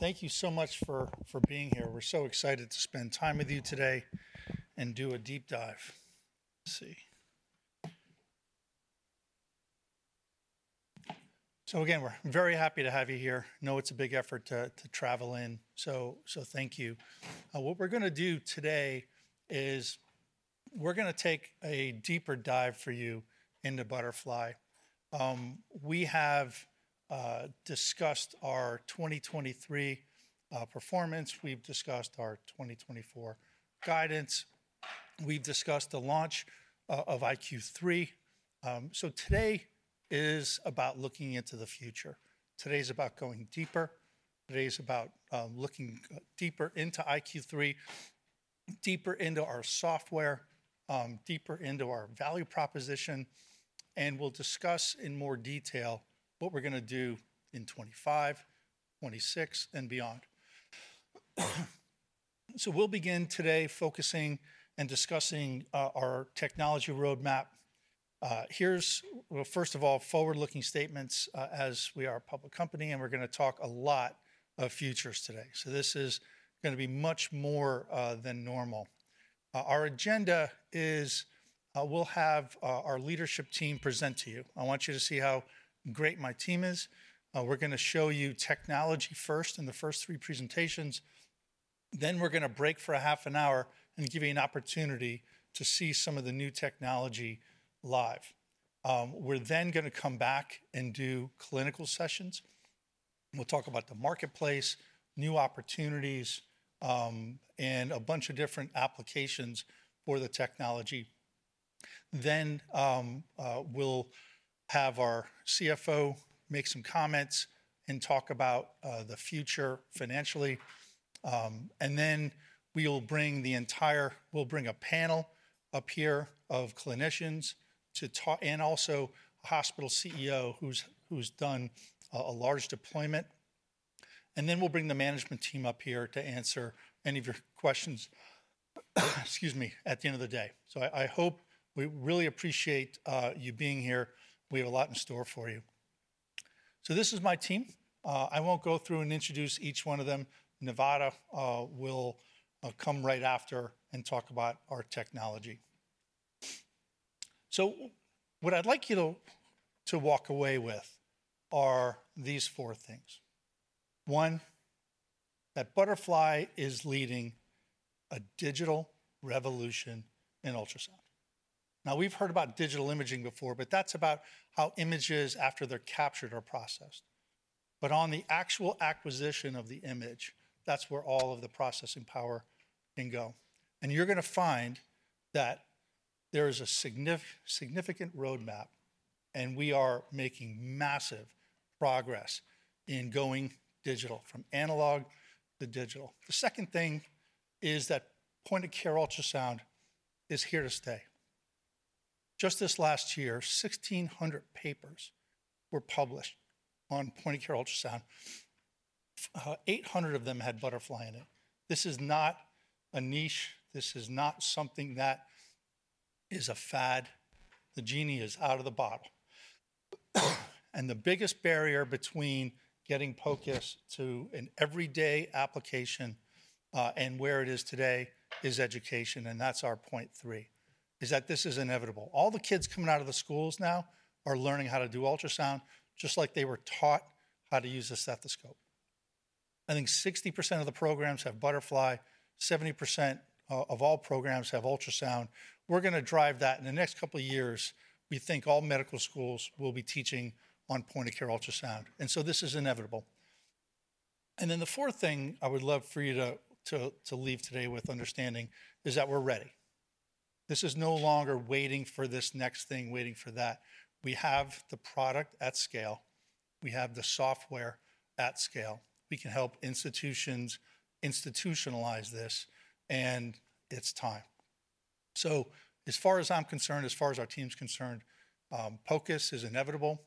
Thank you so much for being here. We're so excited to spend time with you today and do a deep dive. Let's see. So again, we're very happy to have you here. You know it's a big effort to travel in, so thank you. What we're going to do today is we're going to take a deeper dive for you into Butterfly. We have discussed our 2023 performance. We've discussed our 2024 guidance. We've discussed the launch of iQ3. So today is about looking into the future. Today is about going deeper. Today is about looking deeper into iQ3, deeper into our software, deeper into our value proposition. And we'll discuss in more detail what we're going to do in 2025, 2026, and beyond. So we'll begin today focusing and discussing our technology roadmap. Here's, first of all, forward-looking statements as we are a public company. And we're going to talk a lot of futures today. So this is going to be much more than normal. Our agenda is we'll have our leadership team present to you. I want you to see how great my team is. We're going to show you technology first in the first three presentations. Then we're going to break for a half an hour and give you an opportunity to see some of the new technology live. We're then going to come back and do clinical sessions. We'll talk about the marketplace, new opportunities, and a bunch of different applications for the technology. Then we'll have our CFO make some comments and talk about the future financially. And then we'll bring a panel up here of clinicians and also a hospital CEO who's done a large deployment. Then we'll bring the management team up here to answer any of your questions at the end of the day. I hope we really appreciate you being here. We have a lot in store for you. This is my team. I won't go through and introduce each one of them. Nevada will come right after and talk about our technology. What I'd like you to walk away with are these four things. One, that Butterfly is leading a digital revolution in ultrasound. Now, we've heard about digital imaging before, but that's about how images, after they're captured, are processed. On the actual acquisition of the image, that's where all of the processing power can go. You're going to find that there is a significant roadmap. We are making massive progress in going digital from analog to digital. The second thing is that point-of-care ultrasound is here to stay. Just this last year, 1,600 papers were published on point-of-care ultrasound. 800 of them had Butterfly in it. This is not a niche. This is not something that is a fad. The genie is out of the bottle. The biggest barrier between getting POCUS to an everyday application and where it is today is education. That's our point three, is that this is inevitable. All the kids coming out of the schools now are learning how to do ultrasound just like they were taught how to use a stethoscope. I think 60% of the programs have Butterfly. 70% of all programs have ultrasound. We're going to drive that. In the next couple of years, we think all medical schools will be teaching on point-of-care ultrasound. This is inevitable. And then the fourth thing I would love for you to leave today with understanding is that we're ready. This is no longer waiting for this next thing, waiting for that. We have the product at scale. We have the software at scale. We can help institutions institutionalize this. And it's time. So as far as I'm concerned, as far as our team's concerned, POCUS is inevitable.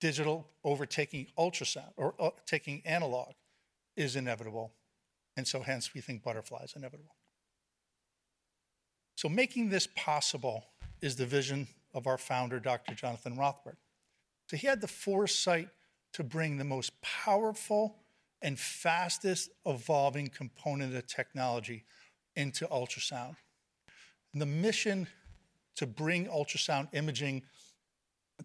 Digital overtaking ultrasound or taking analog is inevitable. And so hence, we think Butterfly is inevitable. So making this possible is the vision of our founder, Dr. Jonathan Rothberg. So he had the foresight to bring the most powerful and fastest evolving component of technology into ultrasound. The mission to bring ultrasound imaging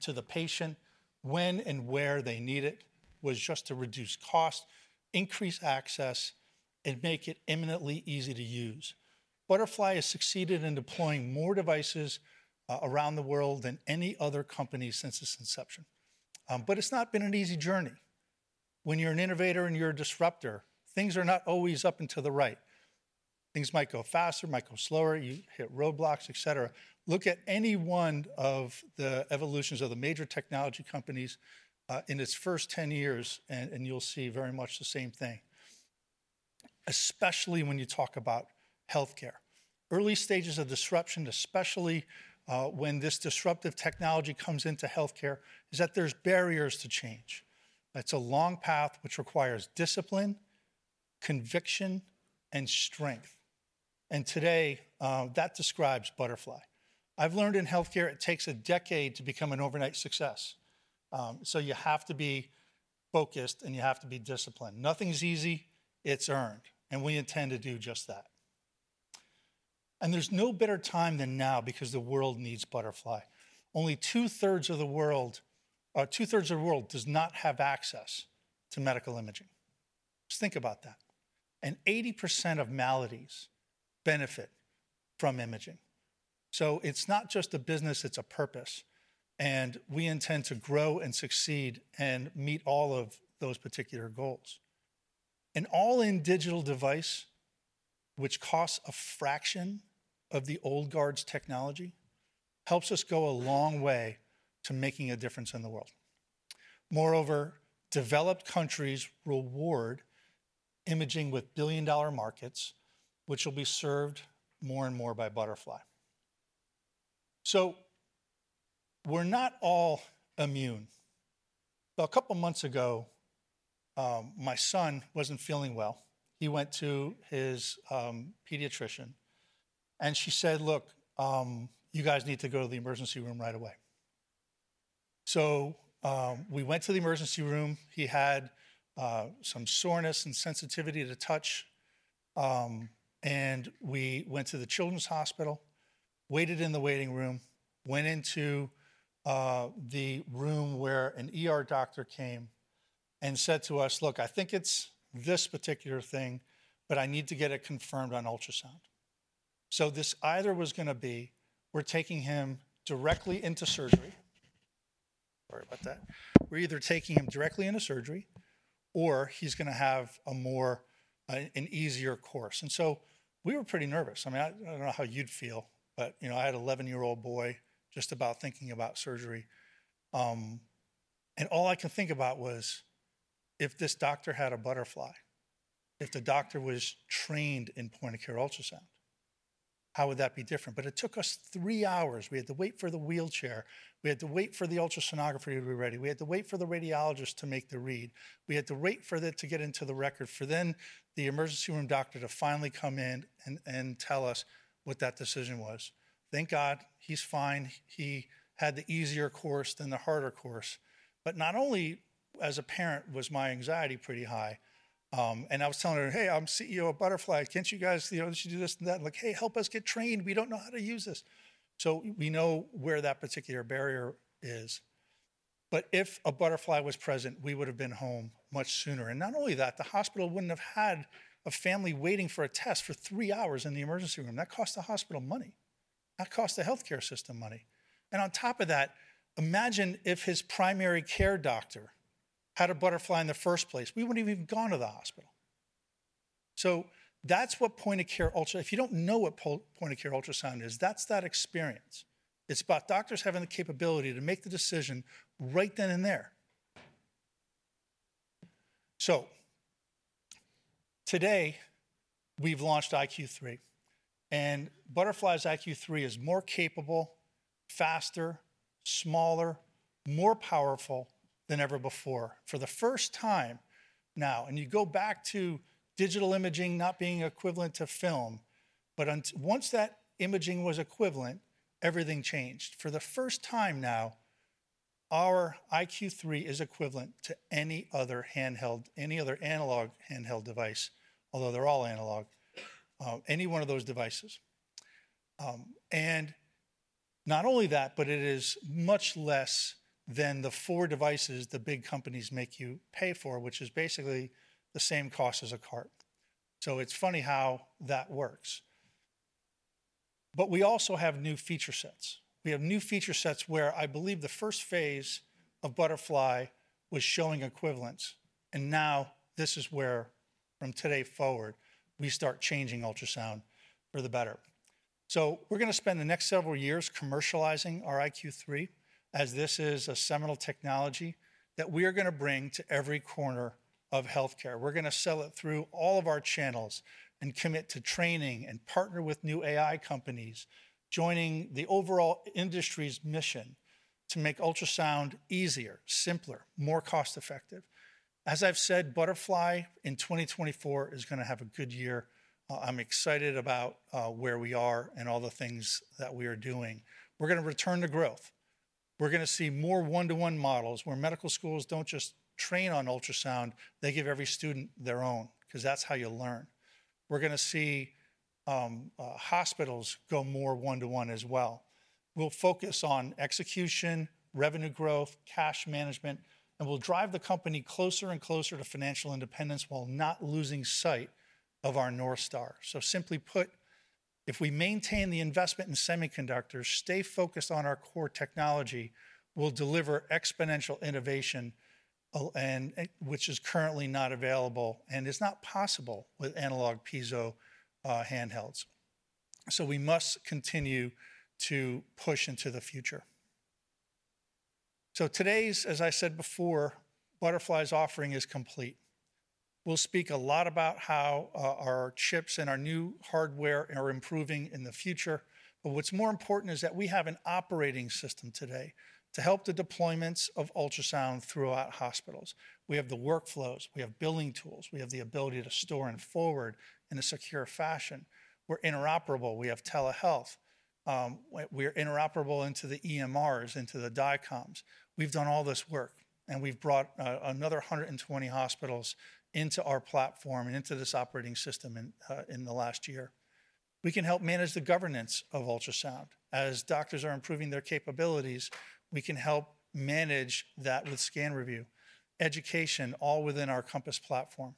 to the patient when and where they need it was just to reduce cost, increase access, and make it imminently easy to use. Butterfly has succeeded in deploying more devices around the world than any other company since its inception. But it's not been an easy journey. When you're an innovator and you're a disruptor, things are not always up and to the right. Things might go faster, might go slower. You hit roadblocks, et cetera. Look at any one of the evolutions of the major technology companies in its first 10 years, and you'll see very much the same thing, especially when you talk about health care. Early stages of disruption, especially when this disruptive technology comes into health care, is that there's barriers to change. It's a long path, which requires discipline, conviction, and strength. And today, that describes Butterfly. I've learned in health care it takes a decade to become an overnight success. So you have to be focused, and you have to be disciplined. Nothing's easy. It's earned. And we intend to do just that. There's no better time than now because the world needs Butterfly. Only two-thirds of the world does not have access to medical imaging. Just think about that. And 80% of maladies benefit from imaging. So it's not just a business. It's a purpose. And we intend to grow and succeed and meet all of those particular goals. And all in digital device, which costs a fraction of the old guard's technology, helps us go a long way to making a difference in the world. Moreover, developed countries reward imaging with billion-dollar markets, which will be served more and more by Butterfly. So we're not all immune. A couple of months ago, my son wasn't feeling well. He went to his pediatrician. And she said, look, you guys need to go to the emergency room right away. So we went to the emergency room. He had some soreness and sensitivity to touch. We went to the children's hospital, waited in the waiting room, went into the room where a doctor came, and said to us, look, I think it's this particular thing, but I need to get it confirmed on ultrasound. So this either was going to be we're taking him directly into surgery sorry about that. We're either taking him directly into surgery, or he's going to have an easier course. And so we were pretty nervous. I mean, I don't know how you'd feel, but I had an 11-year-old boy just about thinking about surgery. And all I could think about was, if this doctor had a Butterfly, if the doctor was trained in point-of-care ultrasound, how would that be different? But it took us 3 hours. We had to wait for the wheelchair. We had to wait for the ultrasonography to be ready. We had to wait for the radiologist to make the read. We had to wait for it to get into the record for then the emergency room doctor to finally come in and tell us what that decision was. Thank God he's fine. He had the easier course than the harder course. But not only as a parent was my anxiety pretty high. And I was telling her, hey, I'm CEO of Butterfly. Can't you guys let's you do this and that? And like, hey, help us get trained. We don't know how to use this. So we know where that particular barrier is. But if a Butterfly was present, we would have been home much sooner. And not only that, the hospital wouldn't have had a family waiting for a test for three hours in the emergency room. That costs the hospital money. That costs the health care system money. And on top of that, imagine if his primary care doctor had a Butterfly in the first place. We wouldn't even have gone to the hospital. So that's what point-of-care ultrasound is if you don't know what point-of-care ultrasound is. That's that experience. It's about doctors having the capability to make the decision right then and there. Today, we've launched iQ3. And Butterfly's iQ3 is more capable, faster, smaller, more powerful than ever before. For the first time now, and you go back to digital imaging not being equivalent to film. But once that imaging was equivalent, everything changed. For the first time now, our iQ3 is equivalent to any other handheld, any other analog handheld device, although they're all analog, any one of those devices. And not only that, but it is much less than the four devices the big companies make you pay for, which is basically the same cost as a cart. So it's funny how that works. But we also have new feature sets. We have new feature sets where I believe the first phase of Butterfly was showing equivalence. And now this is where, from today forward, we start changing ultrasound for the better. So we're going to spend the next several years commercializing our iQ3, as this is a seminal technology that we are going to bring to every corner of health care. We're going to sell it through all of our channels and commit to training and partner with new AI companies, joining the overall industry's mission to make ultrasound easier, simpler, more cost-effective. As I've said, Butterfly in 2024 is going to have a good year. I'm excited about where we are and all the things that we are doing. We're going to return to growth. We're going to see more one-to-one models where medical schools don't just train on ultrasound. They give every student their own because that's how you learn. We're going to see hospitals go more one-to-one as well. We'll focus on execution, revenue growth, cash management. And we'll drive the company closer and closer to financial independence while not losing sight of our North Star. So simply put, if we maintain the investment in semiconductors, stay focused on our core technology, we'll deliver exponential innovation, which is currently not available and is not possible with analog piezo handhelds. So we must continue to push into the future. So today's, as I said before, Butterfly's offering is complete. We'll speak a lot about how our chips and our new hardware are improving in the future. But what's more important is that we have an operating system today to help the deployments of ultrasound throughout hospitals. We have the workflows. We have billing tools. We have the ability to store and forward in a secure fashion. We're interoperable. We have telehealth. We're interoperable into the EMRs, into the DICOMs. We've done all this work. And we've brought another 120 hospitals into our platform and into this operating system in the last year. We can help manage the governance of ultrasound. As doctors are improving their capabilities, we can help manage that with scan review, education, all within our Compass platform.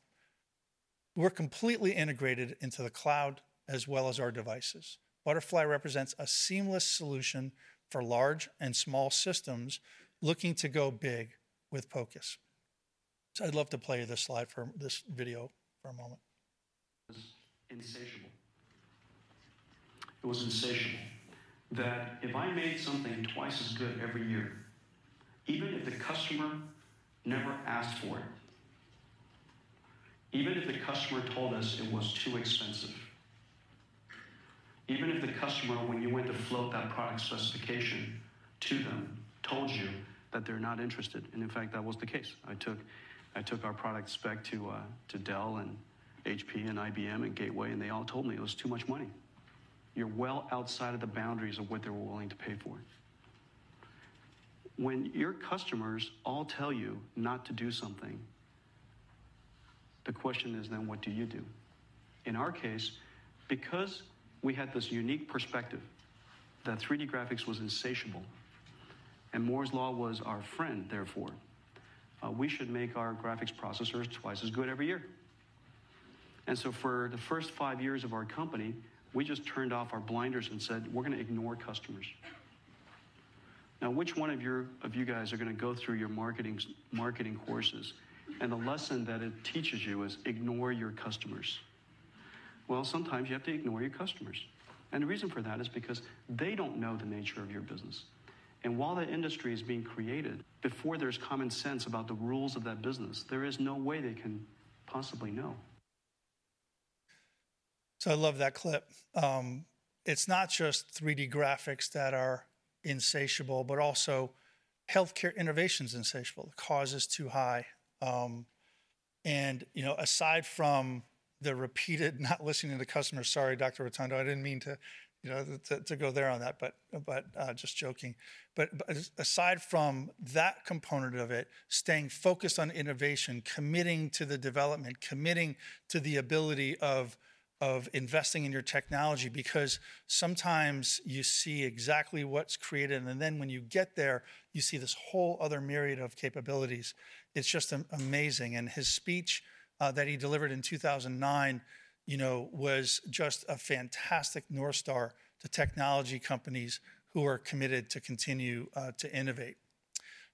We're completely integrated into the cloud as well as our devices. Butterfly represents a seamless solution for large and small systems looking to go big with POCUS. So I'd love to play this slide for this video for a moment. It was insatiable. It was insatiable that if I made something twice as good every year, even if the customer never asked for it, even if the customer told us it was too expensive, even if the customer, when you went to float that product specification to them, told you that they're not interested and, in fact, that was the case, I took our products back to Dell and HP and IBM and Gateway. They all told me it was too much money. You're well outside of the boundaries of what they were willing to pay for. When your customers all tell you not to do something, the question is, then what do you do? In our case, because we had this unique perspective, that 3D graphics was insatiable, and Moore's Law was our friend, therefore, we should make our graphics processors twice as good every year. And so for the first five years of our company, we just turned off our blinders and said, we're going to ignore customers. Now, which one of you guys are going to go through your marketing courses? And the lesson that it teaches you is ignore your customers. Well, sometimes you have to ignore your customers. And the reason for that is because they don't know the nature of your business. And while the industry is being created, before there's common sense about the rules of that business, there is no way they can possibly know. So I love that clip. It's not just 3D graphics that are insatiable, but also health care innovation is insatiable. The cost is too high. Aside from the repeated not listening to the customer, sorry, Dr. Rotondo, I didn't mean to go there on that, but just joking. But aside from that component of it, staying focused on innovation, committing to the development, committing to the ability of investing in your technology because sometimes you see exactly what's created. And then when you get there, you see this whole other myriad of capabilities. It's just amazing. And his speech that he delivered in 2009 was just a fantastic North Star to technology companies who are committed to continue to innovate.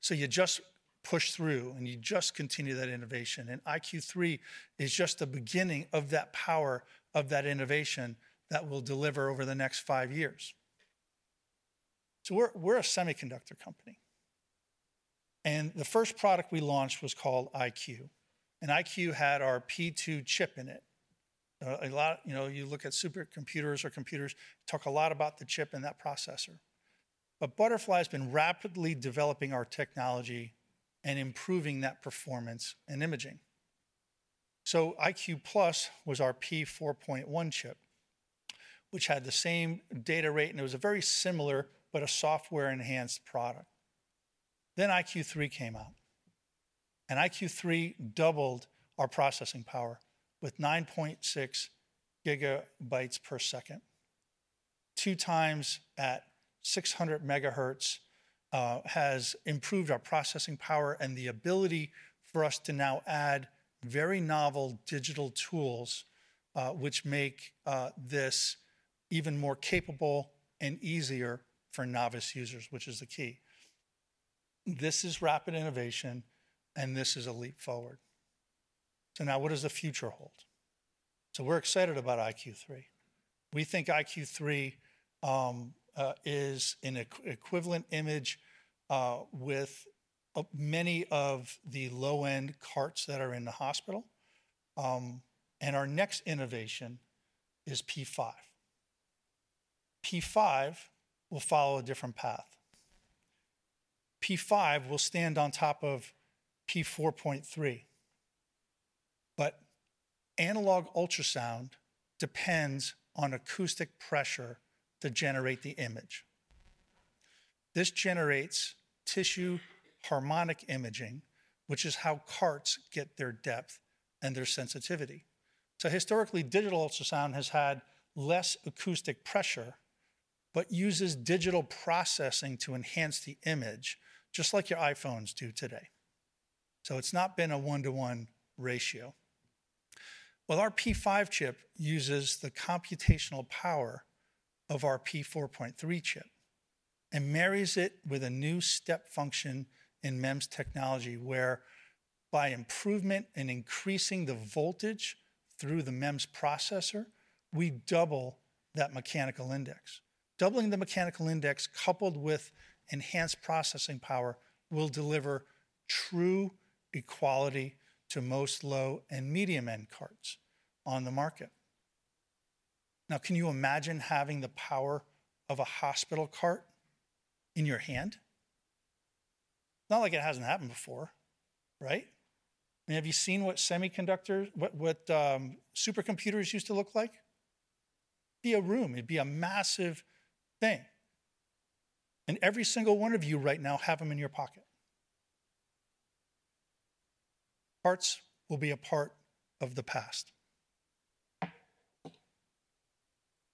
So you just push through, and you just continue that innovation. And iQ3 is just the beginning of that power of that innovation that will deliver over the next five years. So we're a semiconductor company. And the first product we launched was called iQ. iQ had our P2 chip in it. You look at supercomputers or computers, talk a lot about the chip and that processor. Butterfly has been rapidly developing our technology and improving that performance and imaging. iQ+ was our P4.1 chip, which had the same data rate. It was a very similar but a software-enhanced product. iQ3 came out. iQ3 doubled our processing power with 9.6 GB/s. 2 times at 600 MHz has improved our processing power and the ability for us to now add very novel digital tools, which make this even more capable and easier for novice users, which is the key. This is rapid innovation. This is a leap forward. Now what does the future hold? We're excited about iQ3. We think iQ3 is an equivalent image with many of the low-end carts that are in the hospital. Our next innovation is P5. P5 will follow a different path. P5 will stand on top of P4.3. Analog ultrasound depends on acoustic pressure to generate the image. This generates Tissue Harmonic Imaging, which is how carts get their depth and their sensitivity. Historically, digital ultrasound has had less acoustic pressure but uses digital processing to enhance the image, just like your iPhones do today. It's not been a one-to-one ratio. Well, our P5 chip uses the computational power of our P4.3 chip and marries it with a new step function in MEMS technology, whereby improvement and increasing the voltage through the MEMS processor, we double that mechanical index. Doubling the mechanical index coupled with enhanced processing power will deliver true equality to most low and medium-end carts on the market. Now, can you imagine having the power of a hospital cart in your hand? Not like it hasn't happened before, right? I mean, have you seen what supercomputers used to look like? It'd be a room. It'd be a massive thing. And every single one of you right now have them in your pocket. Carts will be a part of the past.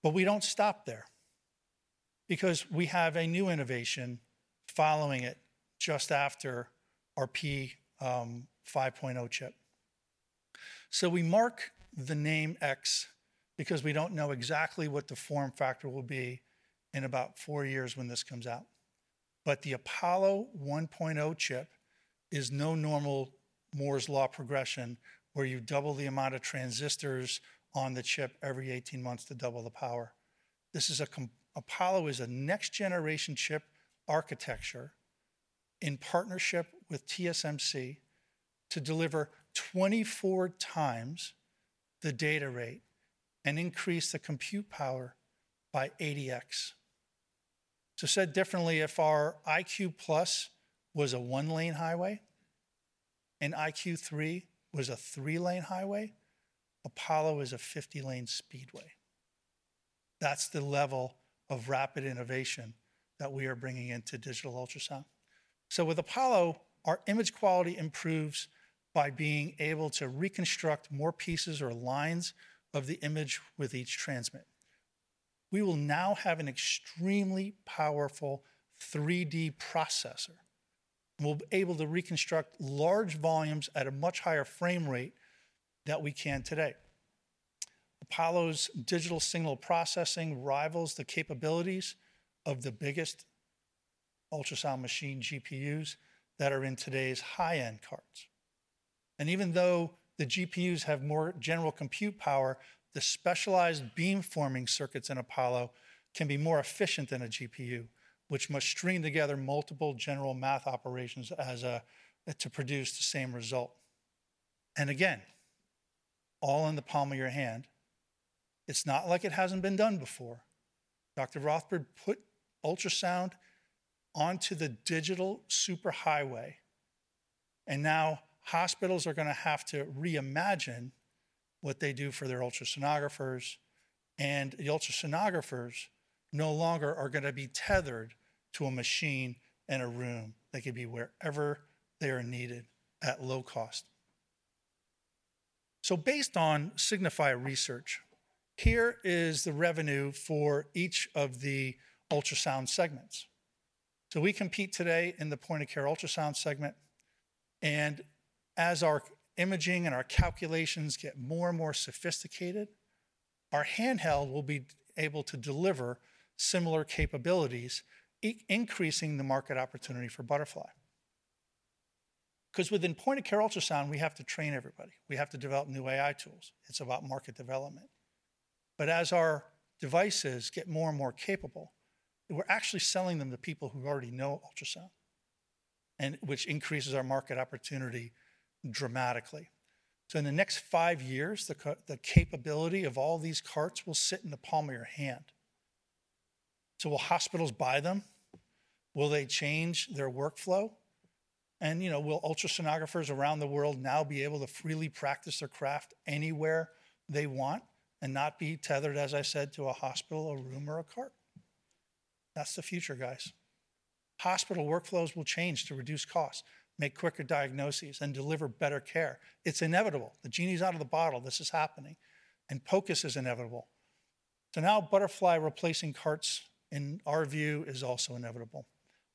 But we don't stop there because we have a new innovation following it just after our P5.0 chip. So we mark the name X because we don't know exactly what the form factor will be in about 4 years when this comes out. But the Apollo 1.0 chip is no normal Moore's Law progression where you double the amount of transistors on the chip every 18 months to double the power. Apollo is a next-generation chip architecture in partnership with TSMC to deliver 24 times the data rate and increase the compute power by 80x. So said differently, if our iQ+ was a 1-lane highway and iQ3 was a 3-lane highway, Apollo is a 50-lane speedway. That's the level of rapid innovation that we are bringing into digital ultrasound. So with Apollo, our image quality improves by being able to reconstruct more pieces or lines of the image with each transmit. We will now have an extremely powerful 3D processor. We'll be able to reconstruct large volumes at a much higher frame rate than we can today. Apollo's digital signal processing rivals the capabilities of the biggest ultrasound machine GPUs that are in today's high-end carts. Even though the GPUs have more general compute power, the specialized beam-forming circuits in Apollo can be more efficient than a GPU, which must string together multiple general math operations to produce the same result. Again, all in the palm of your hand, it's not like it hasn't been done before. Dr. Rothberg put ultrasound onto the digital superhighway. Now hospitals are going to have to reimagine what they do for their ultrasonographers. The ultrasonographers no longer are going to be tethered to a machine in a room. They could be wherever they are needed at low cost. Based on Signify Research, here is the revenue for each of the ultrasound segments. We compete today in the point-of-care ultrasound segment. As our imaging and our calculations get more and more sophisticated, our handheld will be able to deliver similar capabilities, increasing the market opportunity for Butterfly. Because within point-of-care ultrasound, we have to train everybody. We have to develop new AI tools. It's about market development. But as our devices get more and more capable, we're actually selling them to people who already know ultrasound, which increases our market opportunity dramatically. So in the next five years, the capability of all these carts will sit in the palm of your hand. So will hospitals buy them? Will they change their workflow? And will ultrasonographers around the world now be able to freely practice their craft anywhere they want and not be tethered, as I said, to a hospital, a room, or a cart? That's the future, guys. Hospital workflows will change to reduce costs, make quicker diagnoses, and deliver better care. It's inevitable. The genie's out of the bottle. This is happening. And POCUS is inevitable. So now Butterfly replacing carts, in our view, is also inevitable.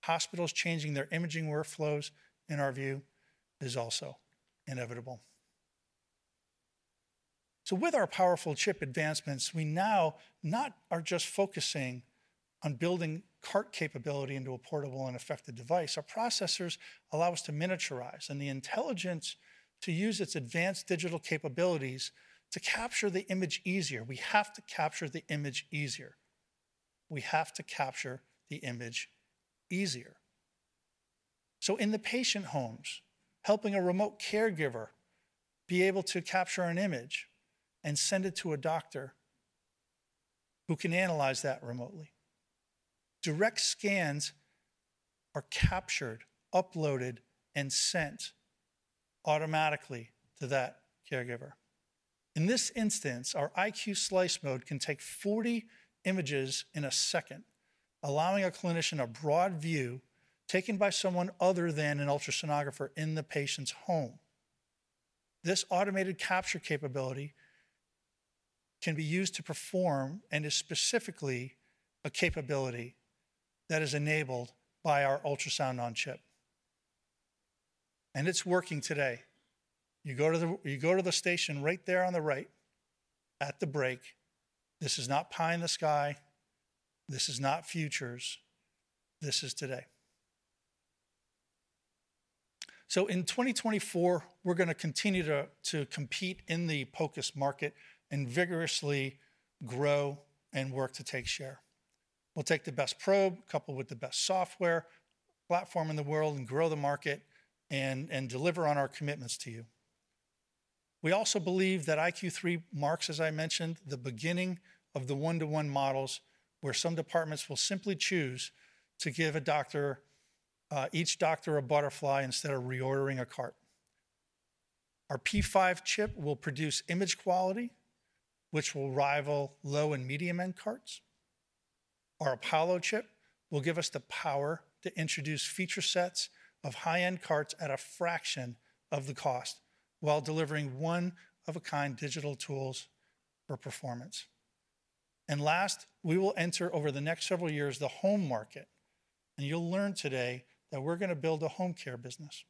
Hospitals changing their imaging workflows, in our view, is also inevitable. So with our powerful chip advancements, we now not are just focusing on building cart capability into a portable and effective device. Our processors allow us to miniaturize and the intelligence to use its advanced digital capabilities to capture the image easier. We have to capture the image easier. We have to capture the image easier. So in the patient homes, helping a remote caregiver be able to capture an image and send it to a doctor who can analyze that remotely. Direct scans are captured, uploaded, and sent automatically to that caregiver. In this instance, our iQ Slice mode can take 40 images in a second, allowing a clinician a broad view taken by someone other than an ultrasonographer in the patient's home. This automated capture capability can be used to perform and is specifically a capability that is enabled by our ultrasound-on-chip. And it's working today. You go to the station right there on the right at the break. This is not pie in the sky. This is not futures. This is today. So in 2024, we're going to continue to compete in the POCUS market and vigorously grow and work to take share. We'll take the best probe coupled with the best software platform in the world and grow the market and deliver on our commitments to you. We also believe that iQ3 marks, as I mentioned, the beginning of the one-to-one models where some departments will simply choose to give each doctor a Butterfly instead of reordering a cart. Our P5 chip will produce image quality, which will rival low- and medium-end carts. Our Apollo chip will give us the power to introduce feature sets of high-end carts at a fraction of the cost while delivering one-of-a-kind digital tools for performance. And last, we will enter over the next several years the home market. And you'll learn today that we're going to build a home care business.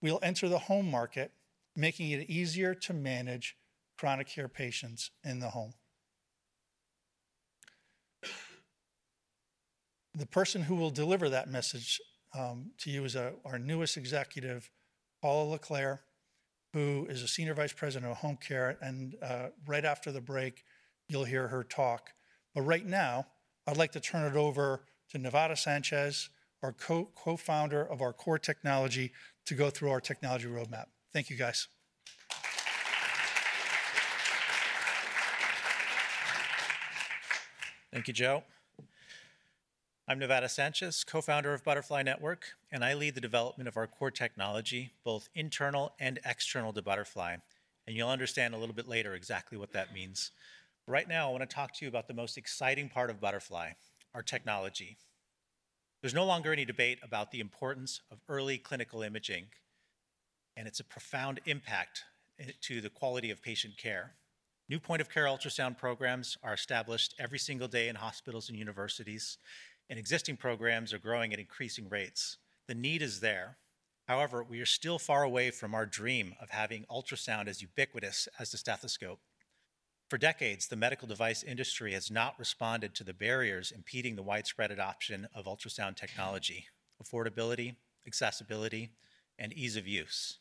We'll enter the home market, making it easier to manage chronic care patients in the home. The person who will deliver that message to you is our newest executive, Paula LeClair, who is a Senior Vice President of Home Care. And right after the break, you'll hear her talk. Right now, I'd like to turn it over to Nevada Sanchez, our co-founder of our core technology, to go through our technology roadmap. Thank you, guys. Thank you, Joe. I'm Nevada Sanchez, co-founder of Butterfly Network. I lead the development of our core technology, both internal and external to Butterfly. You'll understand a little bit later exactly what that means. Right now, I want to talk to you about the most exciting part of Butterfly, our technology. There's no longer any debate about the importance of early clinical imaging. It's a profound impact to the quality of patient care. New point-of-care ultrasound programs are established every single day in hospitals and universities. Existing programs are growing at increasing rates. The need is there. However, we are still far away from our dream of having ultrasound as ubiquitous as the stethoscope. For decades, the medical device industry has not responded to the barriers impeding the widespread adoption of ultrasound technology: affordability, accessibility, and ease of use.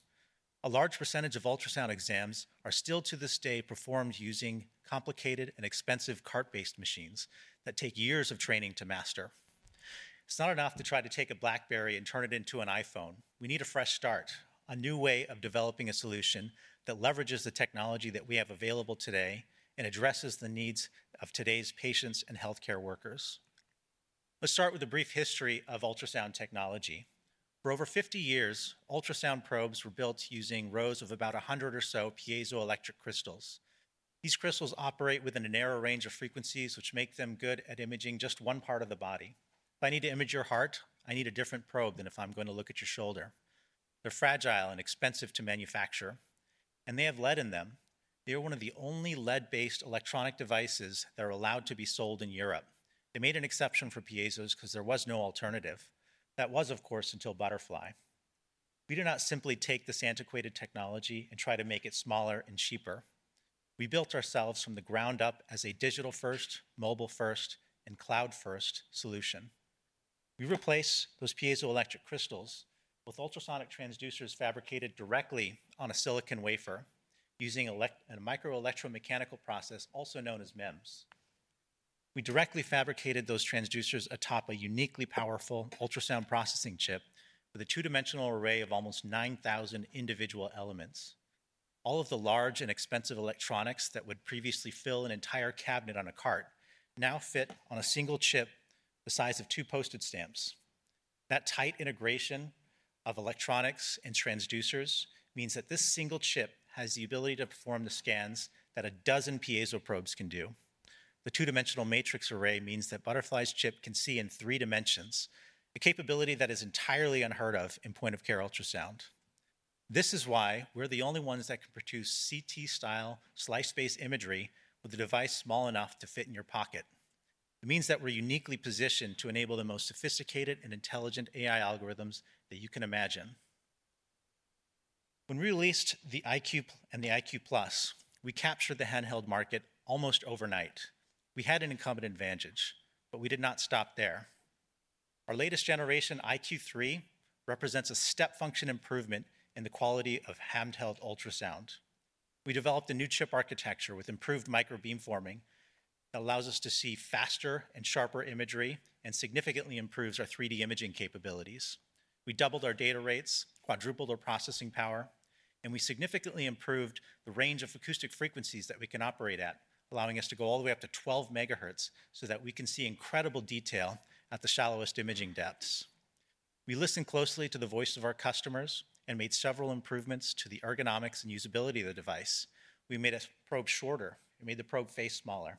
A large percentage of ultrasound exams are still, to this day, performed using complicated and expensive cart-based machines that take years of training to master. It's not enough to try to take a BlackBerry and turn it into an iPhone. We need a fresh start, a new way of developing a solution that leverages the technology that we have available today and addresses the needs of today's patients and health care workers. Let's start with a brief history of ultrasound technology. For over 50 years, ultrasound probes were built using rows of about 100 or so piezoelectric crystals. These crystals operate within a narrow range of frequencies, which make them good at imaging just one part of the body. If I need to image your heart, I need a different probe than if I'm going to look at your shoulder. They're fragile and expensive to manufacture. They have lead in them. They are one of the only lead-based electronic devices that are allowed to be sold in Europe. They made an exception for piezos because there was no alternative. That was, of course, until Butterfly. We do not simply take this antiquated technology and try to make it smaller and cheaper. We built ourselves from the ground up as a digital-first, mobile-first, and cloud-first solution. We replace those piezoelectric crystals with ultrasonic transducers fabricated directly on a silicon wafer using a microelectromechanical process, also known as MEMS. We directly fabricated those transducers atop a uniquely powerful ultrasound processing chip with a two-dimensional array of almost 9,000 individual elements. All of the large and expensive electronics that would previously fill an entire cabinet on a cart now fit on a single chip the size of two Post-it stamps. That tight integration of electronics and transducers means that this single chip has the ability to perform the scans that a dozen piezo probes can do. The two-dimensional matrix array means that Butterfly's chip can see in three dimensions, a capability that is entirely unheard of in point-of-care ultrasound. This is why we're the only ones that can produce CT-style slice-based imagery with a device small enough to fit in your pocket. It means that we're uniquely positioned to enable the most sophisticated and intelligent AI algorithms that you can imagine. When we released the iQ and the iQ+, we captured the handheld market almost overnight. We had an incumbent advantage. But we did not stop there. Our latest generation, iQ3, represents a step function improvement in the quality of handheld ultrasound. We developed a new chip architecture with improved microbeam forming that allows us to see faster and sharper imagery and significantly improves our 3D imaging capabilities. We doubled our data rates, quadrupled our processing power, and we significantly improved the range of acoustic frequencies that we can operate at, allowing us to go all the way up to 12 megahertz so that we can see incredible detail at the shallowest imaging depths. We listened closely to the voice of our customers and made several improvements to the ergonomics and usability of the device. We made a probe shorter. We made the probe face smaller,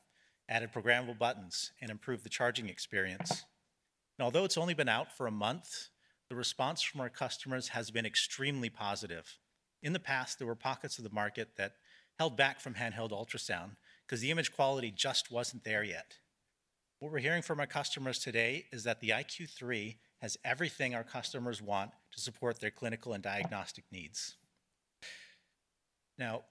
added programmable buttons, and improved the charging experience. Although it's only been out for a month, the response from our customers has been extremely positive. In the past, there were pockets of the market that held back from handheld ultrasound because the image quality just wasn't there yet. What we're hearing from our customers today is that the iQ3 has everything our customers want to support their clinical and diagnostic needs. Now,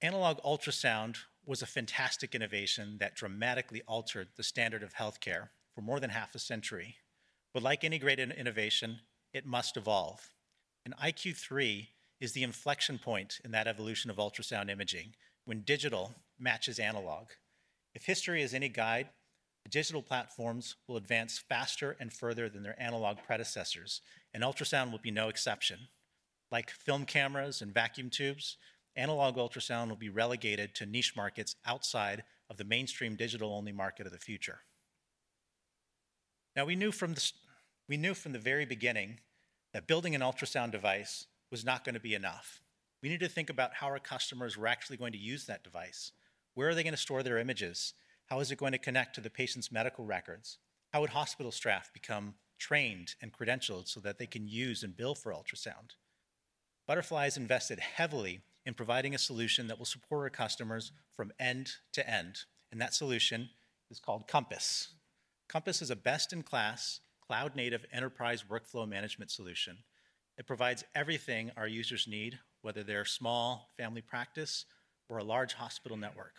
analog ultrasound was a fantastic innovation that dramatically altered the standard of health care for more than half a century. But like any great innovation, it must evolve. And iQ3 is the inflection point in that evolution of ultrasound imaging, when digital matches analog. If history is any guide, the digital platforms will advance faster and further than their analog predecessors. And ultrasound will be no exception. Like film cameras and vacuum tubes, analog ultrasound will be relegated to niche markets outside of the mainstream digital-only market of the future. Now, we knew from the very beginning that building an ultrasound device was not going to be enough. We needed to think about how our customers were actually going to use that device. Where are they going to store their images? How is it going to connect to the patient's medical records? How would hospital staff become trained and credentialed so that they can use and bill for ultrasound? Butterfly has invested heavily in providing a solution that will support our customers from end to end. That solution is called Compass. Compass is a best-in-class, cloud-native enterprise workflow management solution. It provides everything our users need, whether they're a small family practice or a large hospital network.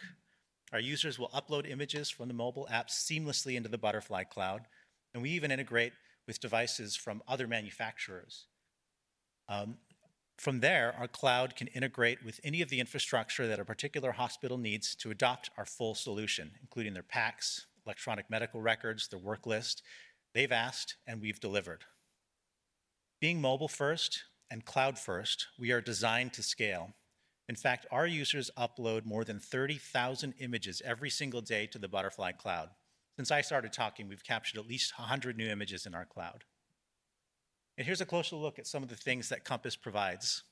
Our users will upload images from the mobile apps seamlessly into the Butterfly Cloud. We even integrate with devices from other manufacturers. From there, our cloud can integrate with any of the infrastructure that a particular hospital needs to adopt our full solution, including their PACS, electronic medical records, their work list. They've asked, and we've delivered. Being mobile-first and cloud-first, we are designed to scale. In fact, our users upload more than 30,000 images every single day to the Butterfly Cloud. Since I started talking, we've captured at least 100 new images in our cloud. Here's a closer look at some of the things that Compass provides.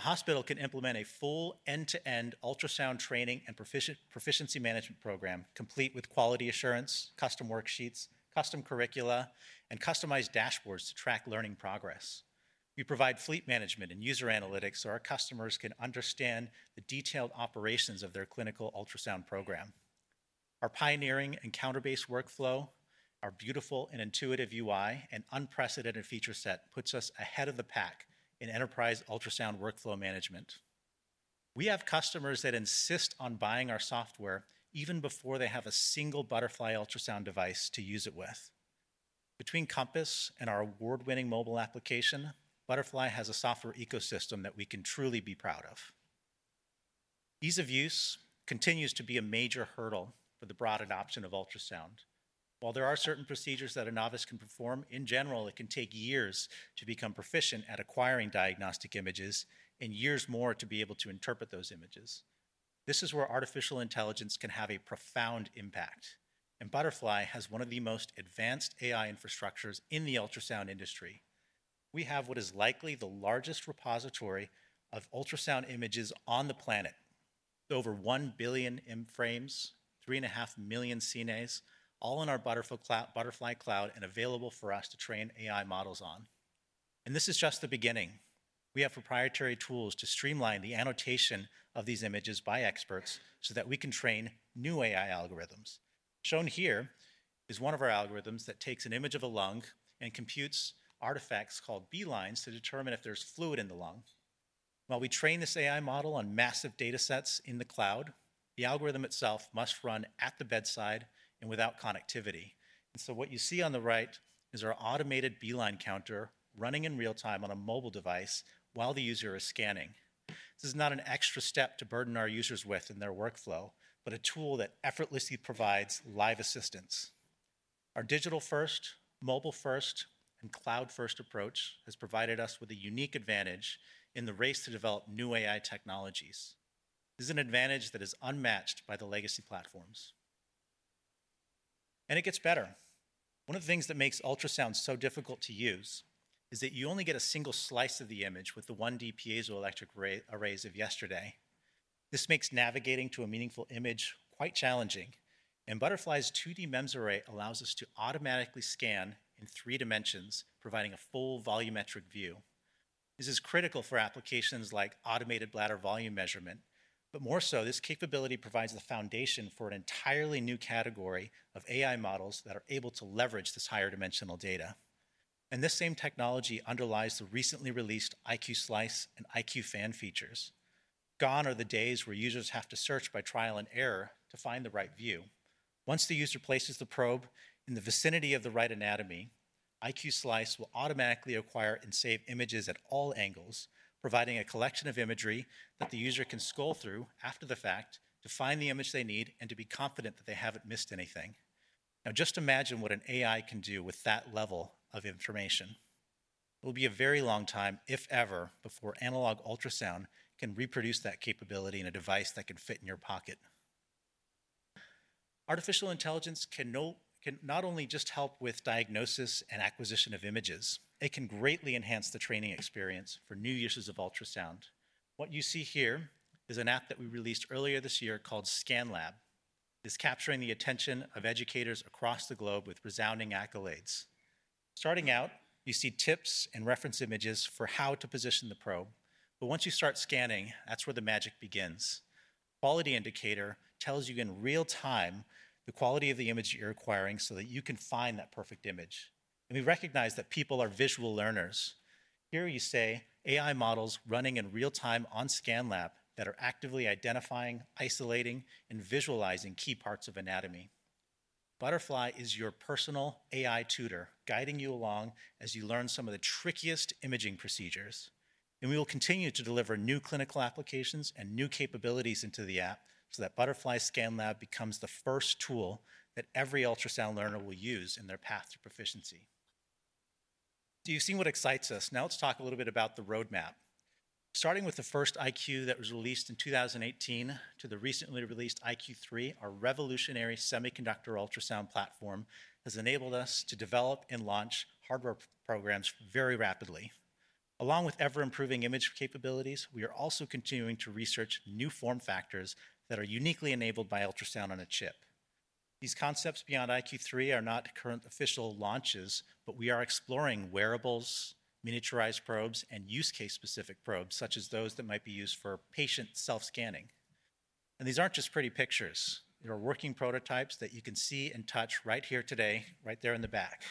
A hospital can implement a full end-to-end ultrasound training and proficiency management program, complete with quality assurance, custom worksheets, custom curricula, and customized dashboards to track learning progress. We provide fleet management and user analytics so our customers can understand the detailed operations of their clinical ultrasound program. Our pioneering and counter-based workflow, our beautiful and intuitive UI, and unprecedented feature set puts us ahead of the pack in enterprise ultrasound workflow management. We have customers that insist on buying our software even before they have a single Butterfly ultrasound device to use it with. Between Compass and our award-winning mobile application, Butterfly has a software ecosystem that we can truly be proud of. Ease of use continues to be a major hurdle for the broad adoption of ultrasound. While there are certain procedures that a novice can perform, in general, it can take years to become proficient at acquiring diagnostic images and years more to be able to interpret those images. This is where artificial intelligence can have a profound impact. Butterfly has one of the most advanced AI infrastructures in the ultrasound industry. We have what is likely the largest repository of ultrasound images on the planet: over 1 billion frames, 3.5 million CNAs, all in our Butterfly Cloud and available for us to train AI models on. This is just the beginning. We have proprietary tools to streamline the annotation of these images by experts so that we can train new AI algorithms. Shown here is one of our algorithms that takes an image of a lung and computes artifacts called B-lines to determine if there's fluid in the lung. While we train this AI model on massive data sets in the cloud, the algorithm itself must run at the bedside and without connectivity. And so what you see on the right is our automated B-line counter running in real time on a mobile device while the user is scanning. This is not an extra step to burden our users with in their workflow, but a tool that effortlessly provides live assistance. Our digital-first, mobile-first, and cloud-first approach has provided us with a unique advantage in the race to develop new AI technologies. This is an advantage that is unmatched by the legacy platforms. It gets better. One of the things that makes ultrasound so difficult to use is that you only get a single slice of the image with the 1D piezoelectric arrays of yesterday. This makes navigating to a meaningful image quite challenging. Butterfly's 2D MEMS array allows us to automatically scan in three dimensions, providing a full volumetric view. This is critical for applications like automated bladder volume measurement. More so, this capability provides the foundation for an entirely new category of AI models that are able to leverage this higher-dimensional data. This same technology underlies the recently released iQ Slice and iQ Fan features. Gone are the days where users have to search by trial and error to find the right view. Once the user places the probe in the vicinity of the right anatomy, iQ Slice will automatically acquire and save images at all angles, providing a collection of imagery that the user can scroll through after the fact to find the image they need and to be confident that they haven't missed anything. Now, just imagine what an AI can do with that level of information. It will be a very long time, if ever, before analog ultrasound can reproduce that capability in a device that can fit in your pocket. Artificial intelligence can not only just help with diagnosis and acquisition of images, it can greatly enhance the training experience for new uses of ultrasound. What you see here is an app that we released earlier this year called ScanLab. It is capturing the attention of educators across the globe with resounding accolades. Starting out, you see tips and reference images for how to position the probe. But once you start scanning, that's where the magic begins. Quality indicator tells you in real time the quality of the image that you're acquiring so that you can find that perfect image. And we recognize that people are visual learners. Here you see AI models running in real time on ScanLab that are actively identifying, isolating, and visualizing key parts of anatomy. Butterfly is your personal AI tutor, guiding you along as you learn some of the trickiest imaging procedures. We will continue to deliver new clinical applications and new capabilities into the app so that Butterfly ScanLab becomes the first tool that every ultrasound learner will use in their path to proficiency. So you've seen what excites us. Now, let's talk a little bit about the roadmap. Starting with the first iQ that was released in 2018 to the recently released iQ3, our revolutionary semiconductor ultrasound platform has enabled us to develop and launch hardware programs very rapidly. Along with ever-improving image capabilities, we are also continuing to research new form factors that are uniquely enabled by ultrasound on a chip. These concepts beyond iQ3 are not current official launches, but we are exploring wearables, miniaturized probes, and use-case-specific probes, such as those that might be used for patient self-scanning. These aren't just pretty pictures. They are working prototypes that you can see and touch right here today, right there in the back.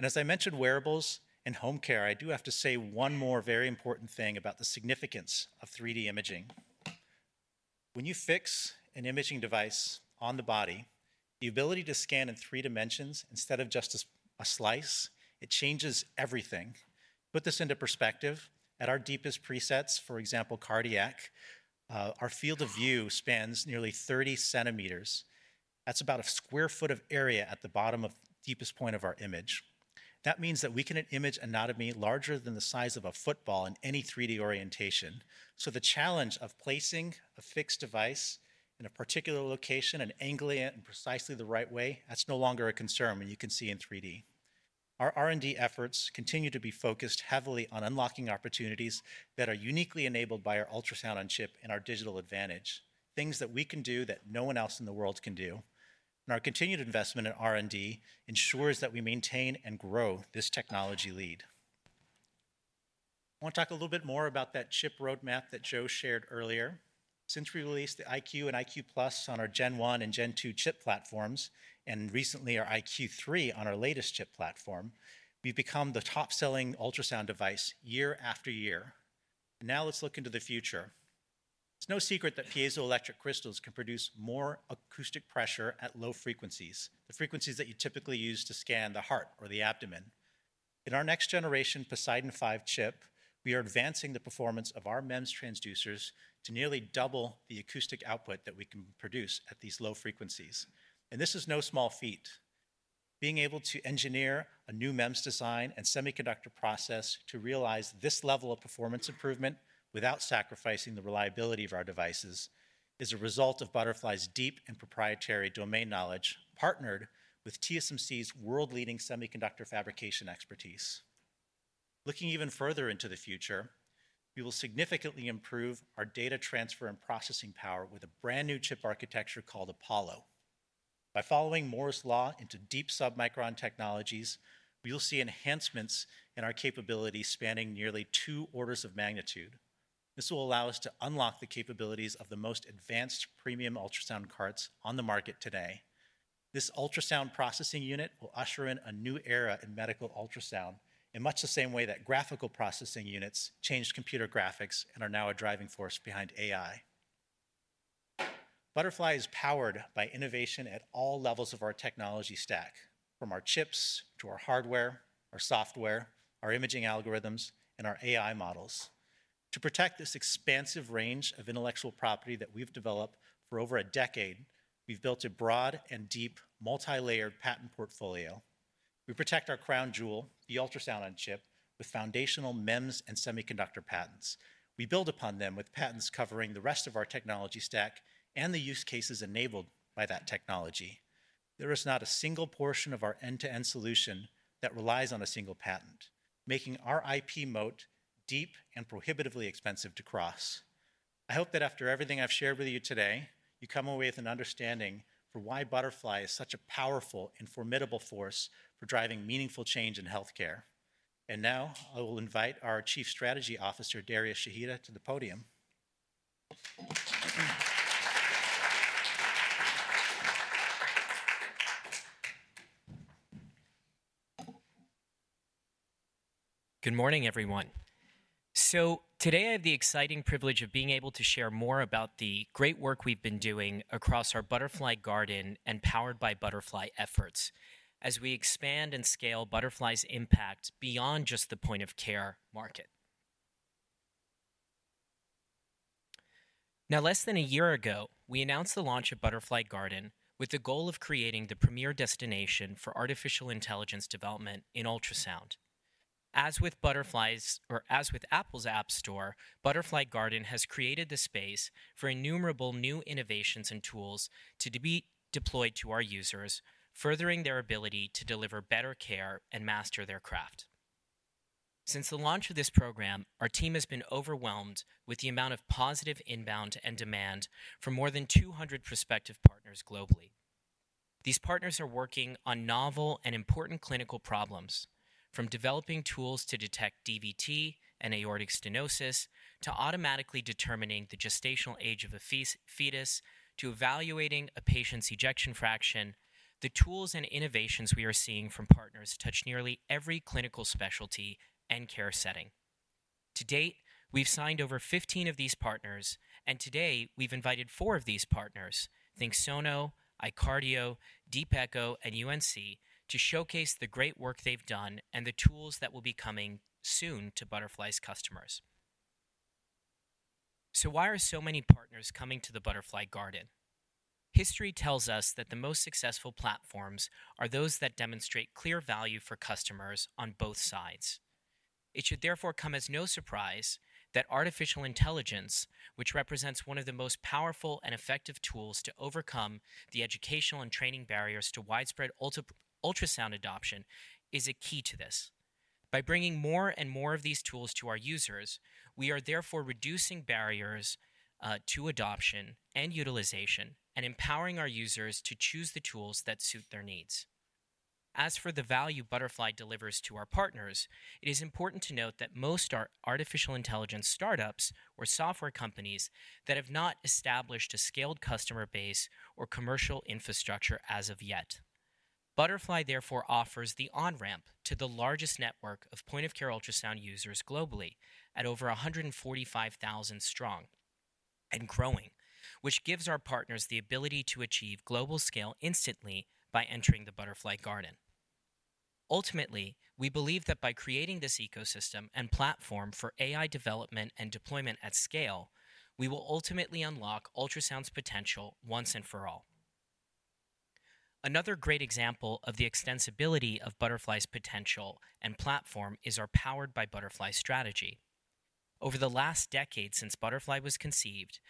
As I mentioned, wearables and home care, I do have to say one more very important thing about the significance of 3D imaging. When you fix an imaging device on the body, the ability to scan in three dimensions instead of just a slice, it changes everything. Put this into perspective, at our deepest presets, for example, cardiac, our field of view spans nearly 30 centimeters. That's about a square foot of area at the bottom of the deepest point of our image. That means that we can image anatomy larger than the size of a football in any 3D orientation. So the challenge of placing a fixed device in a particular location and angling it in precisely the right way, that's no longer a concern when you can see in 3D. Our R&D efforts continue to be focused heavily on unlocking opportunities that are uniquely enabled by our Ultrasound-on-Chip and our digital advantage, things that we can do that no one else in the world can do. Our continued investment in R&D ensures that we maintain and grow this technology lead. I want to talk a little bit more about that chip roadmap that Joe shared earlier. Since we released the iQ and iQ+ on our Gen 1 and Gen 2 chip platforms and recently our iQ3 on our latest chip platform, we've become the top-selling ultrasound device year after year. Now, let's look into the future. It's no secret that piezoelectric crystals can produce more acoustic pressure at low frequencies, the frequencies that you typically use to scan the heart or the abdomen. In our next-generation Poseidon 5 chip, we are advancing the performance of our MEMS transducers to nearly double the acoustic output that we can produce at these low frequencies. This is no small feat. Being able to engineer a new MEMS design and semiconductor process to realize this level of performance improvement without sacrificing the reliability of our devices is a result of Butterfly's deep and proprietary domain knowledge partnered with TSMC's world-leading semiconductor fabrication expertise. Looking even further into the future, we will significantly improve our data transfer and processing power with a brand new chip architecture called Apollo. By following Moore's Law into deep submicron technologies, we will see enhancements in our capability spanning nearly two orders of magnitude. This will allow us to unlock the capabilities of the most advanced premium ultrasound carts on the market today. This ultrasound processing unit will usher in a new era in medical ultrasound in much the same way that graphical processing units changed computer graphics and are now a driving force behind AI. Butterfly is powered by innovation at all levels of our technology stack, from our chips to our hardware, our software, our imaging algorithms, and our AI models. To protect this expansive range of intellectual property that we've developed for over a decade, we've built a broad and deep multi-layered patent portfolio. We protect our crown jewel, the ultrasound on chip, with foundational MEMS and semiconductor patents. We build upon them with patents covering the rest of our technology stack and the use cases enabled by that technology. There is not a single portion of our end-to-end solution that relies on a single patent, making our IP moat deep and prohibitively expensive to cross. I hope that after everything I've shared with you today, you come away with an understanding for why Butterfly is such a powerful and formidable force for driving meaningful change in healthcare. And now, I will invite our Chief Strategy Officer, Darius Shahida, to the podium. Good morning, everyone. So today, I have the exciting privilege of being able to share more about the great work we've been doing across our Butterfly Garden and Powered by Butterfly efforts as we expand and scale Butterfly's impact beyond just the point-of-care market. Now, less than a year ago, we announced the launch of Butterfly Garden with the goal of creating the premier destination for artificial intelligence development in ultrasound. As with Apple's App Store, Butterfly Garden has created the space for innumerable new innovations and tools to be deployed to our users, furthering their ability to deliver better care and master their craft. Since the launch of this program, our team has been overwhelmed with the amount of positive inbound and demand from more than 200 prospective partners globally. These partners are working on novel and important clinical problems, from developing tools to detect DVT and aortic stenosis to automatically determining the gestational age of a fetus to evaluating a patient's ejection fraction, the tools and innovations we are seeing from partners touch nearly every clinical specialty and care setting. To date, we've signed over 15 of these partners. Today, we've invited four of these partners, ThinkSono, iCardio.ai, DeepEcho, and UNC, to showcase the great work they've done and the tools that will be coming soon to Butterfly's customers. Why are so many partners coming to the Butterfly Garden? History tells us that the most successful platforms are those that demonstrate clear value for customers on both sides. It should therefore come as no surprise that artificial intelligence, which represents one of the most powerful and effective tools to overcome the educational and training barriers to widespread ultrasound adoption, is a key to this. By bringing more and more of these tools to our users, we are therefore reducing barriers to adoption and utilization and empowering our users to choose the tools that suit their needs. As for the value Butterfly delivers to our partners, it is important to note that most are artificial intelligence startups or software companies that have not established a scaled customer base or commercial infrastructure as of yet. Butterfly, therefore, offers the on-ramp to the largest network of point-of-care ultrasound users globally at over 145,000 strong and growing, which gives our partners the ability to achieve global scale instantly by entering the Butterfly Garden. Ultimately, we believe that by creating this ecosystem and platform for AI development and deployment at scale, we will ultimately unlock ultrasound's potential once and for all. Another great example of the extensibility of Butterfly's potential and platform is our Powered by Butterfly strategy. Over the last decade since Butterfly was conceived,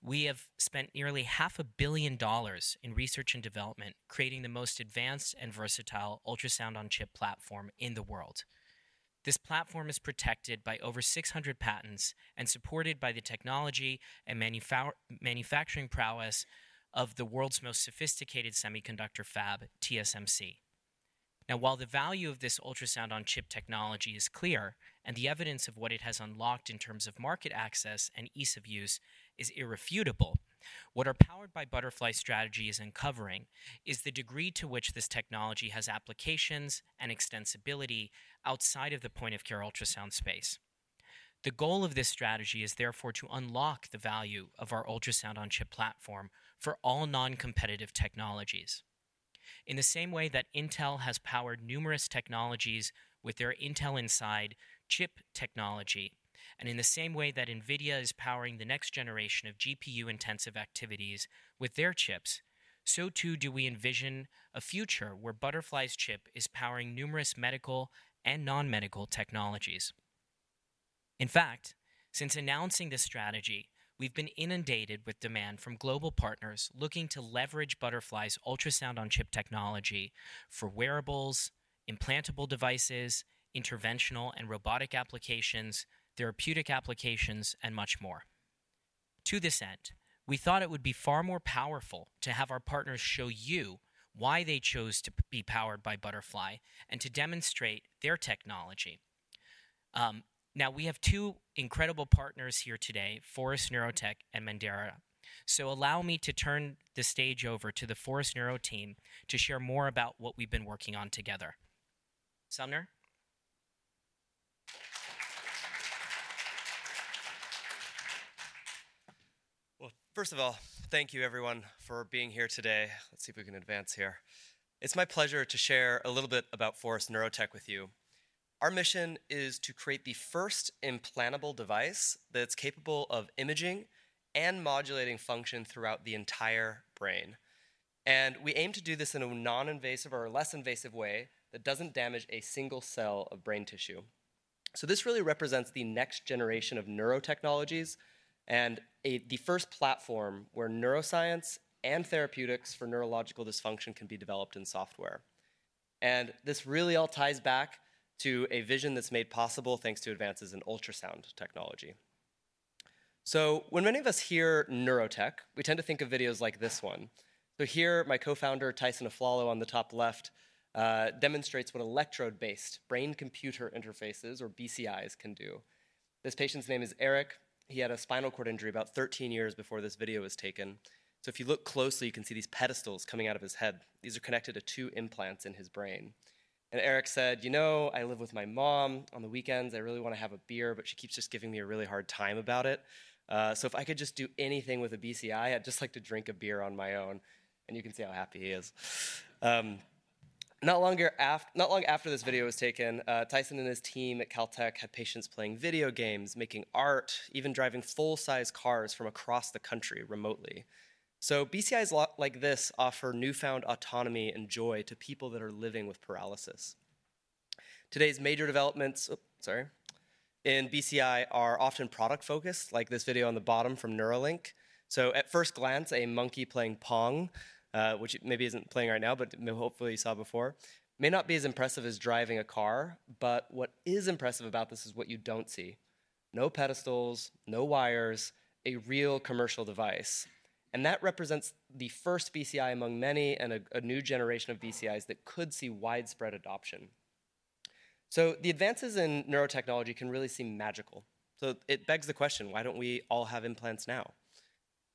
we have spent nearly $500 million in research and development creating the most advanced and versatile ultrasound on chip platform in the world. This platform is protected by over 600 patents and supported by the technology and manufacturing prowess of the world's most sophisticated semiconductor fab, TSMC. Now, while the value of this ultrasound on chip technology is clear and the evidence of what it has unlocked in terms of market access and ease of use is irrefutable, what our Powered by Butterfly strategy is uncovering is the degree to which this technology has applications and extensibility outside of the point-of-care ultrasound space. The goal of this strategy is therefore to unlock the value of our ultrasound on chip platform for all non-competitive technologies, in the same way that Intel has powered numerous technologies with their Intel Inside chip technology, and in the same way that NVIDIA is powering the next generation of GPU-intensive activities with their chips, so too do we envision a future where Butterfly's chip is powering numerous medical and non-medical technologies. In fact, since announcing this strategy, we've been inundated with demand from global partners looking to leverage Butterfly's ultrasound on chip technology for wearables, implantable devices, interventional and robotic applications, therapeutic applications, and much more. To this end, we thought it would be far more powerful to have our partners show you why they chose to be powered by Butterfly and to demonstrate their technology. Now, we have two incredible partners here today, Forest Neurotech and Menda. Allow me to turn the stage over to the Forest Neurotech team to share more about what we've been working on together. Sumner? Well, first of all, thank you, everyone, for being here today. Let's see if we can advance here. It's my pleasure to share a little bit about Forest Neurotech with you. Our mission is to create the first implantable device that's capable of imaging and modulating function throughout the entire brain. And we aim to do this in a non-invasive or less invasive way that doesn't damage a single cell of brain tissue. So this really represents the next generation of neurotechnologies and the first platform where neuroscience and therapeutics for neurological dysfunction can be developed in software. And this really all ties back to a vision that's made possible thanks to advances in ultrasound technology. So when many of us hear neurotech, we tend to think of videos like this one. So here, my co-founder, Tyson Aflalo, on the top left, demonstrates what electrode-based brain-computer interfaces, or BCIs, can do. This patient's name is Eric. He had a spinal cord injury about 13 years before this video was taken. So if you look closely, you can see these pedestals coming out of his head. These are connected to two implants in his brain. And Eric said, "You know, I live with my mom. On the weekends, I really want to have a beer, but she keeps just giving me a really hard time about it. So if I could just do anything with a BCI, I'd just like to drink a beer on my own." And you can see how happy he is. Not long after this video was taken, Tyson and his team at Caltech had patients playing video games, making art, even driving full-size cars from across the country remotely. So BCIs like this offer newfound autonomy and joy to people that are living with paralysis. Today's major developments in BCI are often product-focused, like this video on the bottom from Neuralink. So at first glance, a monkey playing Pong, which maybe isn't playing right now, but hopefully you saw before, may not be as impressive as driving a car. But what is impressive about this is what you don't see: no pedestals, no wires, a real commercial device. And that represents the first BCI among many and a new generation of BCIs that could see widespread adoption. So the advances in neurotechnology can really seem magical. So it begs the question, why don't we all have implants now?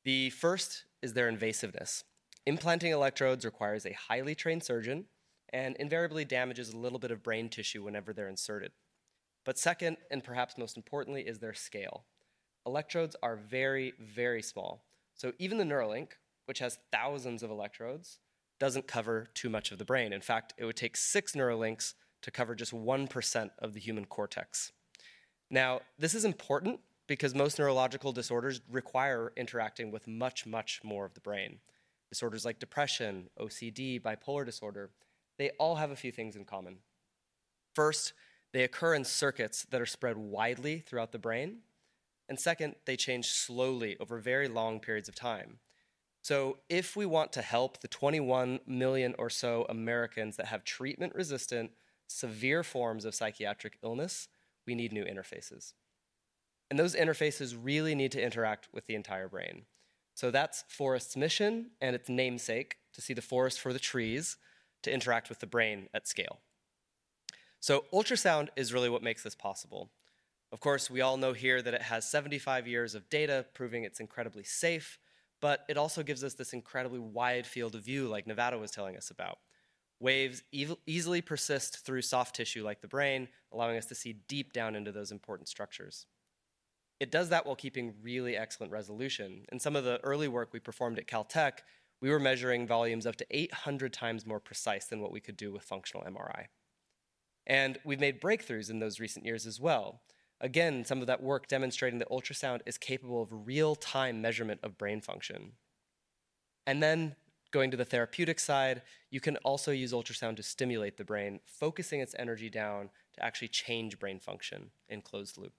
The first is their invasiveness. Implanting electrodes requires a highly trained surgeon and invariably damages a little bit of brain tissue whenever they're inserted. But second, and perhaps most importantly, is their scale. Electrodes are very, very small. So even the Neuralink, which has thousands of electrodes, doesn't cover too much of the brain. In fact, it would take 6 Neuralinks to cover just 1% of the human cortex. Now, this is important because most neurological disorders require interacting with much, much more of the brain. Disorders like depression, OCD, bipolar disorder, they all have a few things in common. First, they occur in circuits that are spread widely throughout the brain. And second, they change slowly over very long periods of time. So if we want to help the 21 million or so Americans that have treatment-resistant, severe forms of psychiatric illness, we need new interfaces. Those interfaces really need to interact with the entire brain. So that's Forest's mission, and its namesake, to see the forest for the trees, to interact with the brain at scale. So ultrasound is really what makes this possible. Of course, we all know here that it has 75 years of data proving it's incredibly safe. But it also gives us this incredibly wide field of view, like Nevada was telling us about. Waves easily persist through soft tissue like the brain, allowing us to see deep down into those important structures. It does that while keeping really excellent resolution. In some of the early work we performed at Caltech, we were measuring volumes up to 800 times more precise than what we could do with functional MRI. And we've made breakthroughs in those recent years as well. Again, some of that work demonstrating that ultrasound is capable of real-time measurement of brain function. And then, going to the therapeutic side, you can also use ultrasound to stimulate the brain, focusing its energy down to actually change brain function in closed loop.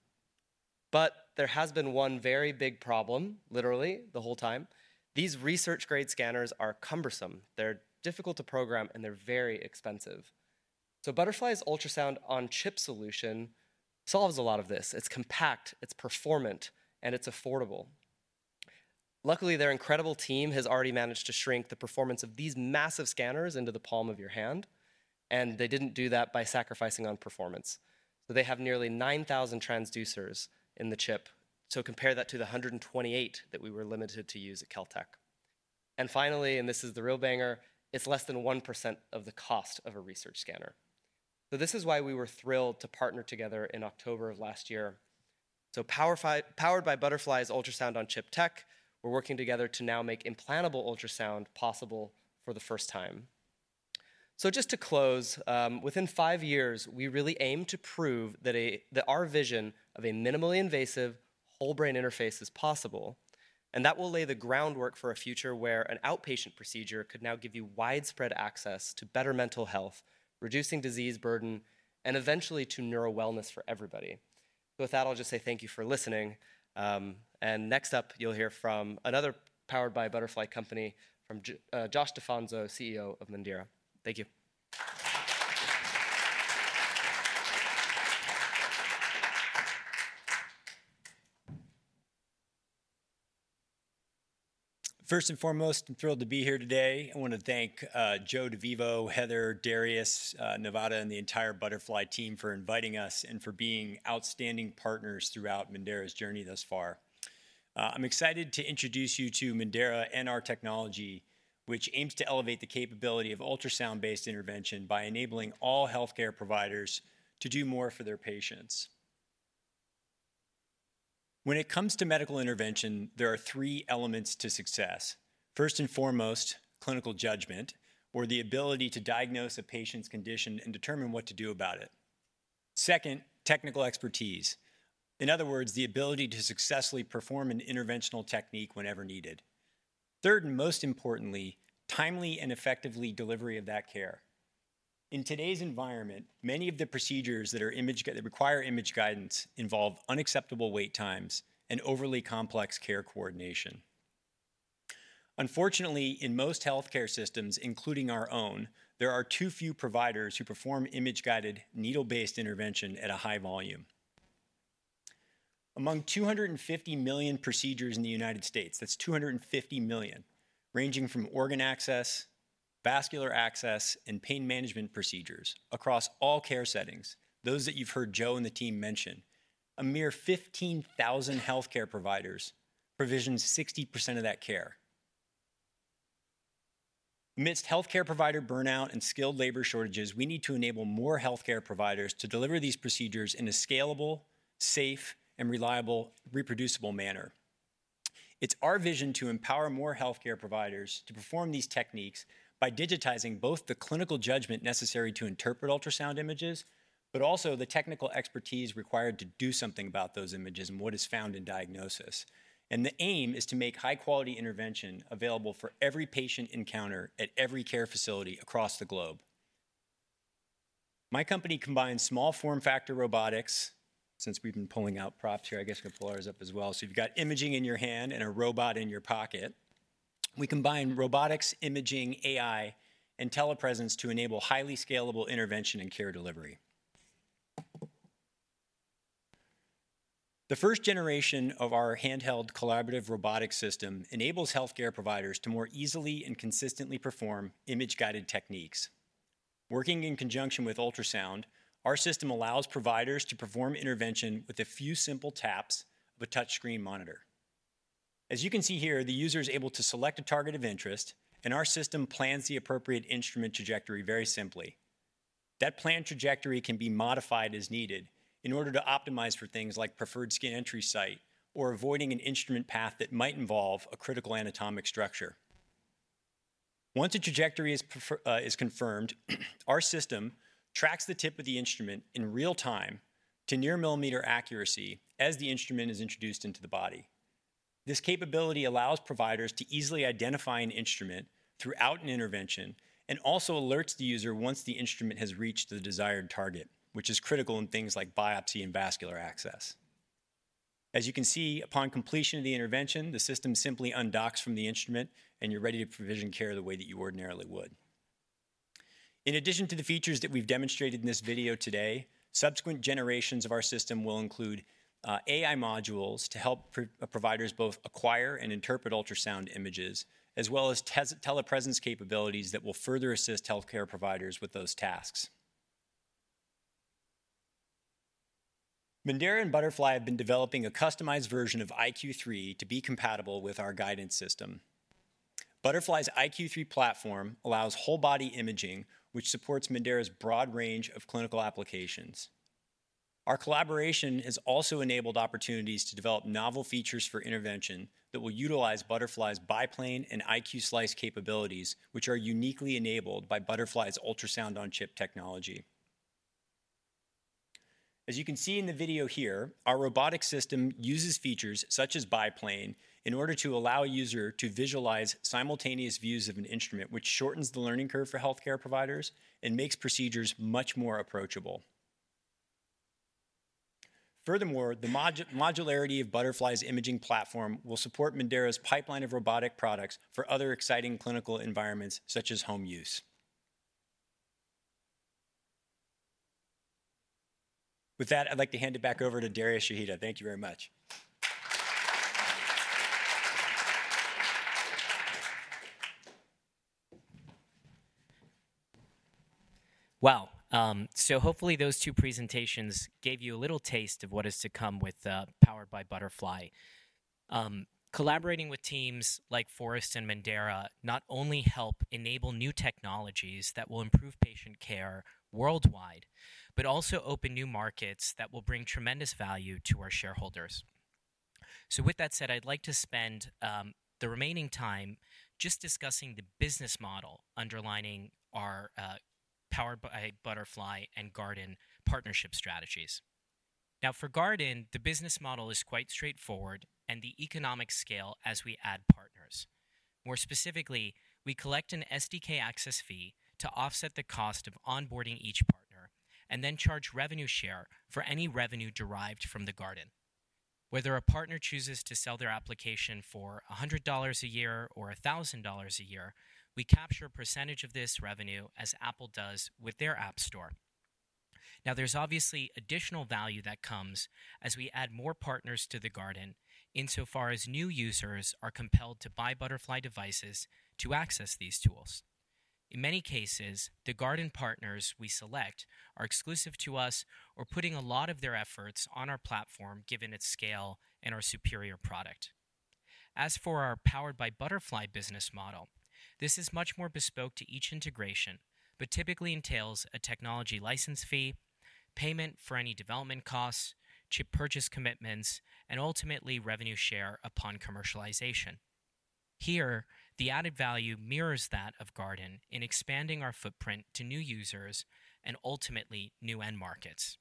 But there has been one very big problem, literally, the whole time. These research-grade scanners are cumbersome. They're difficult to program, and they're very expensive. So Butterfly's ultrasound on chip solution solves a lot of this. It's compact, it's performant, and it's affordable. Luckily, their incredible team has already managed to shrink the performance of these massive scanners into the palm of your hand. And they didn't do that by sacrificing on performance. So they have nearly 9,000 transducers in the chip. So compare that to the 128 that we were limited to use at Caltech. And finally, and this is the real banger, it's less than 1% of the cost of a research scanner. So this is why we were thrilled to partner together in October of last year. So Powered by Butterfly's ultrasound on chip tech, we're working together to now make implantable ultrasound possible for the first time. So just to close, within five years, we really aim to prove that our vision of a minimally invasive whole-brain interface is possible. And that will lay the groundwork for a future where an outpatient procedure could now give you widespread access to better mental health, reducing disease burden, and eventually to neuro wellness for everybody. So with that, I'll just say thank you for listening. And next up, you'll hear from another Powered by Butterfly company from Josh DeFonzo, CEO of Menda. Thank you. First and foremost, I'm thrilled to be here today. I want to thank Joe DeVivo, Heather, Darius, Nevada, and the entire Butterfly team for inviting us and for being outstanding partners throughout Menda's journey thus far. I'm excited to introduce you to Menda and our technology, which aims to elevate the capability of ultrasound-based intervention by enabling all healthcare providers to do more for their patients. When it comes to medical intervention, there are three elements to success. First and foremost, clinical judgment, or the ability to diagnose a patient's condition and determine what to do about it. Second, technical expertise. In other words, the ability to successfully perform an interventional technique whenever needed. Third, and most importantly, timely and effectively delivery of that care. In today's environment, many of the procedures that require image guidance involve unacceptable wait times and overly complex care coordination. Unfortunately, in most healthcare systems, including our own, there are too few providers who perform image-guided, needle-based intervention at a high volume. Among 250 million procedures in the United States, that's 250 million, ranging from organ access, vascular access, and pain management procedures across all care settings, those that you've heard Joe and the team mention, a mere 15,000 healthcare providers provision 60% of that care. Amidst healthcare provider burnout and skilled labor shortages, we need to enable more healthcare providers to deliver these procedures in a scalable, safe, and reliable, reproducible manner. It's our vision to empower more healthcare providers to perform these techniques by digitizing both the clinical judgment necessary to interpret ultrasound images, but also the technical expertise required to do something about those images and what is found in diagnosis. The aim is to make high-quality intervention available for every patient encounter at every care facility across the globe. My company combines small form factor robotics since we've been pulling out props here. I guess we're going to pull ours up as well. So if you've got imaging in your hand and a robot in your pocket, we combine robotics, imaging, AI, and telepresence to enable highly scalable intervention and care delivery. The first generation of our handheld collaborative robotic system enables healthcare providers to more easily and consistently perform image-guided techniques. Working in conjunction with ultrasound, our system allows providers to perform intervention with a few simple taps of a touchscreen monitor. As you can see here, the user is able to select a target of interest, and our system plans the appropriate instrument trajectory very simply. That planned trajectory can be modified as needed in order to optimize for things like preferred skin entry site or avoiding an instrument path that might involve a critical anatomic structure. Once a trajectory is confirmed, our system tracks the tip of the instrument in real time to near-millimeter accuracy as the instrument is introduced into the body. This capability allows providers to easily identify an instrument throughout an intervention and also alerts the user once the instrument has reached the desired target, which is critical in things like biopsy and vascular access. As you can see, upon completion of the intervention, the system simply undocks from the instrument, and you're ready to provision care the way that you ordinarily would. In addition to the features that we've demonstrated in this video today, subsequent generations of our system will include AI modules to help providers both acquire and interpret ultrasound images, as well as telepresence capabilities that will further assist healthcare providers with those tasks. Menda and Butterfly have been developing a customized version of iQ3 to be compatible with our guidance system. Butterfly's iQ3 platform allows whole-body imaging, which supports Menda's broad range of clinical applications. Our collaboration has also enabled opportunities to develop novel features for intervention that will utilize Butterfly's biplane and iQ Slice capabilities, which are uniquely enabled by Butterfly's ultrasound-on-chip technology. As you can see in the video here, our robotic system uses features such as biplane in order to allow a user to visualize simultaneous views of an instrument, which shortens the learning curve for healthcare providers and makes procedures much more approachable. Furthermore, the modularity of Butterfly's imaging platform will support Menda's pipeline of robotic products for other exciting clinical environments such as home use. With that, I'd like to hand it back over to Darius Shahida. Thank you very much. Wow. So hopefully those two presentations gave you a little taste of what is to come with Powered by Butterfly. Collaborating with teams like Forest and Menda not only help enable new technologies that will improve patient care worldwide, but also open new markets that will bring tremendous value to our shareholders. So with that said, I'd like to spend the remaining time just discussing the business model underlying our Powered by Butterfly and Garden partnership strategies. Now, for Garden, the business model is quite straightforward and the economic scale as we add partners. More specifically, we collect an SDK access fee to offset the cost of onboarding each partner and then charge revenue share for any revenue derived from the Garden. Whether a partner chooses to sell their application for $100 a year or $1,000 a year, we capture a percentage of this revenue as Apple does with their App Store. Now, there's obviously additional value that comes as we add more partners to the Garden insofar as new users are compelled to buy Butterfly devices to access these tools. In many cases, the Garden partners we select are exclusive to us or putting a lot of their efforts on our platform given its scale and our superior product. As for our Powered by Butterfly business model, this is much more bespoke to each integration, but typically entails a technology license fee, payment for any development costs, chip purchase commitments, and ultimately revenue share upon commercialization. Here, the added value mirrors that of Garden in expanding our footprint to new users and ultimately new end markets.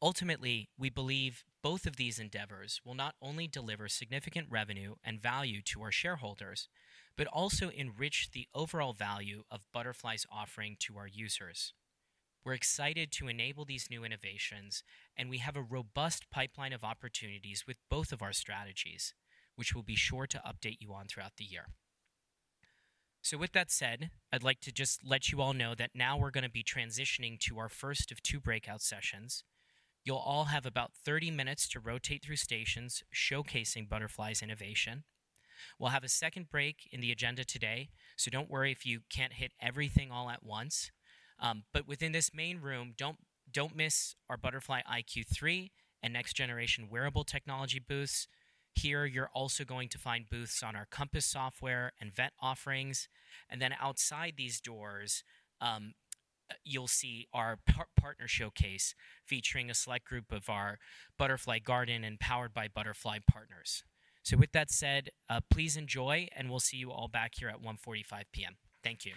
Ultimately, we believe both of these endeavors will not only deliver significant revenue and value to our shareholders, but also enrich the overall value of Butterfly's offering to our users. We're excited to enable these new innovations, and we have a robust pipeline of opportunities with both of our strategies, which we'll be sure to update you on throughout the year. So with that said, I'd like to just let you all know that now we're going to be transitioning to our first of two breakout sessions. You'll all have about 30 minutes to rotate through stations showcasing Butterfly's innovation. We'll have a second break in the agenda today, so don't worry if you can't hit everything all at once. But within this main room, don't miss our Butterfly iQ3 and Next Generation Wearable Technology booths. Here, you're also going to find booths on our Compass software and Vet offerings. And then outside these doors, you'll see our partner showcase featuring a select group of our Butterfly Garden and Powered by Butterfly partners. So with that said, please enjoy, and we'll see you all back here at 1:45 P.M. Thank you.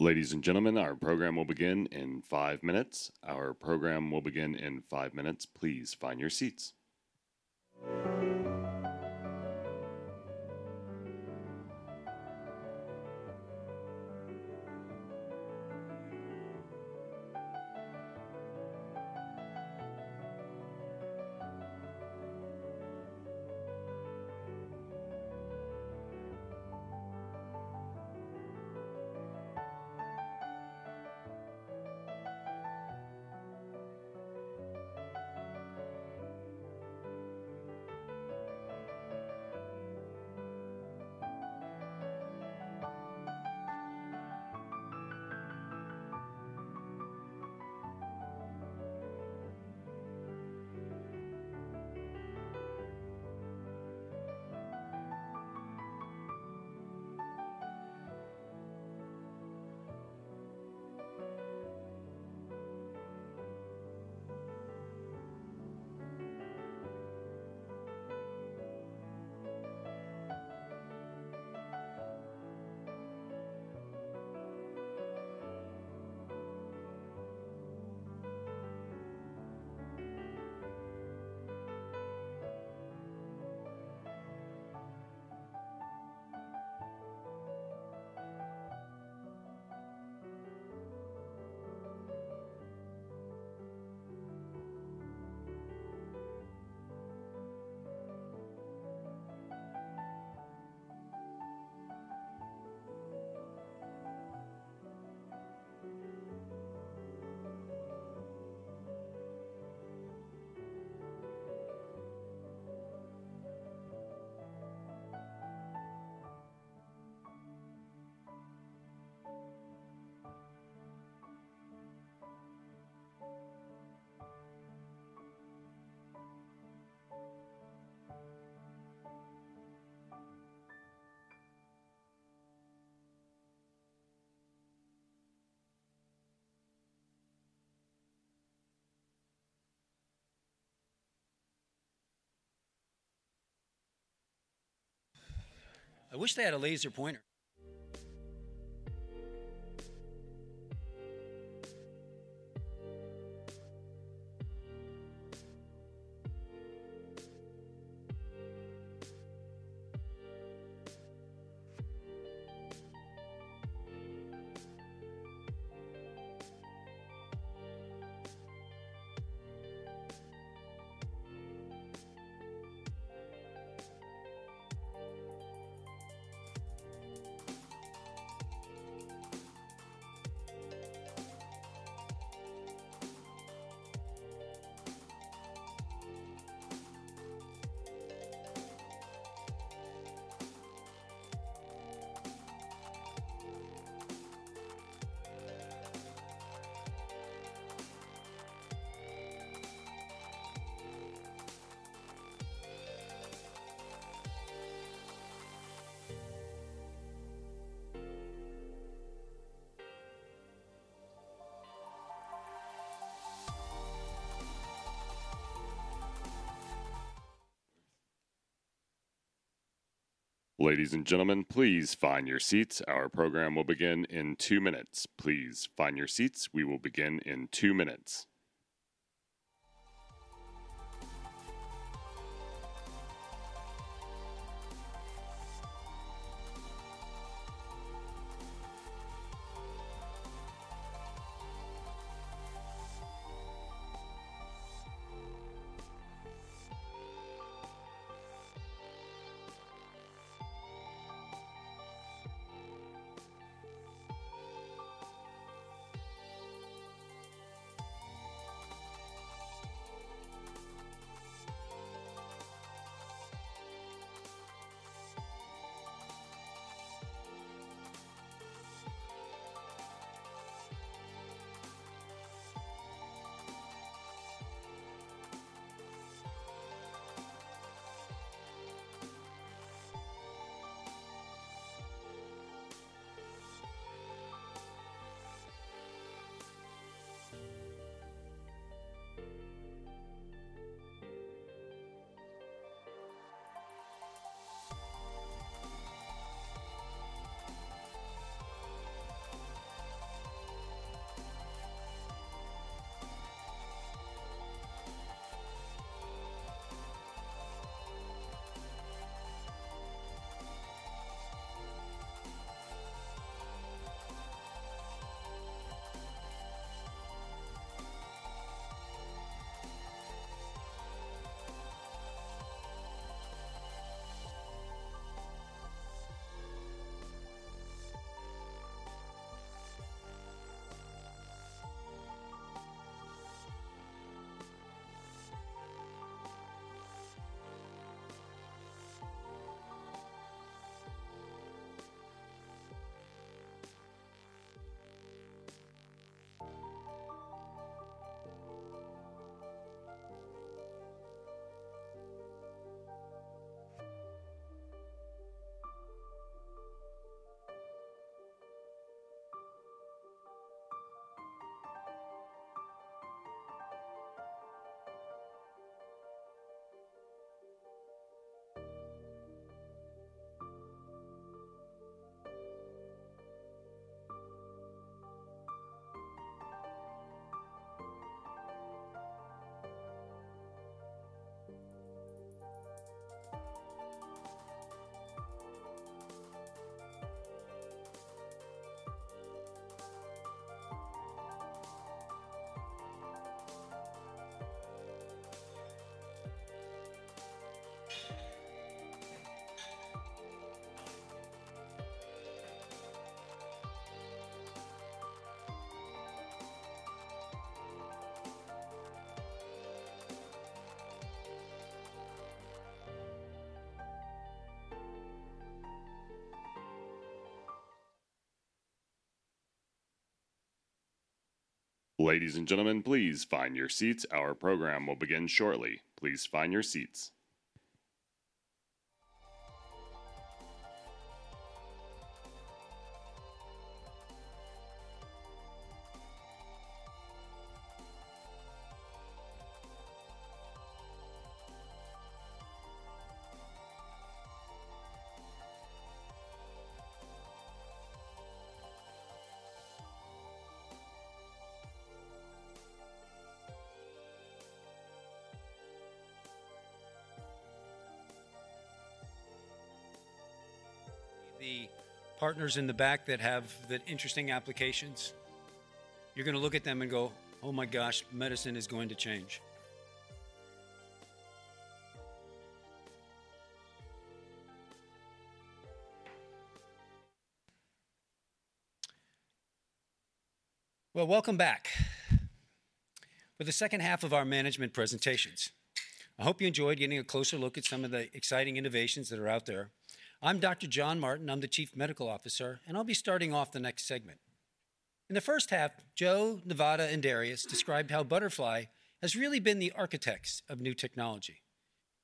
Ladies and gentlemen, our program will begin in five minutes. Our program will begin in five minutes. Please find your seats. I wish they had a laser pointer. Ladies and gentlemen, please find your seats. Our program will begin in two minutes. Please find your seats. We will begin in two minutes. Ladies and gentlemen, please find your seats. Our program will begin shortly. Please find your seats. The partners in the back that have that interesting applications, you're going to look at them and go, "Oh my gosh, medicine is going to change." Well, welcome back for the second half of our management presentations. I hope you enjoyed getting a closer look at some of the exciting innovations that are out there. I'm Dr. John Martin. I'm the Chief Medical Officer, and I'll be starting off the next segment. In the first half, Joe, Nevada, and Darius described how Butterfly has really been the architects of new technology.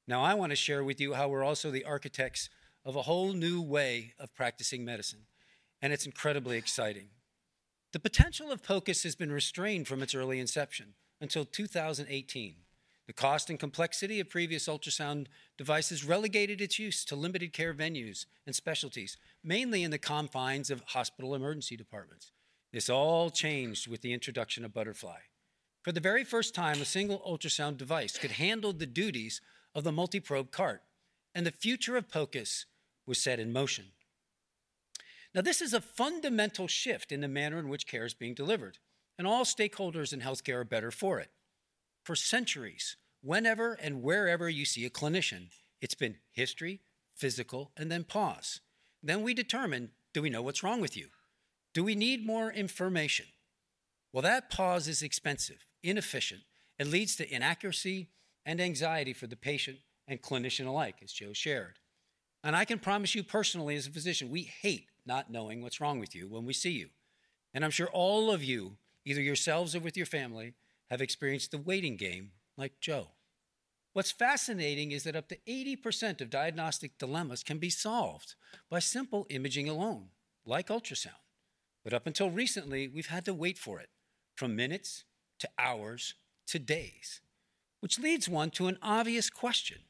Now, I want to share with you how we're also the architects of a whole new way of practicing medicine, and it's incredibly exciting. The potential of POCUS has been restrained from its early inception until 2018. The cost and complexity of previous ultrasound devices relegated its use to limited care venues and specialties, mainly in the confines of hospital emergency departments. This all changed with the introduction of Butterfly. For the very first time, a single ultrasound device could handle the duties of the multiprobe cart, and the future of POCUS was set in motion. Now, this is a fundamental shift in the manner in which care is being delivered, and all stakeholders in healthcare are better for it. For centuries, whenever and wherever you see a clinician, it's been history, physical, and then pause. Then we determine, "Do we know what's wrong with you? Do we need more information?" Well, that pause is expensive, inefficient, and leads to inaccuracy and anxiety for the patient and clinician alike, as Joe shared. And I can promise you personally, as a physician, we hate not knowing what's wrong with you when we see you. And I'm sure all of you, either yourselves or with your family, have experienced the waiting game like Joe. What's fascinating is that up to 80% of diagnostic dilemmas can be solved by simple imaging alone, like ultrasound. Up until recently, we've had to wait for it, from minutes to hours to days, which leads one to an obvious question: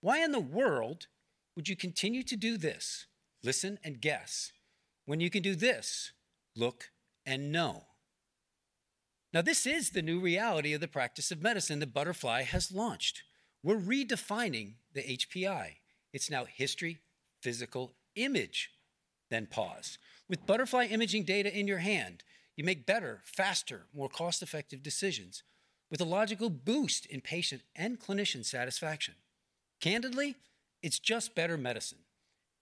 Why in the world would you continue to do this, listen and guess, when you can do this, look and know? Now, this is the new reality of the practice of medicine that Butterfly has launched. We're redefining the HPI. It's now history, physical, image, then pause. With Butterfly imaging data in your hand, you make better, faster, more cost-effective decisions with a logical boost in patient and clinician satisfaction. Candidly, it's just better medicine,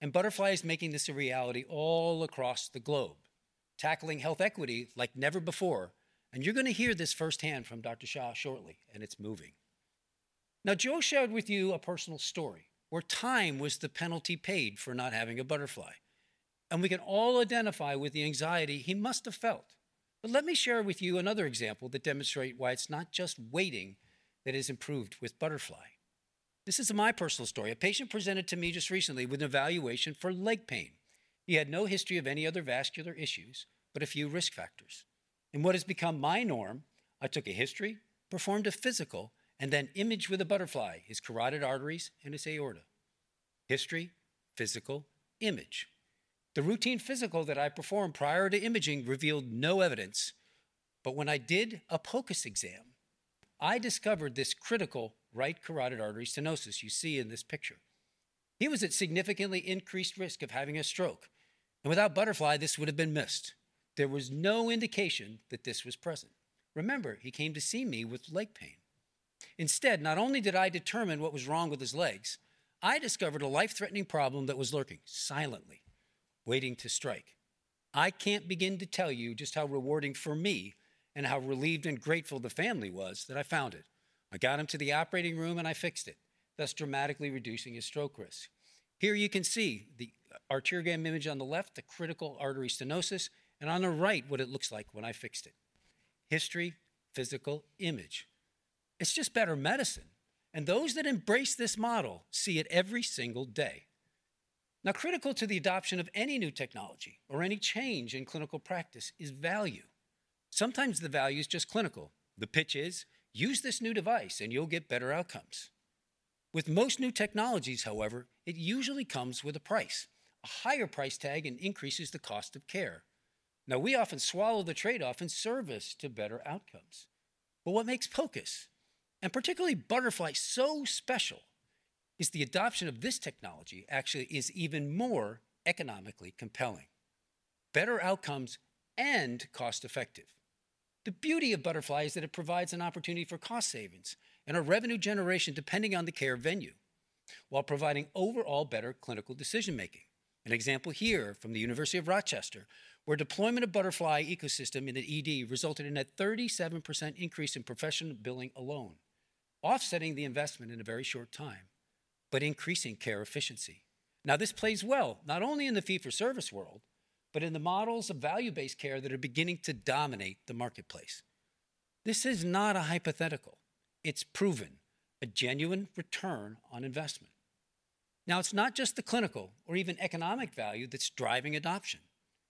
and Butterfly is making this a reality all across the globe, tackling health equity like never before. You're going to hear this firsthand from Dr. Shah shortly, and it's moving. Now, Joe shared with you a personal story where time was the penalty paid for not having a Butterfly, and we can all identify with the anxiety he must have felt. But let me share with you another example that demonstrates why it's not just waiting that is improved with Butterfly. This is my personal story. A patient presented to me just recently with an evaluation for leg pain. He had no history of any other vascular issues but a few risk factors. In what has become my norm, I took a history, performed a physical, and then imaged with a Butterfly his carotid arteries and his aorta. History, physical, image. The routine physical that I performed prior to imaging revealed no evidence, but when I did a POCUS exam, I discovered this critical right carotid artery stenosis you see in this picture. He was at significantly increased risk of having a stroke, and without Butterfly, this would have been missed. There was no indication that this was present. Remember, he came to see me with leg pain. Instead, not only did I determine what was wrong with his legs, I discovered a life-threatening problem that was lurking silently, waiting to strike. I can't begin to tell you just how rewarding for me and how relieved and grateful the family was that I found it. I got him to the operating room, and I fixed it, thus dramatically reducing his stroke risk. Here you can see the arteriogram image on the left, the critical artery stenosis, and on the right what it looks like when I fixed it. History, physical, image. It's just better medicine, and those that embrace this model see it every single day. Now, critical to the adoption of any new technology or any change in clinical practice is value. Sometimes the value is just clinical. The pitch is, "Use this new device, and you'll get better outcomes." With most new technologies, however, it usually comes with a price. A higher price tag increases the cost of care. Now, we often swallow the trade-off in service to better outcomes. But what makes POCUS, and particularly Butterfly, so special is the adoption of this technology actually is even more economically compelling. Better outcomes and cost-effective. The beauty of Butterfly is that it provides an opportunity for cost savings and a revenue generation depending on the care venue while providing overall better clinical decision-making. An example here from the University of Rochester, where deployment of Butterfly ecosystem in an ED resulted in a 37% increase in professional billing alone, offsetting the investment in a very short time but increasing care efficiency. Now, this plays well not only in the fee-for-service world but in the models of value-based care that are beginning to dominate the marketplace. This is not a hypothetical. It's proven, a genuine return on investment. Now, it's not just the clinical or even economic value that's driving adoption.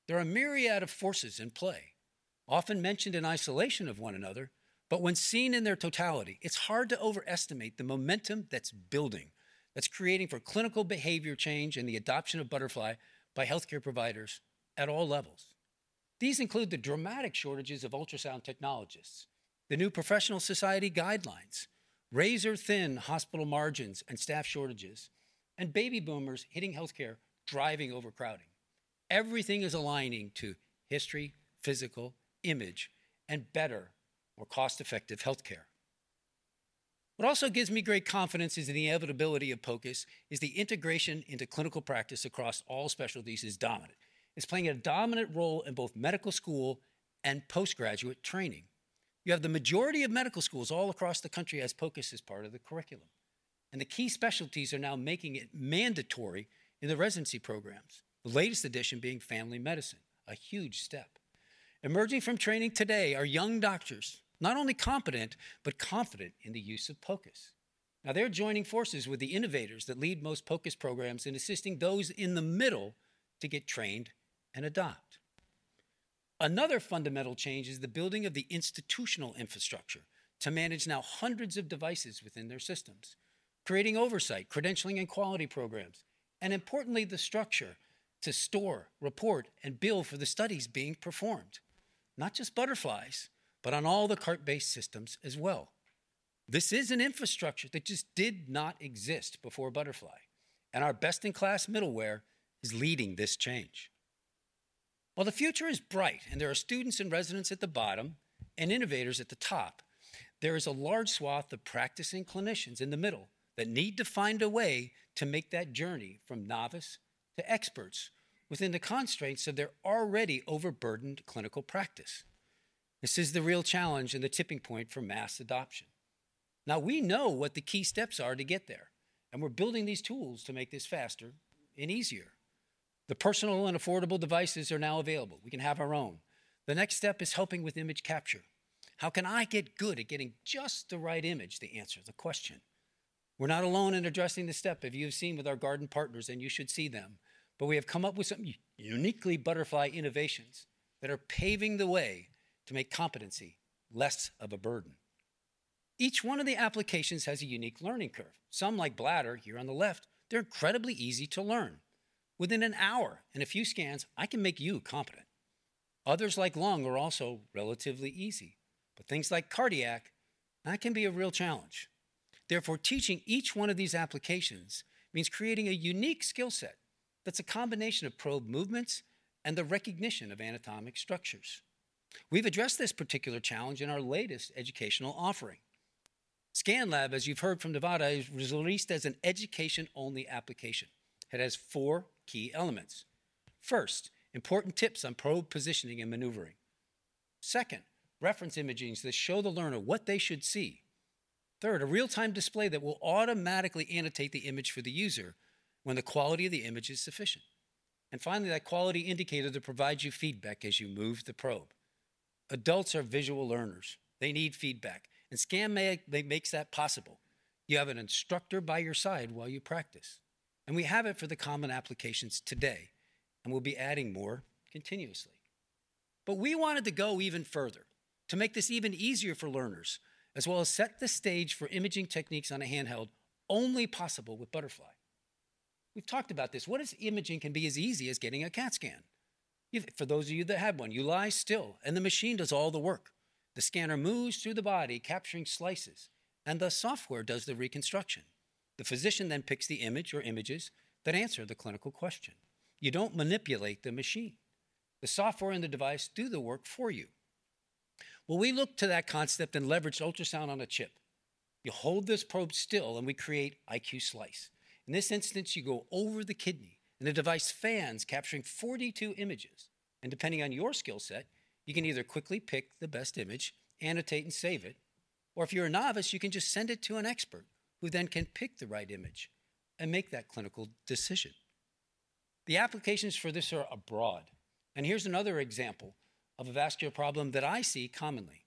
There are a myriad of forces in play, often mentioned in isolation of one another, but when seen in their totality, it's hard to overestimate the momentum that's building, that's creating for clinical behavior change and the adoption of Butterfly by healthcare providers at all levels. These include the dramatic shortages of ultrasound technologists, the new professional society guidelines, razor-thin hospital margins and staff shortages, and baby boomers hitting healthcare driving overcrowding. Everything is aligning to history, physical, image, and better, more cost-effective healthcare. What also gives me great confidence is that the inevitability of POCUS is the integration into clinical practice across all specialties is dominant. It's playing a dominant role in both medical school and postgraduate training. You have the majority of medical schools all across the country as POCUS is part of the curriculum, and the key specialties are now making it mandatory in the residency programs, the latest addition being family medicine, a huge step. Emerging from training today are young doctors, not only competent but confident in the use of POCUS. Now, they're joining forces with the innovators that lead most POCUS programs in assisting those in the middle to get trained and adopt. Another fundamental change is the building of the institutional infrastructure to manage now hundreds of devices within their systems, creating oversight, credentialing, and quality programs, and importantly, the structure to store, report, and bill for the studies being performed, not just Butterflies but on all the cart-based systems as well. This is an infrastructure that just did not exist before Butterfly, and our best-in-class middleware is leading this change. While the future is bright and there are students and residents at the bottom and innovators at the top, there is a large swath of practicing clinicians in the middle that need to find a way to make that journey from novice to experts within the constraints of their already overburdened clinical practice. This is the real challenge and the tipping point for mass adoption. Now, we know what the key steps are to get there, and we're building these tools to make this faster and easier. The personal and affordable devices are now available. We can have our own. The next step is helping with image capture. How can I get good at getting just the right image, the answer, the question? We're not alone in addressing this step. If you've seen with our garden partners, then you should see them. But we have come up with some uniquely Butterfly innovations that are paving the way to make competency less of a burden. Each one of the applications has a unique learning curve. Some like bladder here on the left, they're incredibly easy to learn. Within an hour and a few scans, I can make you competent. Others like lung are also relatively easy, but things like cardiac, that can be a real challenge. Therefore, teaching each one of these applications means creating a unique skill set that's a combination of probe movements and the recognition of anatomic structures. We've addressed this particular challenge in our latest educational offering. ScanLab, as you've heard from Nevada, is released as an education-only application. It has four key elements. First, important tips on probe positioning and maneuvering. Second, reference imagings that show the learner what they should see. Third, a real-time display that will automatically annotate the image for the user when the quality of the image is sufficient. And finally, that quality indicator that provides you feedback as you move the probe. Adults are visual learners. They need feedback, and ScanLab makes that possible. You have an instructor by your side while you practice. And we have it for the common applications today, and we'll be adding more continuously. But we wanted to go even further to make this even easier for learners as well as set the stage for imaging techniques on a handheld only possible with Butterfly. We've talked about this. What is imaging can be as easy as getting a CAT scan. For those of you that have one, you lie still, and the machine does all the work. The scanner moves through the body, capturing slices, and the software does the reconstruction. The physician then picks the image or images that answer the clinical question. You don't manipulate the machine. The software and the device do the work for you. Well, we looked to that concept and leveraged ultrasound on a chip. You hold this probe still, and we create iQ Slice. In this instance, you go over the kidney, and the device fans, capturing 42 images. Depending on your skill set, you can either quickly pick the best image, annotate, and save it, or if you're a novice, you can just send it to an expert who then can pick the right image and make that clinical decision. The applications for this are abroad, and here's another example of a vascular problem that I see commonly.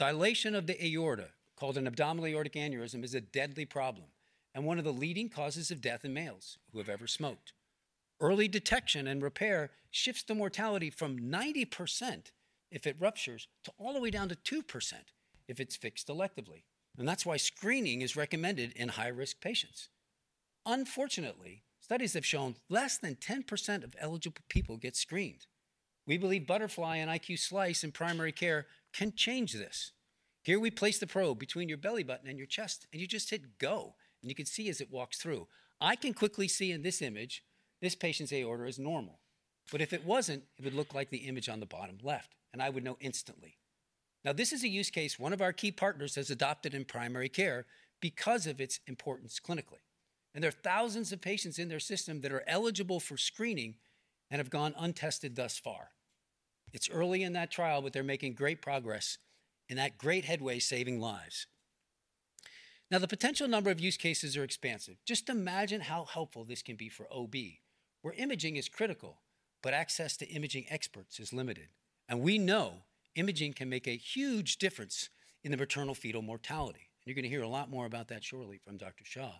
Dilation of the aorta, called an abdominal aortic aneurysm, is a deadly problem and one of the leading causes of death in males who have ever smoked. Early detection and repair shifts the mortality from 90% if it ruptures to all the way down to 2% if it's fixed electively, and that's why screening is recommended in high-risk patients. Unfortunately, studies have shown less than 10% of eligible people get screened. We believe Butterfly and iQ Slice in primary care can change this. Here we place the probe between your belly button and your chest, and you just hit go, and you can see as it walks through. I can quickly see in this image this patient's aorta is normal, but if it wasn't, it would look like the image on the bottom left, and I would know instantly. Now, this is a use case one of our key partners has adopted in primary care because of its importance clinically, and there are thousands of patients in their system that are eligible for screening and have gone untested thus far. It's early in that trial, but they're making great progress and that great headway saving lives. Now, the potential number of use cases are expansive. Just imagine how helpful this can be for OB, where imaging is critical but access to imaging experts is limited. We know imaging can make a huge difference in the maternal-fetal mortality, and you're going to hear a lot more about that shortly from Dr. Shah.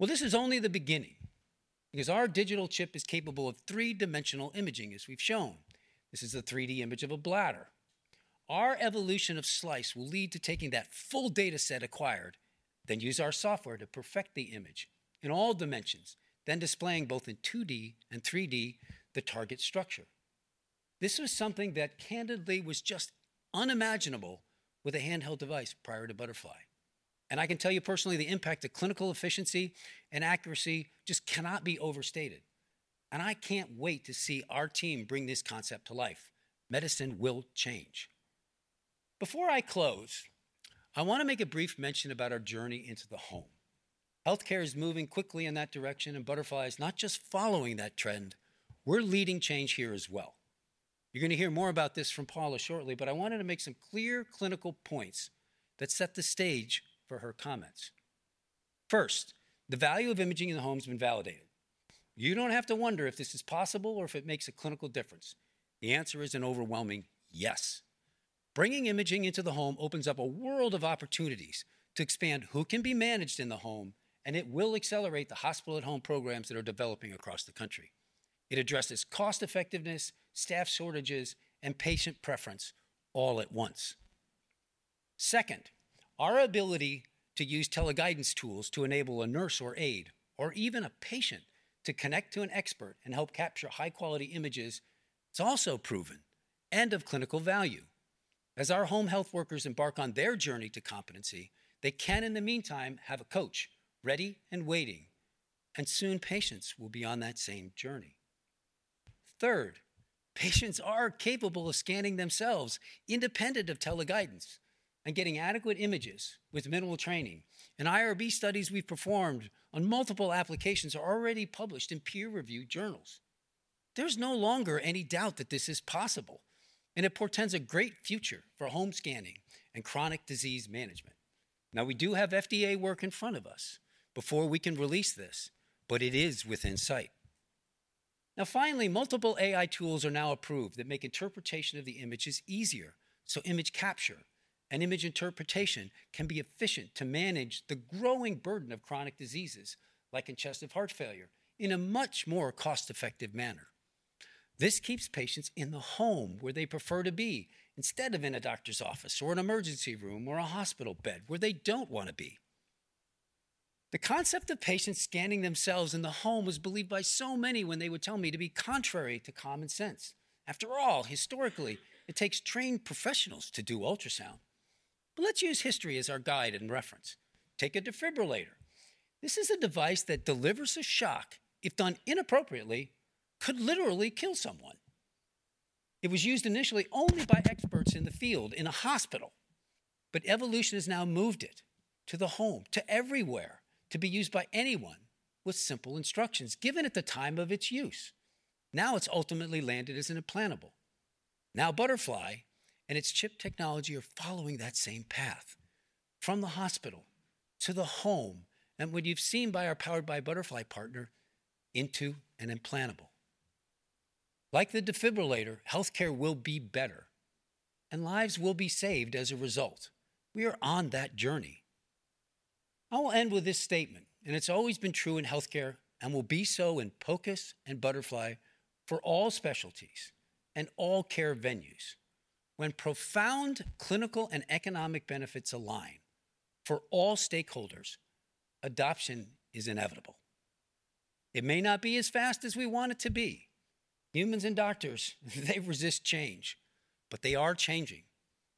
Well, this is only the beginning because our digital chip is capable of three-dimensional imaging, as we've shown. This is a 3D image of a bladder. Our iQ Slice will lead to taking that full data set acquired, then use our software to perfect the image in all dimensions, then displaying both in 2D and 3D the target structure. This was something that candidly was just unimaginable with a handheld device prior to Butterfly, and I can tell you personally the impact of clinical efficiency and accuracy just cannot be overstated, and I can't wait to see our team bring this concept to life. Medicine will change. Before I close, I want to make a brief mention about our journey into the home. Healthcare is moving quickly in that direction, and Butterfly is not just following that trend. We're leading change here as well. You're going to hear more about this from Paula shortly, but I wanted to make some clear clinical points that set the stage for her comments. First, the value of imaging in the home has been validated. You don't have to wonder if this is possible or if it makes a clinical difference. The answer is an overwhelming yes. Bringing imaging into the home opens up a world of opportunities to expand who can be managed in the home, and it will accelerate the hospital-at-home programs that are developing across the country. It addresses cost-effectiveness, staff shortages, and patient preference all at once. Second, our ability to use teleguidance tools to enable a nurse or aide, or even a patient, to connect to an expert and help capture high-quality images is also proven and of clinical value. As our home health workers embark on their journey to competency, they can, in the meantime, have a coach ready and waiting, and soon patients will be on that same journey. Third, patients are capable of scanning themselves independent of teleguidance and getting adequate images with minimal training, and IRB studies we've performed on multiple applications are already published in peer-reviewed journals. There's no longer any doubt that this is possible, and it portends a great future for home scanning and chronic disease management. Now, we do have FDA work in front of us before we can release this, but it is within sight. Now, finally, multiple AI tools are now approved that make interpretation of the images easier, so image capture and image interpretation can be efficient to manage the growing burden of chronic diseases like congestive heart failure in a much more cost-effective manner. This keeps patients in the home where they prefer to be instead of in a doctor's office or an emergency room or a hospital bed where they don't want to be. The concept of patients scanning themselves in the home was believed by so many when they would tell me to be contrary to common sense. After all, historically, it takes trained professionals to do ultrasound. Let's use history as our guide and reference. Take a defibrillator. This is a device that delivers a shock if done inappropriately, could literally kill someone. It was used initially only by experts in the field in a hospital, but evolution has now moved it to the home, to everywhere, to be used by anyone with simple instructions given at the time of its use. Now, it's ultimately landed as an implantable. Now, Butterfly and its chip technology are following that same path from the hospital to the home and what you've seen by our Powered by Butterfly partner into an implantable. Like the defibrillator, healthcare will be better, and lives will be saved as a result. We are on that journey. I will end with this statement, and it's always been true in healthcare and will be so in POCUS and Butterfly for all specialties and all care venues. When profound clinical and economic benefits align for all stakeholders, adoption is inevitable. It may not be as fast as we want it to be. Humans and doctors, they resist change, but they are changing,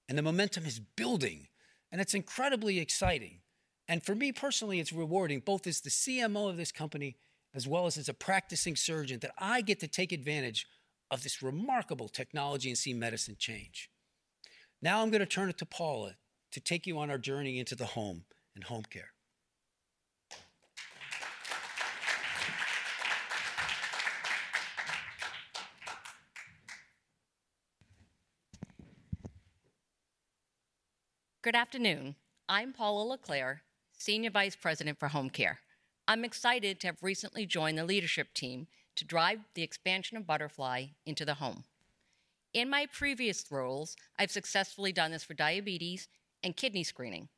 and the momentum is building, and it's incredibly exciting, and for me personally, it's rewarding both as the CMO of this company as well as as a practicing surgeon that I get to take advantage of this remarkable technology and see medicine change. Now, I'm going to turn it to Paula to take you on our journey into the home and home care. Good afternoon. I'm Paula LeClair, Senior Vice President for Home Care. I'm excited to have recently joined the leadership team to drive the expansion of Butterfly into the home. In my previous roles, I've successfully done this for diabetes and kidney screening.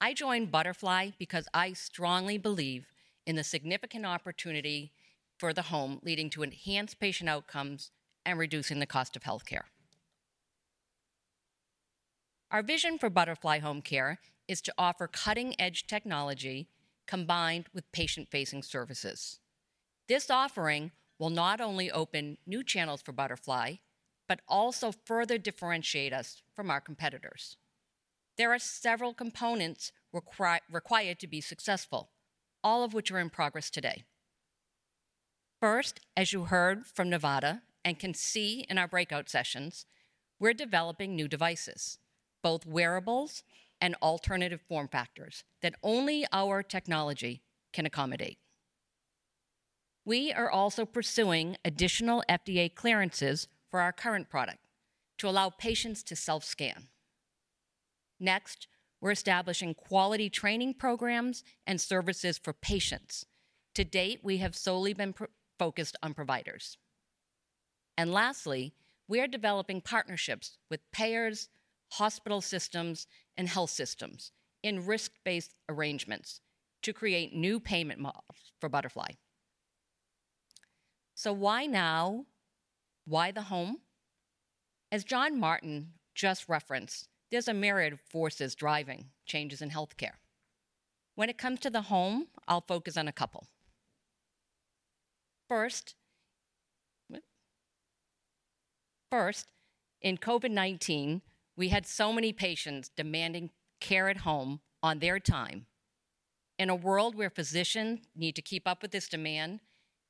I joined Butterfly because I strongly believe in the significant opportunity for the home leading to enhanced patient outcomes and reducing the cost of healthcare. Our vision for Butterfly Home Care is to offer cutting-edge technology combined with patient-facing services. This offering will not only open new channels for Butterfly but also further differentiate us from our competitors. There are several components required to be successful, all of which are in progress today. First, as you heard from Nevada and can see in our breakout sessions, we're developing new devices, both wearables and alternative form factors that only our technology can accommodate. We are also pursuing additional FDA clearances for our current product to allow patients to self-scan. Next, we're establishing quality training programs and services for patients. To date, we have solely been focused on providers. Lastly, we are developing partnerships with payers, hospital systems, and health systems in risk-based arrangements to create new payment models for Butterfly. So why now? Why the home? As John Martin just referenced, there's a myriad of forces driving changes in healthcare. When it comes to the home, I'll focus on a couple. First, in COVID-19, we had so many patients demanding care at home on their time. In a world where physicians need to keep up with this demand,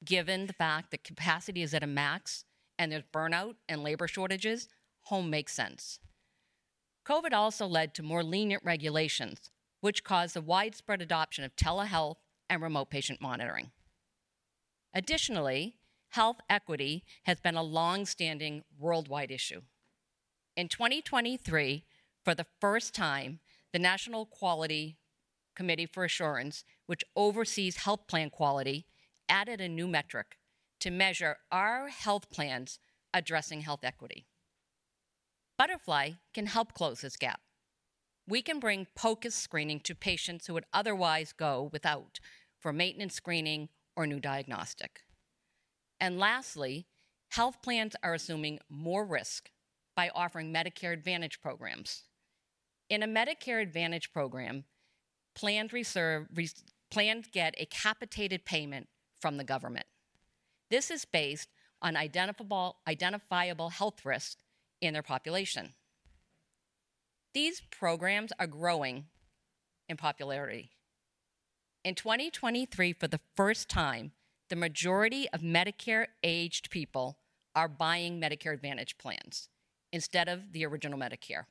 given the fact that capacity is at a max and there's burnout and labor shortages, home makes sense. COVID also led to more lenient regulations, which caused the widespread adoption of telehealth and remote patient monitoring. Additionally, health equity has been a longstanding worldwide issue. In 2023, for the first time, the National Committee for Quality Assurance, which oversees health plan quality, added a new metric to measure our health plans addressing health equity. Butterfly can help close this gap. We can bring POCUS screening to patients who would otherwise go without for maintenance screening or new diagnostic. Lastly, health plans are assuming more risk by offering Medicare Advantage programs. In a Medicare Advantage program, plans get a capitated payment from the government. This is based on identifiable health risks in their population. These programs are growing in popularity. In 2023, for the first time, the majority of Medicare-aged people are buying Medicare Advantage plans instead of the original Medicare.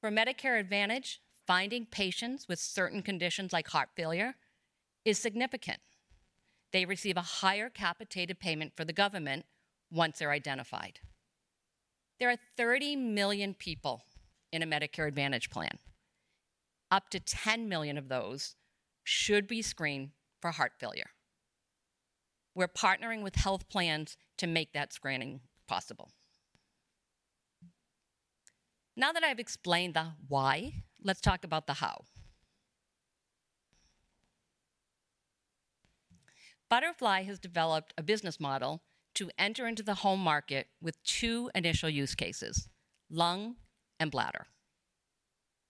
For Medicare Advantage, finding patients with certain conditions like heart failure is significant. They receive a higher capitated payment from the government once they're identified. There are 30 million people in a Medicare Advantage plan. Up to 10 million of those should be screened for heart failure. We're partnering with health plans to make that screening possible. Now that I've explained the why, let's talk about the how. Butterfly has developed a business model to enter into the home market with two initial use cases: lung and bladder.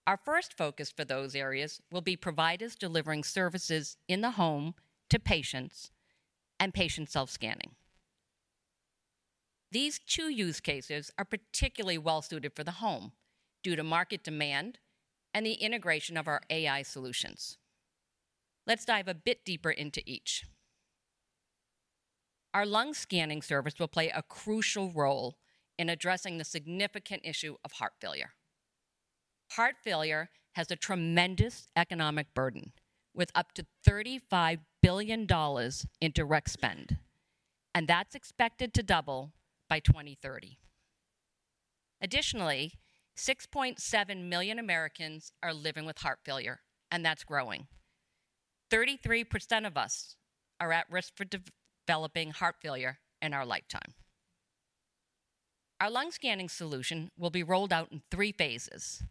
Our first focus for those areas will be providers delivering services in the home to patients and patient self-scanning. These two use cases are particularly well-suited for the home due to market demand and the integration of our AI solutions. Let's dive a bit deeper into each. Our lung scanning service will play a crucial role in addressing the significant issue of heart failure. Heart failure has a tremendous economic burden with up to $35 billion in direct spend, and that's expected to double by 2030. Additionally, 6.7 million Americans are living with heart failure, and that's growing. 33% of us are at risk for developing heart failure in our lifetime. Our lung scanning solution will be rolled out in three phases,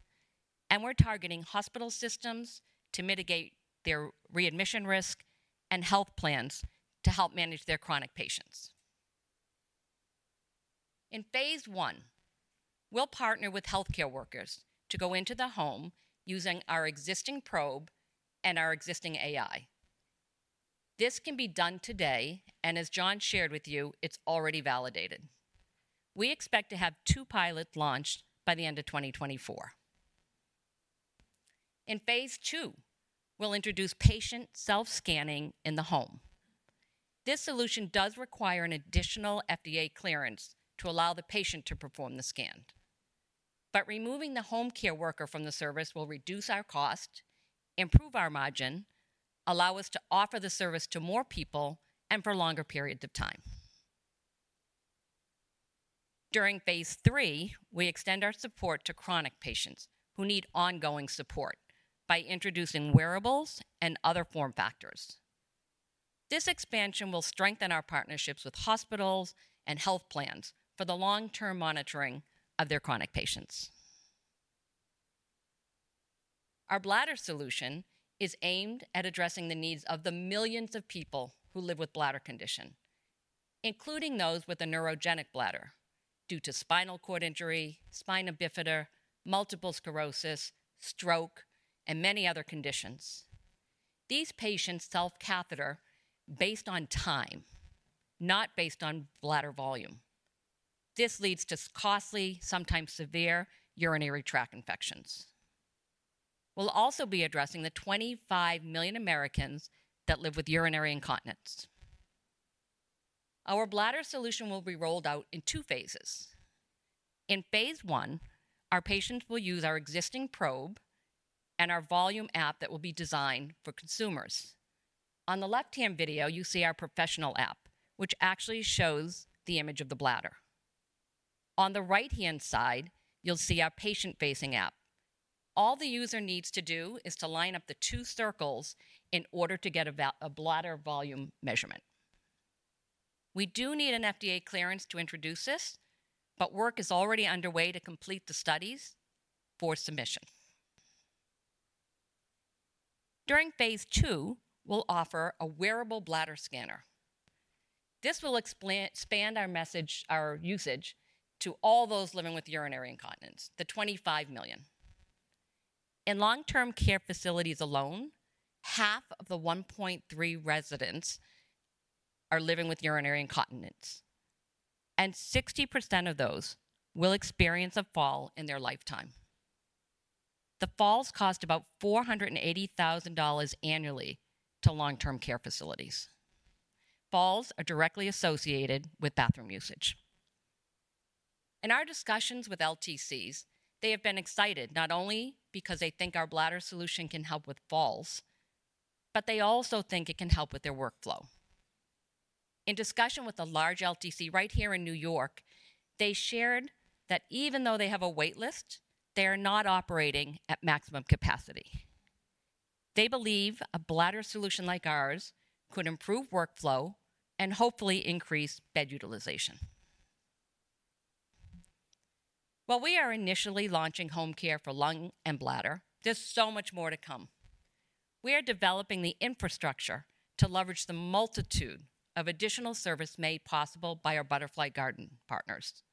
and we're targeting hospital systems to mitigate their readmission risk and health plans to help manage their chronic patients. In phase one, we'll partner with healthcare workers to go into the home using our existing probe and our existing AI. This can be done today, and as John shared with you, it's already validated. We expect to have two pilots launched by the end of 2024. In phase two, we'll introduce patient self-scanning in the home. This solution does require an additional FDA clearance to allow the patient to perform the scan. But removing the home care worker from the service will reduce our cost, improve our margin, allow us to offer the service to more people and for longer periods of time. During phase three, we extend our support to chronic patients who need ongoing support by introducing wearables and other form factors. This expansion will strengthen our partnerships with hospitals and health plans for the long-term monitoring of their chronic patients. Our bladder solution is aimed at addressing the needs of the millions of people who live with bladder condition, including those with a neurogenic bladder due to spinal cord injury, spina bifida, multiple sclerosis, stroke, and many other conditions. These patients self-catheter based on time, not based on bladder volume. This leads to costly, sometimes severe urinary tract infections. We'll also be addressing the 25 million Americans that live with urinary incontinence. Our bladder solution will be rolled out in two phases. In phase one, our patients will use our existing probe and our volume app that will be designed for consumers. On the left-hand video, you see our professional app, which actually shows the image of the bladder. On the right-hand side, you'll see our patient-facing app. All the user needs to do is to line up the two circles in order to get a bladder volume measurement. We do need an FDA clearance to introduce this, but work is already underway to complete the studies for submission. During phase II, we'll offer a wearable bladder scanner. This will expand our usage to all those living with urinary incontinence, the 25 million. In long-term care facilities alone, half of the 1.3 million residents are living with urinary incontinence, and 60% of those will experience a fall in their lifetime. The falls cost about $480,000 annually to long-term care facilities. Falls are directly associated with bathroom usage. In our discussions with LTCs, they have been excited not only because they think our bladder solution can help with falls, but they also think it can help with their workflow. In discussion with a large LTC right here in New York, they shared that even though they have a wait list, they are not operating at maximum capacity. They believe a bladder solution like ours could improve workflow and hopefully increase bed utilization. While we are initially launching home care for lung and bladder, there's so much more to come. We are developing the infrastructure to leverage the multitude of additional service made possible by our Butterfly Garden partners.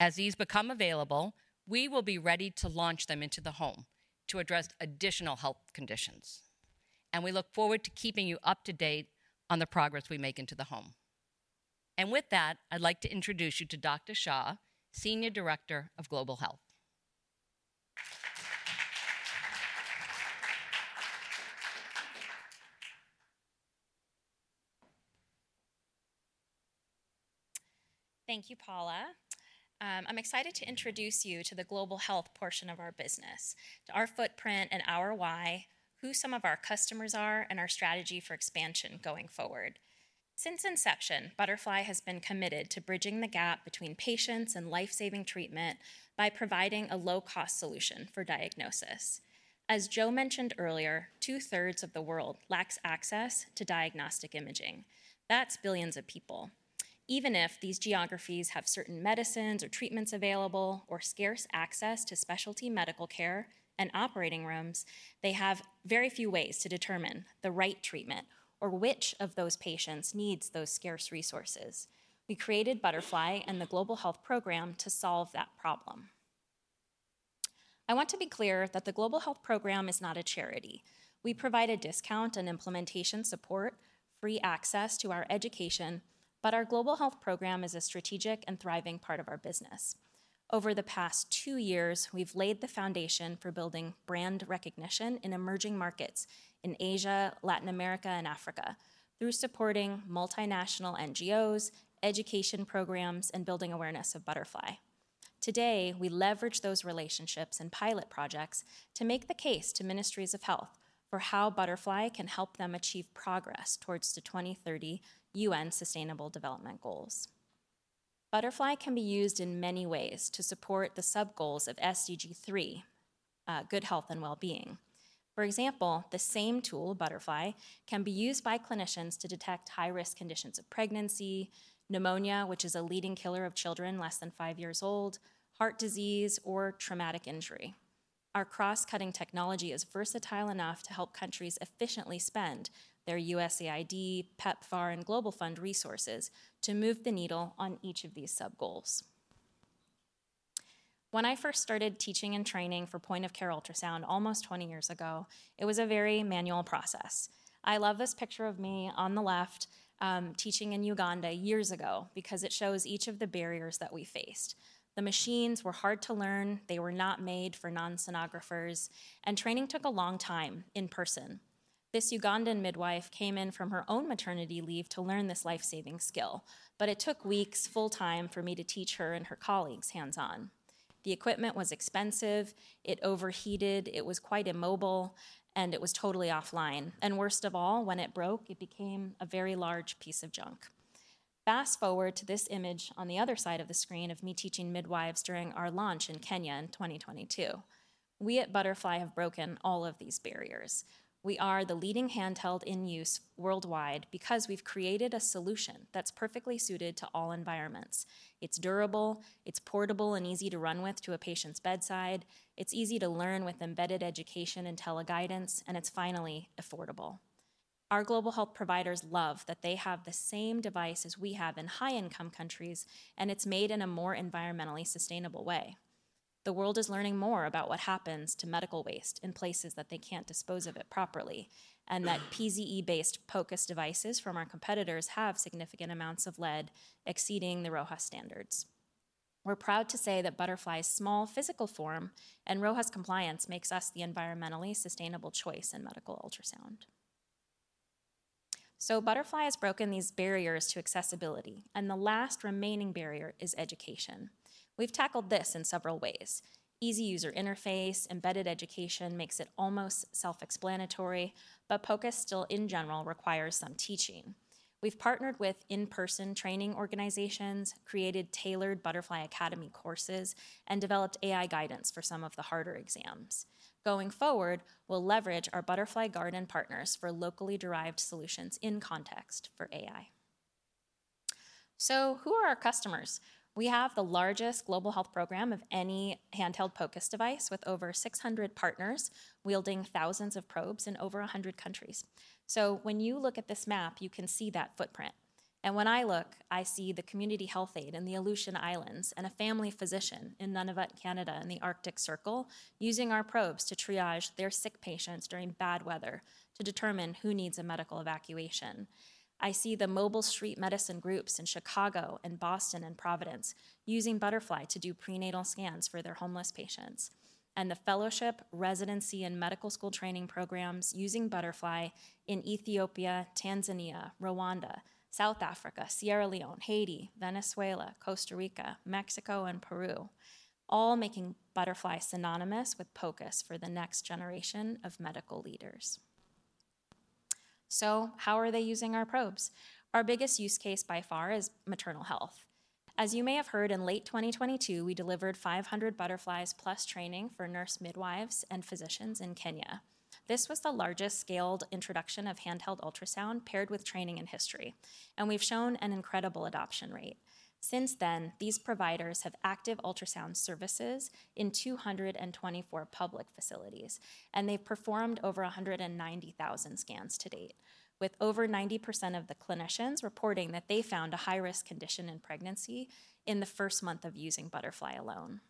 As these become available, we will be ready to launch them into the home to address additional health conditions. We look forward to keeping you up to date on the progress we make into the home. With that, I'd like to introduce you to Dr. Shah, Senior Director of Global Health. Thank you, Paula. I'm excited to introduce you to the global health portion of our business, to our footprint and our why, who some of our customers are, and our strategy for expansion going forward. Since inception, Butterfly has been committed to bridging the gap between patients and lifesaving treatment by providing a low-cost solution for diagnosis. As Joe mentioned earlier, two-thirds of the world lacks access to diagnostic imaging. That's billions of people. Even if these geographies have certain medicines or treatments available or scarce access to specialty medical care and operating rooms, they have very few ways to determine the right treatment or which of those patients needs those scarce resources. We created Butterfly and the global health program to solve that problem. I want to be clear that the global health program is not a charity. We provide a discount and implementation support, free access to our education, but our global health program is a strategic and thriving part of our business. Over the past 2 years, we've laid the foundation for building brand recognition in emerging markets in Asia, Latin America, and Africa through supporting multinational NGOs, education programs, and building awareness of Butterfly. Today, we leverage those relationships and pilot projects to make the case to ministries of health for how Butterfly can help them achieve progress towards the 2030 UN Sustainable Development Goals. Butterfly can be used in many ways to support the subgoals of SDG 3, good health and well-being. For example, the same tool, Butterfly, can be used by clinicians to detect high-risk conditions of pregnancy, pneumonia, which is a leading killer of children less than 5 years old, heart disease, or traumatic injury. Our cross-cutting technology is versatile enough to help countries efficiently spend their USAID, PEPFAR, and Global Fund resources to move the needle on each of these subgoals. When I first started teaching and training for point-of-care ultrasound almost 20 years ago, it was a very manual process. I love this picture of me on the left teaching in Uganda years ago because it shows each of the barriers that we faced. The machines were hard to learn. They were not made for non-sonographers. Training took a long time in person. This Ugandan midwife came in from her own maternity leave to learn this lifesaving skill. But it took weeks full-time for me to teach her and her colleagues hands-on. The equipment was expensive. It overheated. It was quite immobile. It was totally offline. Worst of all, when it broke, it became a very large piece of junk. Fast forward to this image on the other side of the screen of me teaching midwives during our launch in Kenya in 2022. We at Butterfly have broken all of these barriers. We are the leading handheld in use worldwide because we've created a solution that's perfectly suited to all environments. It's durable. It's portable and easy to run with to a patient's bedside. It's easy to learn with embedded education and tele-guidance. And it's finally affordable. Our global health providers love that they have the same device as we have in high-income countries, and it's made in a more environmentally sustainable way. The world is learning more about what happens to medical waste in places that they can't dispose of it properly and that PZT-based POCUS devices from our competitors have significant amounts of lead exceeding the RoHS standards. We're proud to say that Butterfly's small physical form and RoHS compliance makes us the environmentally sustainable choice in medical ultrasound. Butterfly has broken these barriers to accessibility. The last remaining barrier is education. We've tackled this in several ways. Easy user interface, embedded education makes it almost self-explanatory. But POCUS still, in general, requires some teaching. We've partnered with in-person training organizations, created tailored Butterfly Academy courses, and developed AI guidance for some of the harder exams. Going forward, we'll leverage our Butterfly Garden partners for locally derived solutions in context for AI. Who are our customers? We have the largest global health program of any handheld POCUS device with over 600 partners wielding thousands of probes in over 100 countries. When you look at this map, you can see that footprint. When I look, I see the community health aide in the Aleutian Islands and a family physician in Nunavut, Canada, in the Arctic Circle using our probes to triage their sick patients during bad weather to determine who needs a medical evacuation. I see the mobile street medicine groups in Chicago and Boston and Providence using Butterfly to do prenatal scans for their homeless patients and the fellowship, residency, and medical school training programs using Butterfly in Ethiopia, Tanzania, Rwanda, South Africa, Sierra Leone, Haiti, Venezuela, Costa Rica, Mexico, and Peru, all making Butterfly synonymous with POCUS for the next generation of medical leaders. So how are they using our probes? Our biggest use case by far is maternal health. As you may have heard, in late 2022, we delivered 500 Butterflies plus training for nurse midwives and physicians in Kenya. This was the largest scaled introduction of handheld ultrasound paired with training in history. We've shown an incredible adoption rate. Since then, these providers have active ultrasound services in 224 public facilities. They've performed over 190,000 scans to date, with over 90% of the clinicians reporting that they found a high-risk condition in pregnancy in the first month of using Butterfly alone.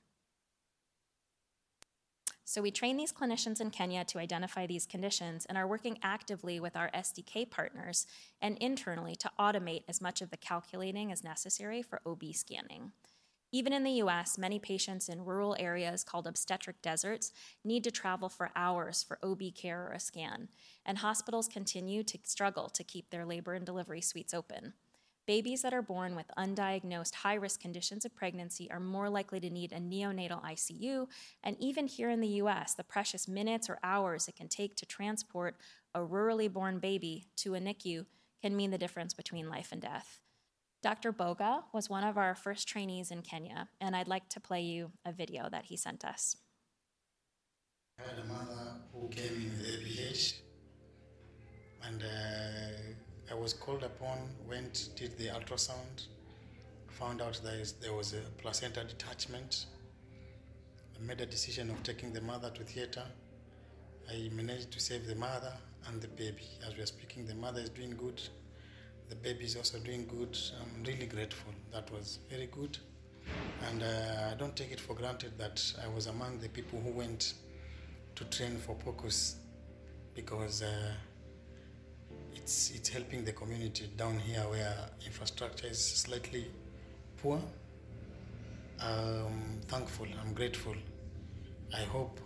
We train these clinicians in Kenya to identify these conditions and are working actively with our SDK partners and internally to automate as much of the calculating as necessary for OB scanning. Even in the U.S., many patients in rural areas called obstetric deserts need to travel for hours for OB care or a scan. Hospitals continue to struggle to keep their labor and delivery suites open. Babies that are born with undiagnosed high-risk conditions of pregnancy are more likely to need a neonatal ICU. Even here in the U.S., the precious minutes or hours it can take to transport a rurally born baby to a NICU can mean the difference between life and death. Dr. Boga was one of our first trainees in Kenya. I'd like to play you a video that he sent us. I had a mother who came in with ABH. I was called upon, went, did the ultrasound, found out that there was a placenta detachment. I made a decision of taking the mother to theater. I managed to save the mother and the baby. As we are speaking, the mother is doing good. The baby is also doing good. I'm really grateful. That was very good. I don't take it for granted that I was among the people who went to train for POCUS because it's helping the community down here where infrastructure is slightly poor. I'm thankful. I'm grateful. I hope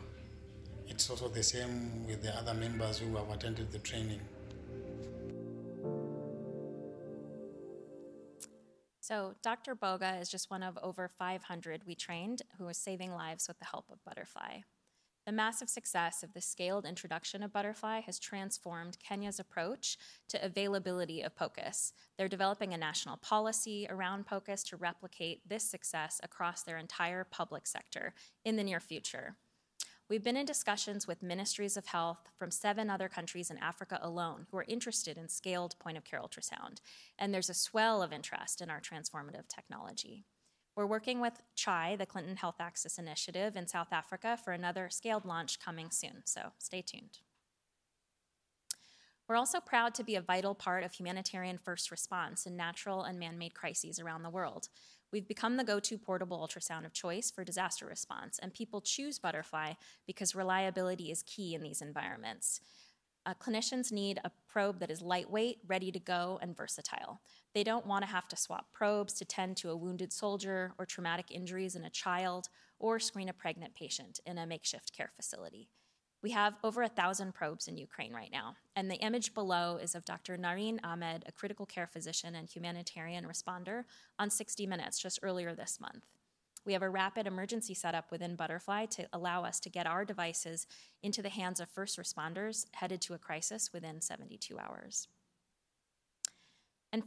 it's also the same with the other members who have attended the training. So Dr. Boga is just one of over 500 we trained who are saving lives with the help of Butterfly. The massive success of the scaled introduction of Butterfly has transformed Kenya's approach to availability of POCUS. They're developing a national policy around POCUS to replicate this success across their entire public sector in the near future. We've been in discussions with ministries of health from seven other countries in Africa alone who are interested in scaled point-of-care ultrasound. And there's a swell of interest in our transformative technology. We're working with CHAI, the Clinton Health Access Initiative in South Africa, for another scaled launch coming soon. So stay tuned. We're also proud to be a vital part of humanitarian first response in natural and manmade crises around the world. We've become the go-to portable ultrasound of choice for disaster response. People choose Butterfly because reliability is key in these environments. Clinicians need a probe that is lightweight, ready to go, and versatile. They don't want to have to swap probes to tend to a wounded soldier or traumatic injuries in a child or screen a pregnant patient in a makeshift care facility. We have over 1,000 probes in Ukraine right now. The image below is of Dr. Narine Ahmed, a critical care physician and humanitarian responder, on 60 Minutes just earlier this month. We have a rapid emergency setup within Butterfly to allow us to get our devices into the hands of first responders headed to a crisis within 72 hours.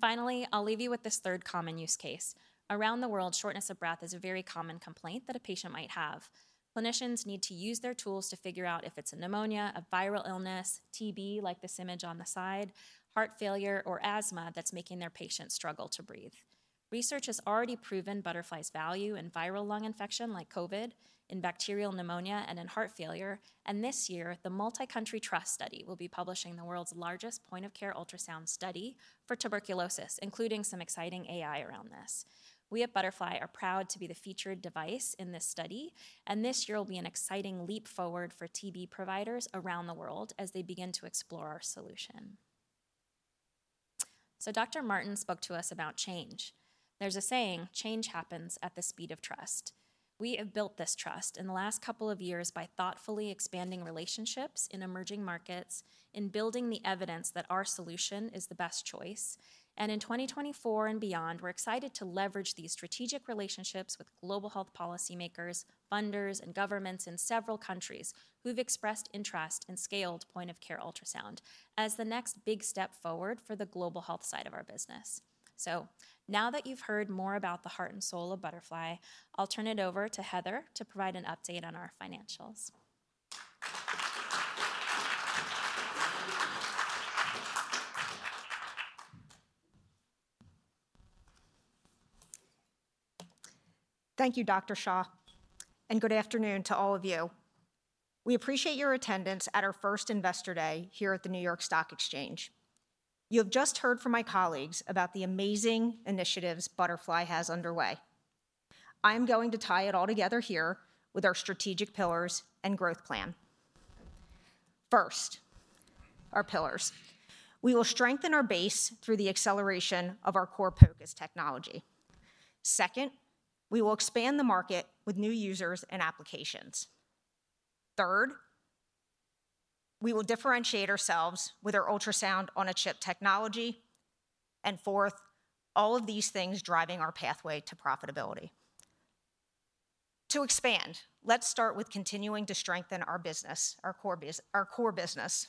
Finally, I'll leave you with this third common use case. Around the world, shortness of breath is a very common complaint that a patient might have. Clinicians need to use their tools to figure out if it's a pneumonia, a viral illness, TB like this image on the side, heart failure, or asthma that's making their patient struggle to breathe. Research has already proven Butterfly's value in viral lung infection like COVID, in bacterial pneumonia, and in heart failure. And this year, the Multicountry TRUST Study will be publishing the world's largest point-of-care ultrasound study for tuberculosis, including some exciting AI around this. We at Butterfly are proud to be the featured device in this study. And this year will be an exciting leap forward for TB providers around the world as they begin to explore our solution. So Dr. Martin spoke to us about change. There's a saying, "Change happens at the speed of trust." We have built this trust in the last couple of years by thoughtfully expanding relationships in emerging markets, in building the evidence that our solution is the best choice. And in 2024 and beyond, we're excited to leverage these strategic relationships with global health policymakers, funders, and governments in several countries who've expressed interest in scaled point-of-care ultrasound as the next big step forward for the global health side of our business. So now that you've heard more about the heart and soul of Butterfly, I'll turn it over to Heather to provide an update on our financials. Thank you, Dr. Shah. Good afternoon to all of you. We appreciate your attendance at our first Investor Day here at the New York Stock Exchange. You have just heard from my colleagues about the amazing initiatives Butterfly has underway. I'm going to tie it all together here with our strategic pillars and growth plan. First, our pillars, we will strengthen our base through the acceleration of our core POCUS technology. Second, we will expand the market with new users and applications. Third, we will differentiate ourselves with our ultrasound-on-a-chip technology. And fourth, all of these things driving our pathway to profitability. To expand, let's start with continuing to strengthen our business, our core business.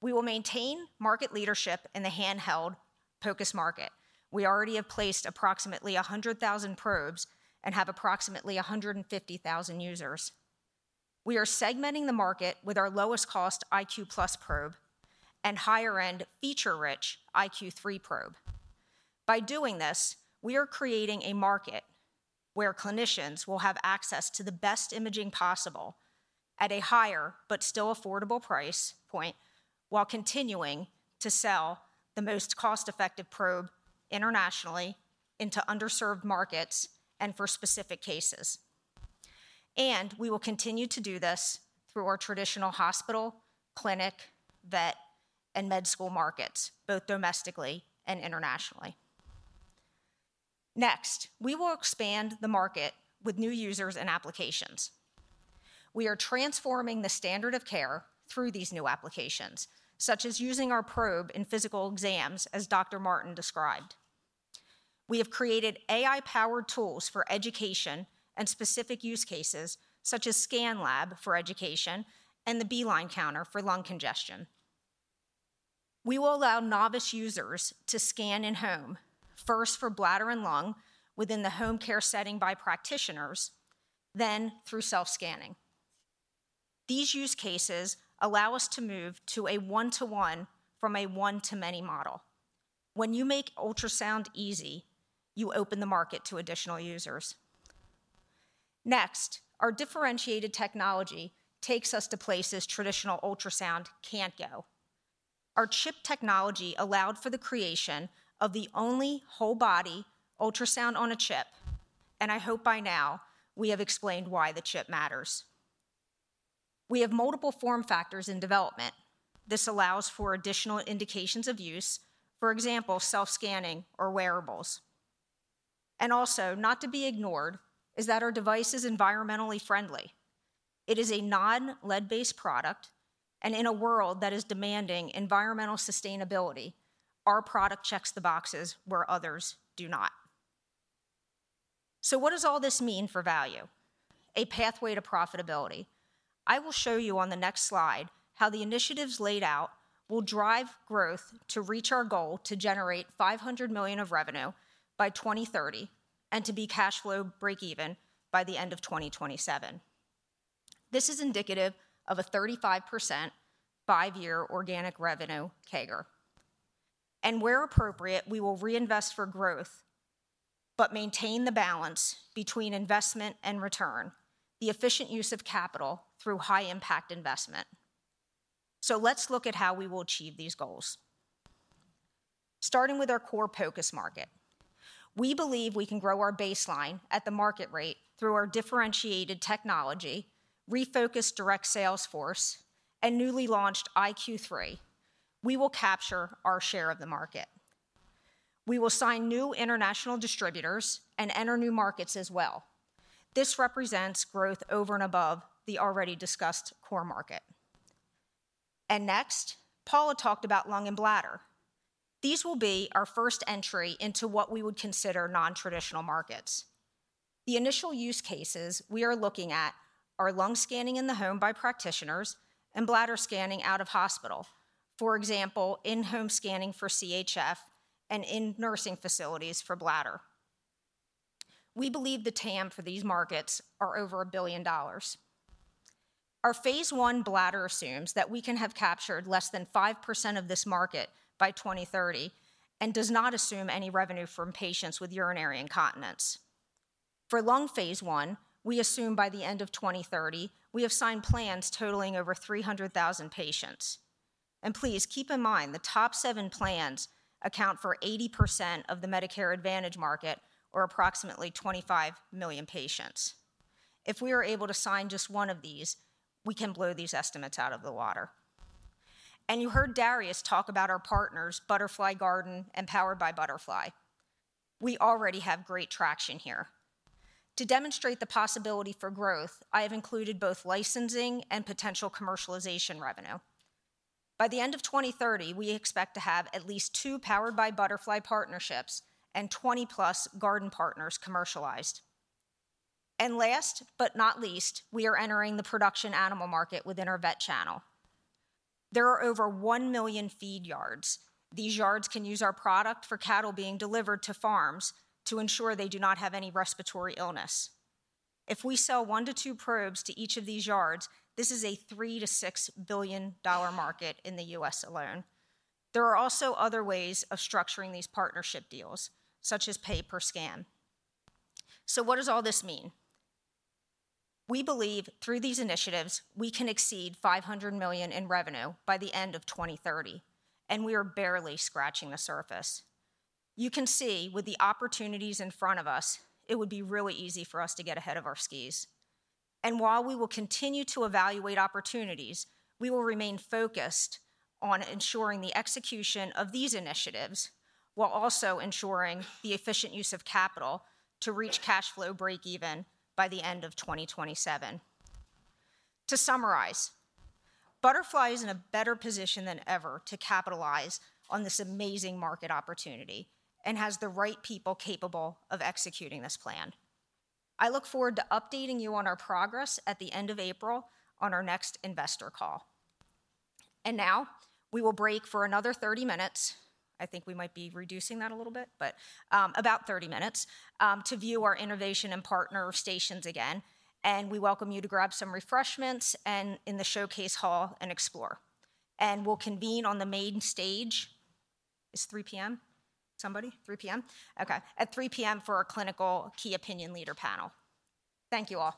We will maintain market leadership in the handheld POCUS market. We already have placed approximately 100,000 probes and have approximately 150,000 users. We are segmenting the market with our lowest-cost iQ+ probe and higher-end, feature-rich iQ3 probe. By doing this, we are creating a market where clinicians will have access to the best imaging possible at a higher but still affordable price point while continuing to sell the most cost-effective probe internationally into underserved markets and for specific cases. We will continue to do this through our traditional hospital, clinic, vet, and med school markets, both domestically and internationally. Next, we will expand the market with new users and applications. We are transforming the standard of care through these new applications, such as using our probe in physical exams, as Dr. Martin described. We have created AI-powered tools for education and specific use cases, such as ScanLab for education and the B-line counter for lung congestion. We will allow novice users to scan in home, first for bladder and lung within the home care setting by practitioners, then through self-scanning. These use cases allow us to move to a one-to-one from a one-to-many model. When you make ultrasound easy, you open the market to additional users. Next, our differentiated technology takes us to places traditional ultrasound can't go. Our chip technology allowed for the creation of the only whole-body ultrasound-on-a-chip. And I hope by now, we have explained why the chip matters. We have multiple form factors in development. This allows for additional indications of use, for example, self-scanning or wearables. And also, not to be ignored, is that our device is environmentally friendly. It is a non-lead-based product. And in a world that is demanding environmental sustainability, our product checks the boxes where others do not. So what does all this mean for value? A pathway to profitability. I will show you on the next slide how the initiatives laid out will drive growth to reach our goal to generate $500 million of revenue by 2030 and to be cash flow break-even by the end of 2027. This is indicative of a 35% five-year organic revenue CAGR. And where appropriate, we will reinvest for growth but maintain the balance between investment and return, the efficient use of capital through high-impact investment. So let's look at how we will achieve these goals. Starting with our core POCUS market, we believe we can grow our baseline at the market rate through our differentiated technology, refocused direct sales force, and newly launched iQ3. We will capture our share of the market. We will sign new international distributors and enter new markets as well. This represents growth over and above the already discussed core market. Next, Paula talked about lung and bladder. These will be our first entry into what we would consider non-traditional markets. The initial use cases we are looking at are lung scanning in the home by practitioners and bladder scanning out of hospital, for example, in-home scanning for CHF and in nursing facilities for bladder. We believe the TAM for these markets are over $1 billion. Our phase one bladder assumes that we can have captured less than 5% of this market by 2030 and does not assume any revenue from patients with urinary incontinence. For lung phase one, we assume by the end of 2030, we have signed plans totaling over 300,000 patients. Please keep in mind, the top seven plans account for 80% of the Medicare Advantage market or approximately 25,000,000 patients. If we are able to sign just one of these, we can blow these estimates out of the water. You heard Darius talk about our partners, Butterfly Garden and Powered by Butterfly. We already have great traction here. To demonstrate the possibility for growth, I have included both licensing and potential commercialization revenue. By the end of 2030, we expect to have at least two Powered by Butterfly partnerships and 20+ garden partners commercialized. Last but not least, we are entering the production animal market within our vet channel. There are over 1 million feed yards. These yards can use our product for cattle being delivered to farms to ensure they do not have any respiratory illness. If we sell 1-2 probes to each of these yards, this is a $3 billion-$6 billion market in the U.S. alone. There are also other ways of structuring these partnership deals, such as pay per scan. So what does all this mean? We believe through these initiatives, we can exceed $500 million in revenue by the end of 2030. We are barely scratching the surface. You can see with the opportunities in front of us, it would be really easy for us to get ahead of our skis. While we will continue to evaluate opportunities, we will remain focused on ensuring the execution of these initiatives while also ensuring the efficient use of capital to reach cash flow break-even by the end of 2027. To summarize, Butterfly is in a better position than ever to capitalize on this amazing market opportunity and has the right people capable of executing this plan. I look forward to updating you on our progress at the end of April on our next Investor Call. Now, we will break for another 30 minutes. I think we might be reducing that a little bit, but about 30 minutes to view our innovation and partner stations again. We welcome you to grab some refreshments in the Showcase Hall and explore. We'll convene on the main stage is 3:00 P.M.? Somebody? 3:00 P.M.? OK, at 3:00 P.M. for our clinical key opinion leader panel. Thank you all.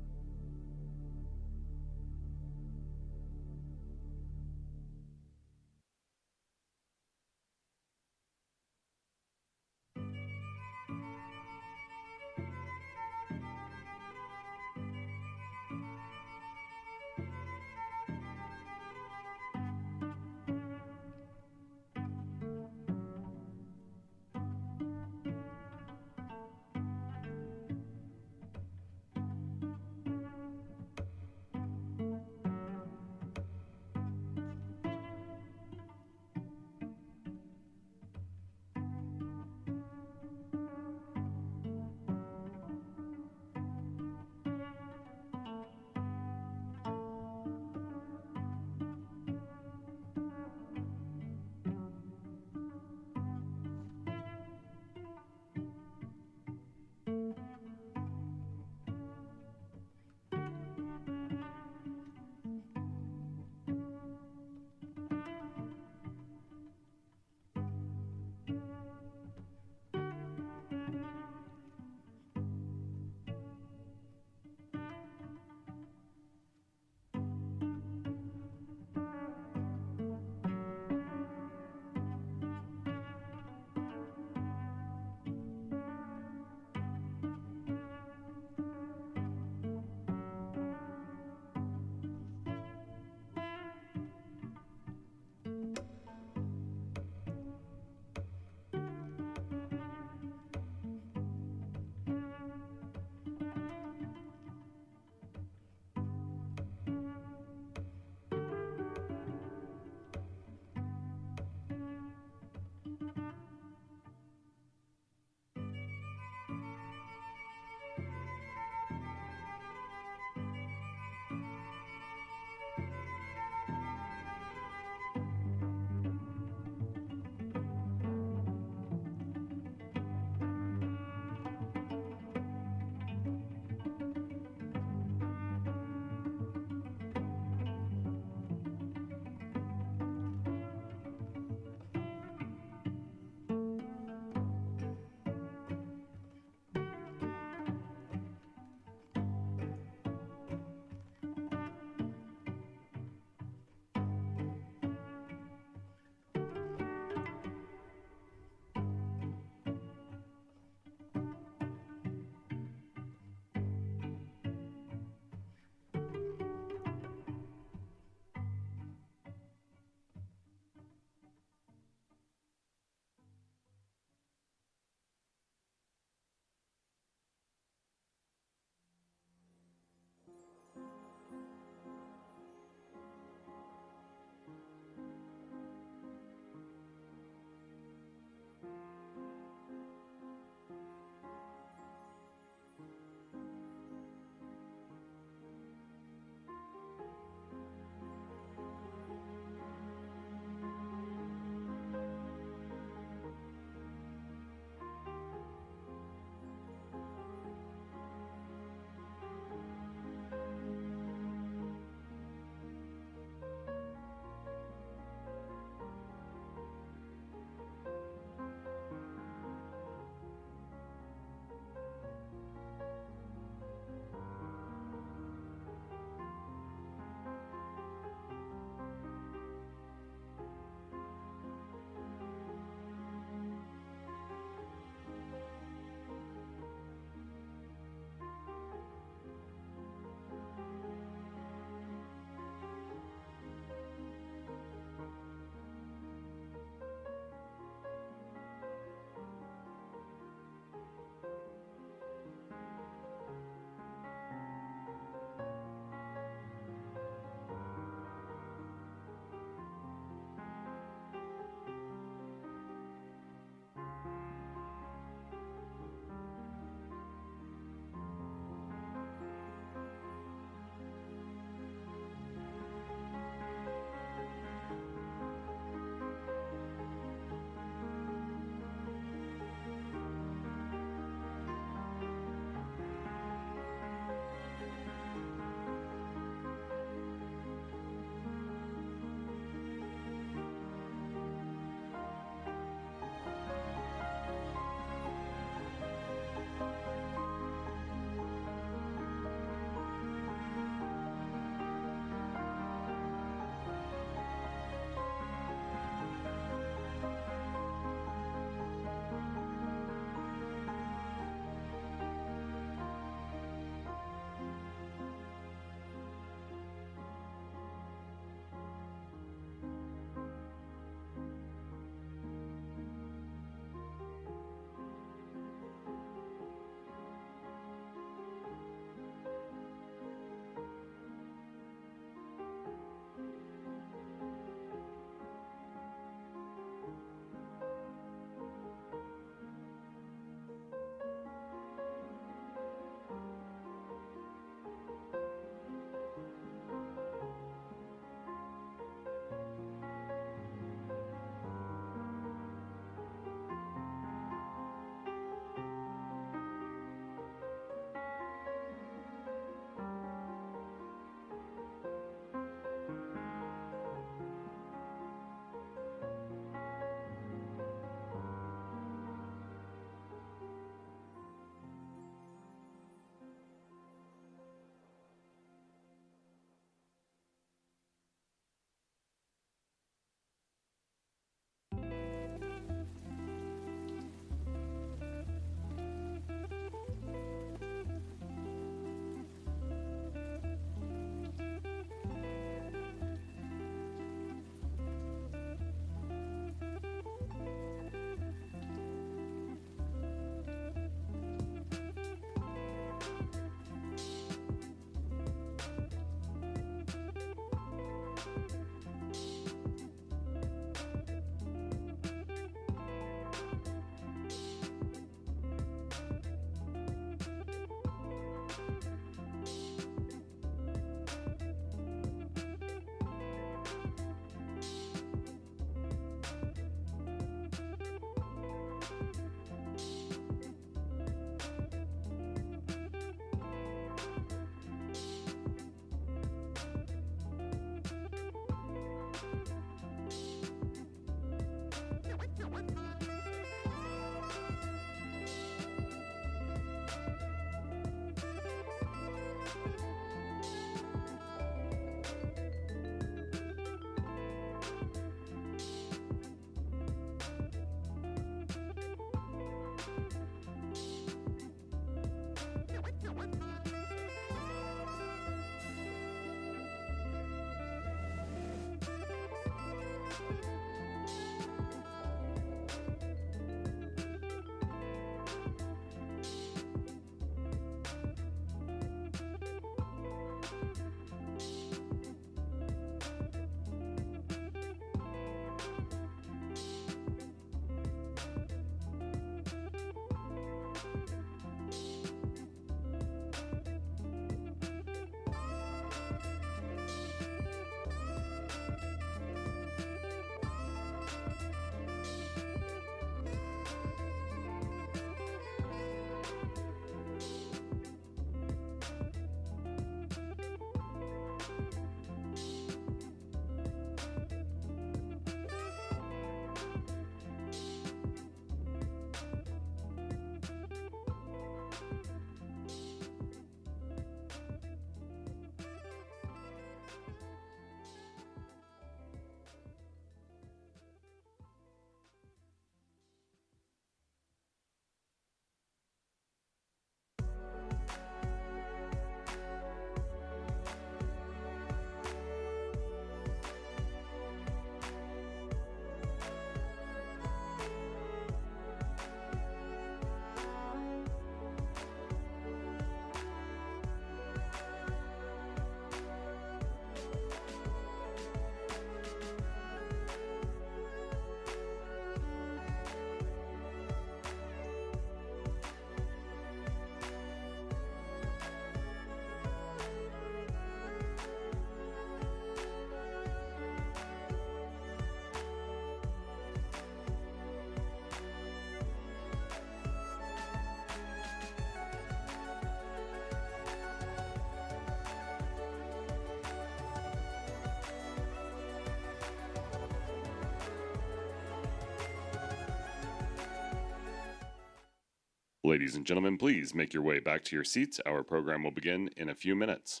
Ladies and gentlemen, please make your way back to your seats. Our program will begin in a few minutes.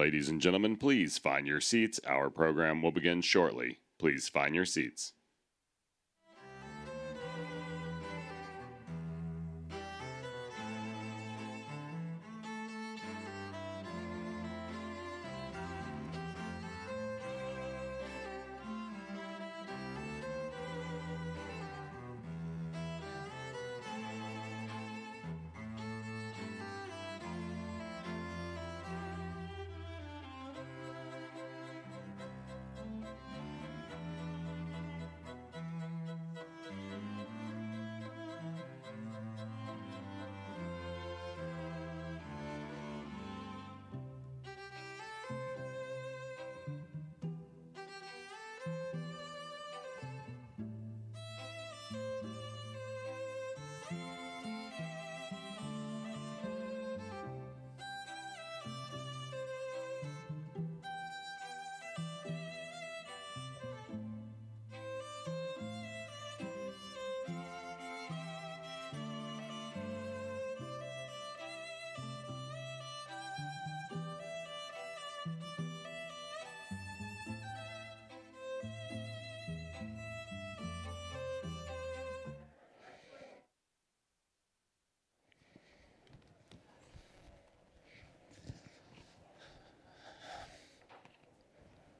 Ladies and gentlemen, please find your seats. Our program will begin shortly. Please find your seats.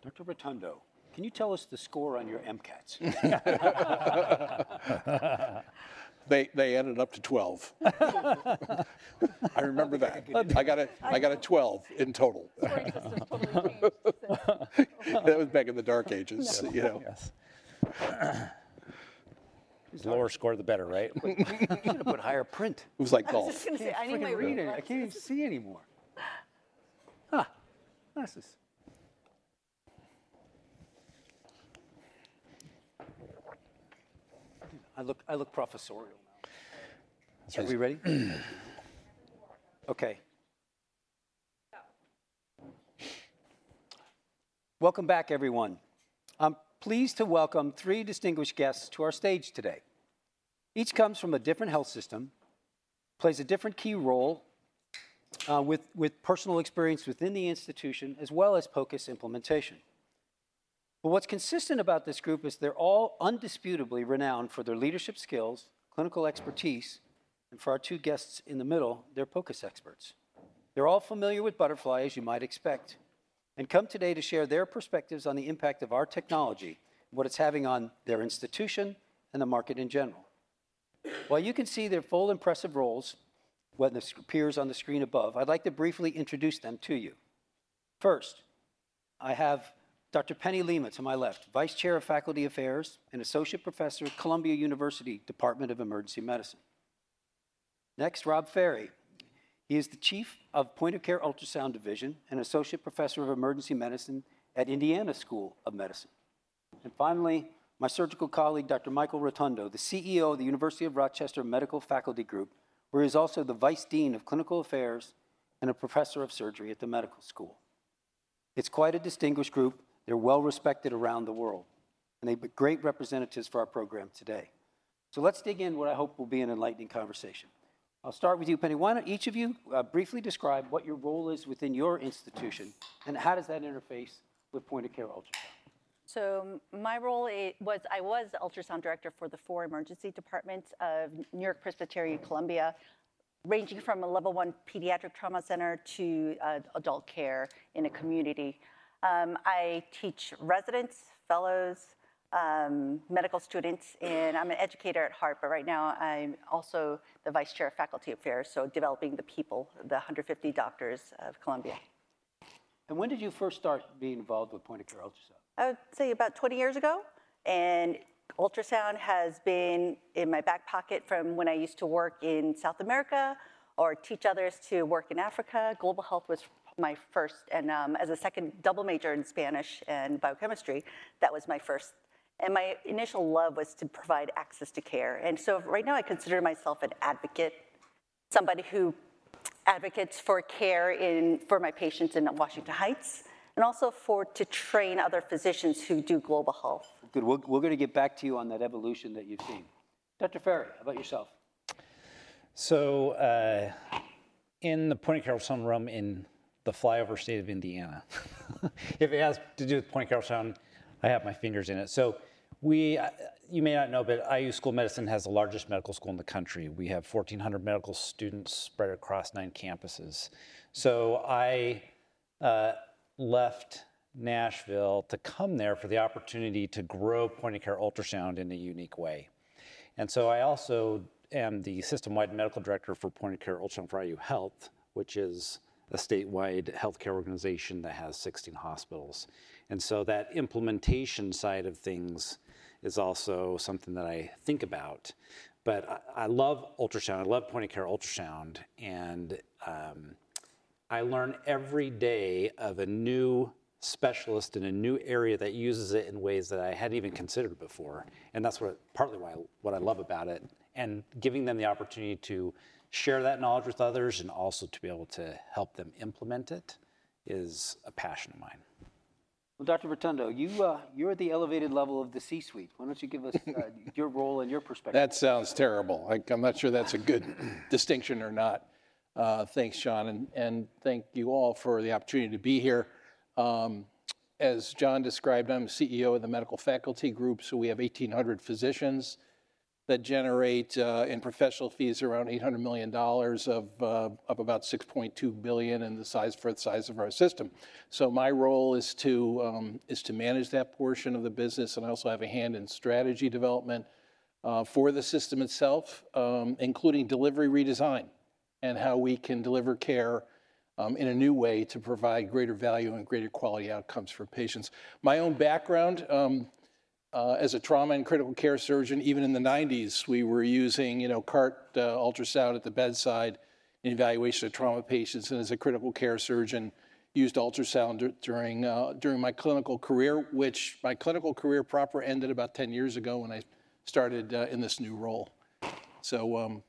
Dr. Rotundo, can you tell us the score on your MCATs? They ended up to 12. I remember that. I got a 12 in total. Our system totally changed. That was back in the dark ages, you know. Yes. The lower score, the better, right? You should have put higher print. It was like golf. I was just going to say, I need my reading. I can't even see anymore. Huh. Glasses. I look professorial now. Are we ready? OK. Welcome back, everyone. I'm pleased to welcome three distinguished guests to our stage today. Each comes from a different health system, plays a different key role with personal experience within the institution, as well as POCUS implementation. But what's consistent about this group is they're all undisputedly renowned for their leadership skills, clinical expertise, and for our two guests in the middle, they're POCUS experts. They're all familiar with Butterfly, as you might expect, and come today to share their perspectives on the impact of our technology and what it's having on their institution and the market in general. While you can see their full impressive roles, whether this appears on the screen above, I'd like to briefly introduce them to you. First, I have Dr. Penny Leman to my left, Vice Chair of Faculty Affairs and Associate Professor at Columbia University Department of Emergency Medicine. Next, Rob Ferre. He is the Chief of Point-of-Care Ultrasound Division and Associate Professor of Emergency Medicine at Indiana School of Medicine. And finally, my surgical colleague, Dr. Michael Rotundo, the CEO of the University of Rochester Medical Faculty Group, where he's also the Vice Dean of Clinical Affairs and a Professor of Surgery at the medical school. It's quite a distinguished group. They're well-respected around the world, and they're great representatives for our program today. Let's dig in, what I hope will be an enlightening conversation. I'll start with you, Penny. Why don't each of you briefly describe what your role is within your institution, and how does that interface with point-of-care ultrasound? So my role was I was ultrasound director for the four emergency departments of New York-Presbyterian, Columbia, ranging from a Level 1 pediatric trauma center to adult care in a community. I teach residents, fellows, medical students, and I'm an educator at heart, but right now I'm also the Vice Chair of Faculty Affairs, so developing the people, the 150 doctors of Columbia. And when did you first start being involved with point-of-care ultrasound? I would say about 20 years ago. Ultrasound has been in my back pocket from when I used to work in South America or teach others to work in Africa. Global Health was my first, and as a second double major in Spanish and biochemistry, that was my first. My initial love was to provide access to care. So right now I consider myself an advocate, somebody who advocates for care for my patients in Washington Heights, and also to train other physicians who do global health. Good. We're going to get back to you on that evolution that you've seen. Dr. Ferre, how about yourself? So in the point-of-care ultrasound room in the flyover state of Indiana. If it has to do with point-of-care ultrasound, I have my fingers in it. So you may not know, but IU School of Medicine has the largest medical school in the country. We have 1,400 medical students spread across 9 campuses. I left Nashville to come there for the opportunity to grow point-of-care ultrasound in a unique way. I also am the system-wide medical director for point-of-care ultrasound for IU Health, which is a statewide health care organization that has 16 hospitals. That implementation side of things is also something that I think about. But I love ultrasound. I love point-of-care ultrasound. I learn every day of a new specialist in a new area that uses it in ways that I hadn't even considered before. That's partly why what I love about it. Giving them the opportunity to share that knowledge with others and also to be able to help them implement it is a passion of mine. Well, Dr. Rotundo, you're at the elevated level of the C-suite. Why don't you give us your role and your perspective? That sounds terrible. I'm not sure that's a good distinction or not. Thanks, John. And thank you all for the opportunity to be here. As John described, I'm CEO of the medical faculty group. So we have 1,800 physicians that generate, in professional fees, around $800 million, of about $6.2 billion in the size for the size of our system. So my role is to manage that portion of the business. And I also have a hand in strategy development for the system itself, including delivery redesign and how we can deliver care in a new way to provide greater value and greater quality outcomes for patients. My own background as a trauma and critical care surgeon, even in the '90s, we were using cart-based ultrasound at the bedside in evaluation of trauma patients. As a critical care surgeon, used ultrasound during my clinical career, which my clinical career proper ended about 10 years ago when I started in this new role. So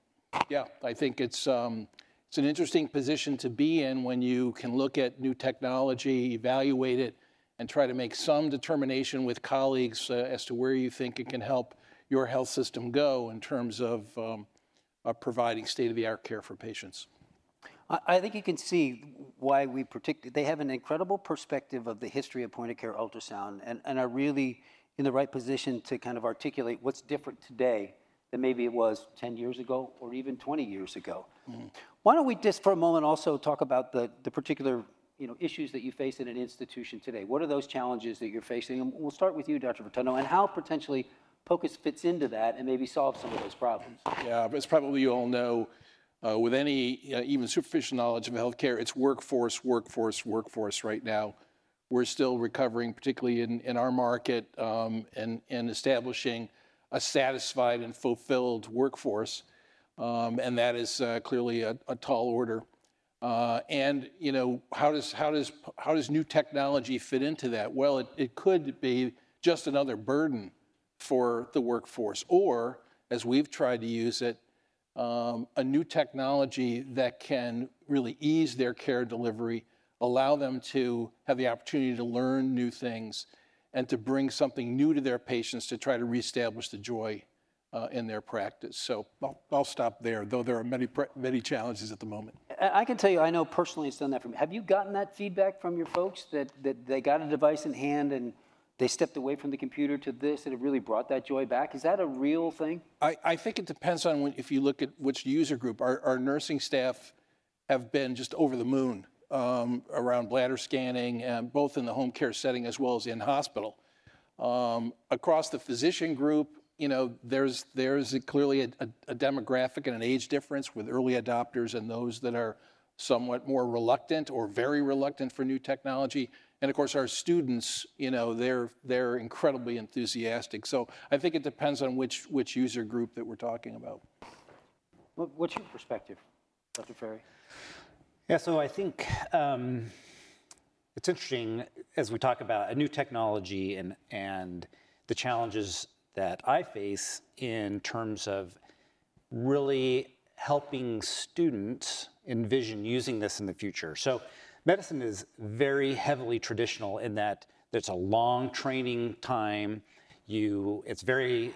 yeah, I think it's an interesting position to be in when you can look at new technology, evaluate it, and try to make some determination with colleagues as to where you think it can help your health system go in terms of providing state-of-the-art care for patients. I think you can see why we particularly they have an incredible perspective of the history of point-of-care ultrasound and are really in the right position to kind of articulate what's different today than maybe it was 10 years ago or even 20 years ago. Why don't we, just for a moment, also talk about the particular issues that you face in an institution today? What are those challenges that you're facing? And we'll start with you, Dr. Rotundo, and how potentially POCUS fits into that and maybe solve some of those problems. Yeah. As probably you all know, with any even superficial knowledge of health care, it's workforce, workforce, workforce right now. We're still recovering, particularly in our market, and establishing a satisfied and fulfilled workforce. And that is clearly a tall order. And how does new technology fit into that? Well, it could be just another burden for the workforce. Or, as we've tried to use it, a new technology that can really ease their care delivery, allow them to have the opportunity to learn new things and to bring something new to their patients to try to reestablish the joy in their practice. So I'll stop there, though there are many challenges at the moment. I can tell you, I know personally it's done that for me. Have you gotten that feedback from your folks that they got a device in hand and they stepped away from the computer to this that have really brought that joy back? Is that a real thing? I think it depends on if you look at which user group. Our nursing staff have been just over the moon around bladder scanning, both in the home care setting as well as in hospital. Across the physician group, there's clearly a demographic and an age difference with early adopters and those that are somewhat more reluctant or very reluctant for new technology. Of course, our students, they're incredibly enthusiastic. I think it depends on which user group that we're talking about. What's your perspective, Dr. Ferre? Yeah. So I think it's interesting, as we talk about a new technology and the challenges that I face in terms of really helping students envision using this in the future. So medicine is very heavily traditional in that there's a long training time. It's very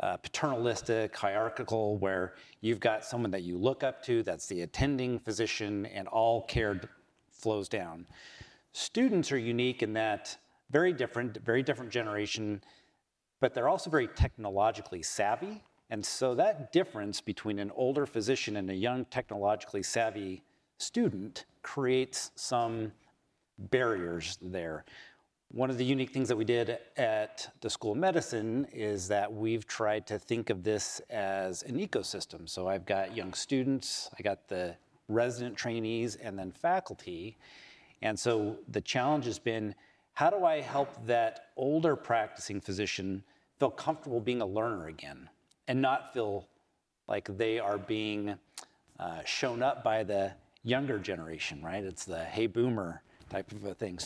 paternalistic, hierarchical, where you've got someone that you look up to, that's the attending physician, and all care flows down. Students are unique in that very different, very different generation, but they're also very technologically savvy. And so that difference between an older physician and a young technologically savvy student creates some barriers there. One of the unique things that we did at the School of Medicine is that we've tried to think of this as an ecosystem. So I've got young students. I got the resident trainees and then faculty. So the challenge has been, how do I help that older practicing physician feel comfortable being a learner again and not feel like they are being shown up by the younger generation, right? It's the hey boomer type of a thing.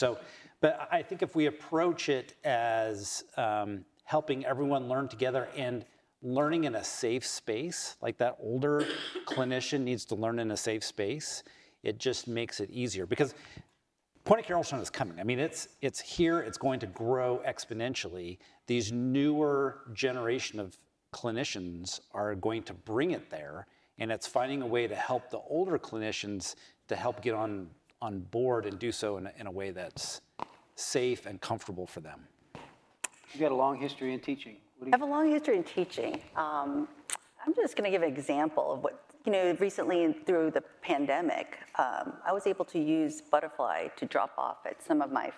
But I think if we approach it as helping everyone learn together and learning in a safe space, like that older clinician needs to learn in a safe space, it just makes it easier. Because point-of-care ultrasound is coming. I mean, it's here. It's going to grow exponentially. These newer generation of clinicians are going to bring it there. And it's finding a way to help the older clinicians to help get on board and do so in a way that's safe and comfortable for them. You've got a long history in teaching. What do you have? I have a long history in teaching. I'm just going to give an example of what recently, through the pandemic, I was able to use Butterfly to drop off at some of my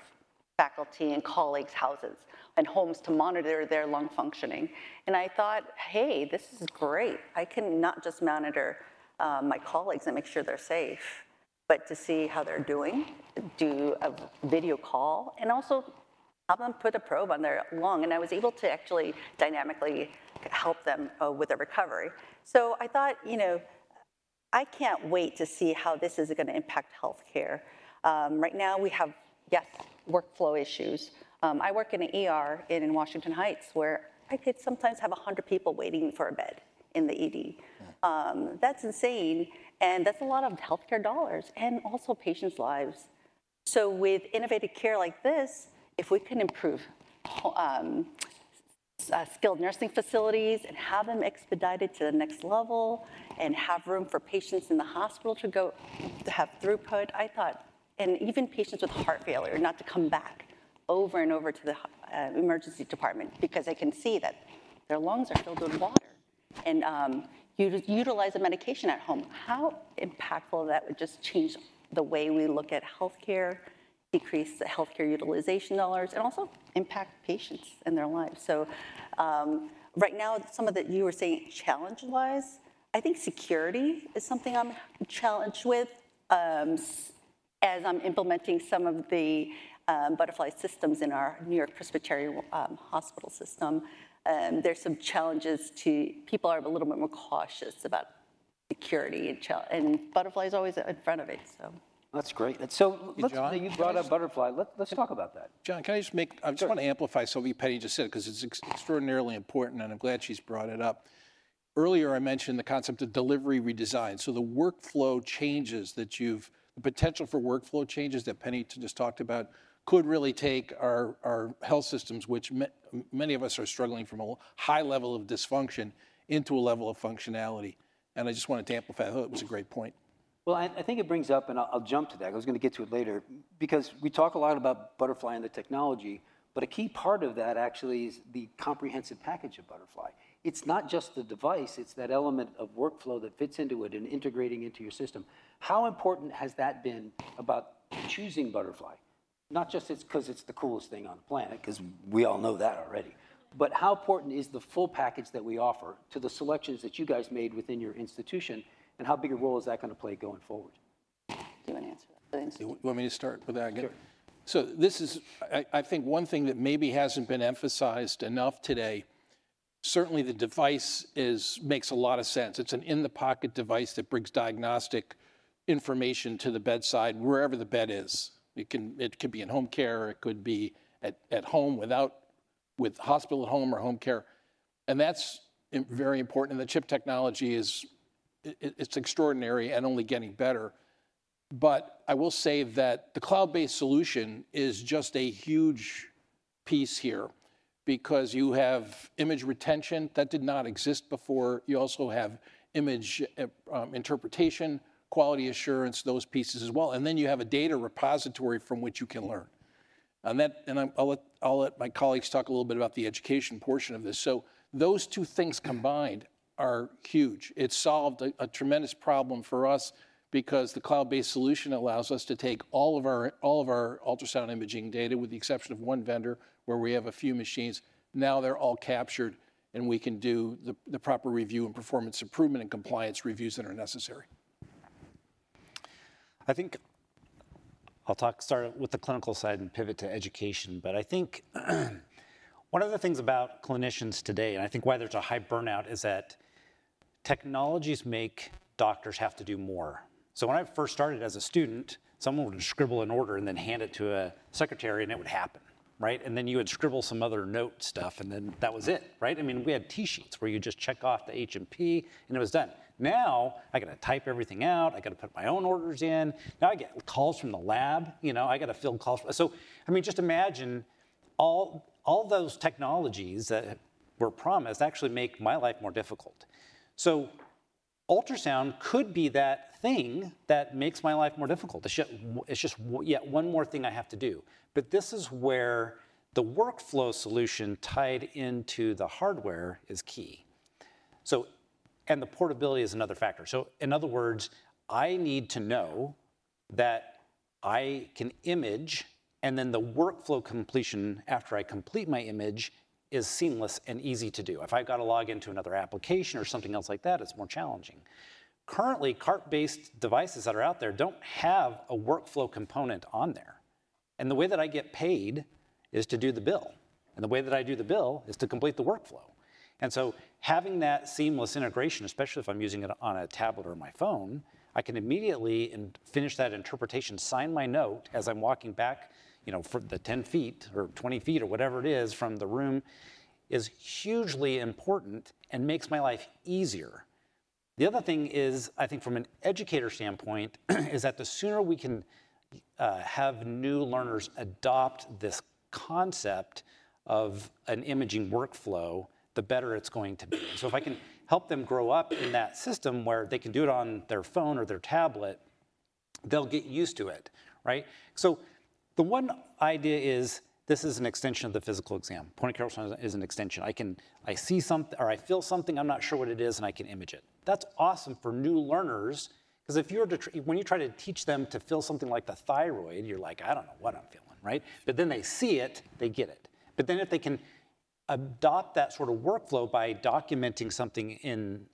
faculty and colleagues' houses and homes to monitor their lung functioning. I thought, hey, this is great. I can not just monitor my colleagues and make sure they're safe, but to see how they're doing, do a video call, and also have them put a probe on their lung. I was able to actually dynamically help them with their recovery. I thought, you know I can't wait to see how this is going to impact health care. Right now, we have, yes, workflow issues. I work in an ED in Washington Heights, where I could sometimes have 100 people waiting for a bed in the ED. That's insane. And that's a lot of health care dollars and also patients' lives. So with innovative care like this, if we can improve skilled nursing facilities and have them expedited to the next level and have room for patients in the hospital to go to have throughput, I thought, and even patients with heart failure, not to come back over and over to the emergency department because they can see that their lungs are filled with water and utilize a medication at home, how impactful that would just change the way we look at health care, decrease the health care utilization dollars, and also impact patients and their lives. So right now, some of that you were saying challenge-wise, I think security is something I'm challenged with as I'm implementing some of the Butterfly systems in our New York-Presbyterian Hospital system. There's some challenges to people are a little bit more cautious about security. Butterfly is always in front of it, so. That's great. So you brought up Butterfly. Let's talk about that. John, can I just make I just want to amplify something Penny just said because it's extraordinarily important. And I'm glad she's brought it up. Earlier, I mentioned the concept of delivery redesign. So the workflow changes that you've the potential for workflow changes that Penny just talked about could really take our health systems, which many of us are struggling from a high level of dysfunction, into a level of functionality. And I just wanted to amplify that. I thought it was a great point. Well, I think it brings up and I'll jump to that. I was going to get to it later. Because we talk a lot about Butterfly and the technology, but a key part of that actually is the comprehensive package of Butterfly. It's not just the device. It's that element of workflow that fits into it and integrating into your system. How important has that been about choosing Butterfly? Not just because it's the coolest thing on the planet, because we all know that already. But how important is the full package that we offer to the selections that you guys made within your institution? And how big a role is that going to play going forward? Do you want to answer that for the institution? Do you want me to start with that again? Sure. So this is, I think, one thing that maybe hasn't been emphasized enough today. Certainly, the device makes a lot of sense. It's an in-the-pocket device that brings diagnostic information to the bedside wherever the bed is. It could be in home care. It could be at home with hospital at home or home care. That's very important. The chip technology, it's extraordinary and only getting better. But I will say that the cloud-based solution is just a huge piece here because you have image retention that did not exist before. You also have image interpretation, quality assurance, those pieces as well. Then you have a data repository from which you can learn. I'll let my colleagues talk a little bit about the education portion of this. So those two things combined are huge. It solved a tremendous problem for us because the cloud-based solution allows us to take all of our ultrasound imaging data, with the exception of one vendor where we have a few machines. Now they're all captured. We can do the proper review and performance improvement and compliance reviews that are necessary. I think I'll talk start with the clinical side and pivot to education. But I think one of the things about clinicians today, and I think why there's a high burnout, is that technologies make doctors have to do more. So when I first started as a student, someone would scribble an order and then hand it to a secretary. And it would happen, right? And then you would scribble some other note stuff. And then that was it, right? I mean, we had T-shirts where you just check off the H&P. And it was done. Now I got to type everything out. I got to put my own orders in. Now I get calls from the lab. I got to field calls. So I mean, just imagine all those technologies that were promised actually make my life more difficult. So ultrasound could be that thing that makes my life more difficult. It's just, yeah, one more thing I have to do. But this is where the workflow solution tied into the hardware is key. And the portability is another factor. So in other words, I need to know that I can image. And then the workflow completion after I complete my image is seamless and easy to do. If I've got to log into another application or something else like that, it's more challenging. Currently, cart-based devices that are out there don't have a workflow component on there. And the way that I get paid is to do the bill. And the way that I do the bill is to complete the workflow. Having that seamless integration, especially if I'm using it on a tablet or my phone, I can immediately finish that interpretation, sign my note as I'm walking back for the 10 feet or 20 feet or whatever it is from the room, is hugely important and makes my life easier. The other thing is, I think from an educator standpoint, is that the sooner we can have new learners adopt this concept of an imaging workflow, the better it's going to be. If I can help them grow up in that system where they can do it on their phone or their tablet, they'll get used to it, right? The one idea is this is an extension of the physical exam. Point-of-care ultrasound is an extension. I see something or I feel something. I'm not sure what it is. And I can image it. That's awesome for new learners because if you're when you try to teach them to feel something like the thyroid, you're like, I don't know what I'm feeling, right? But then they see it. They get it. But then if they can adopt that sort of workflow by documenting something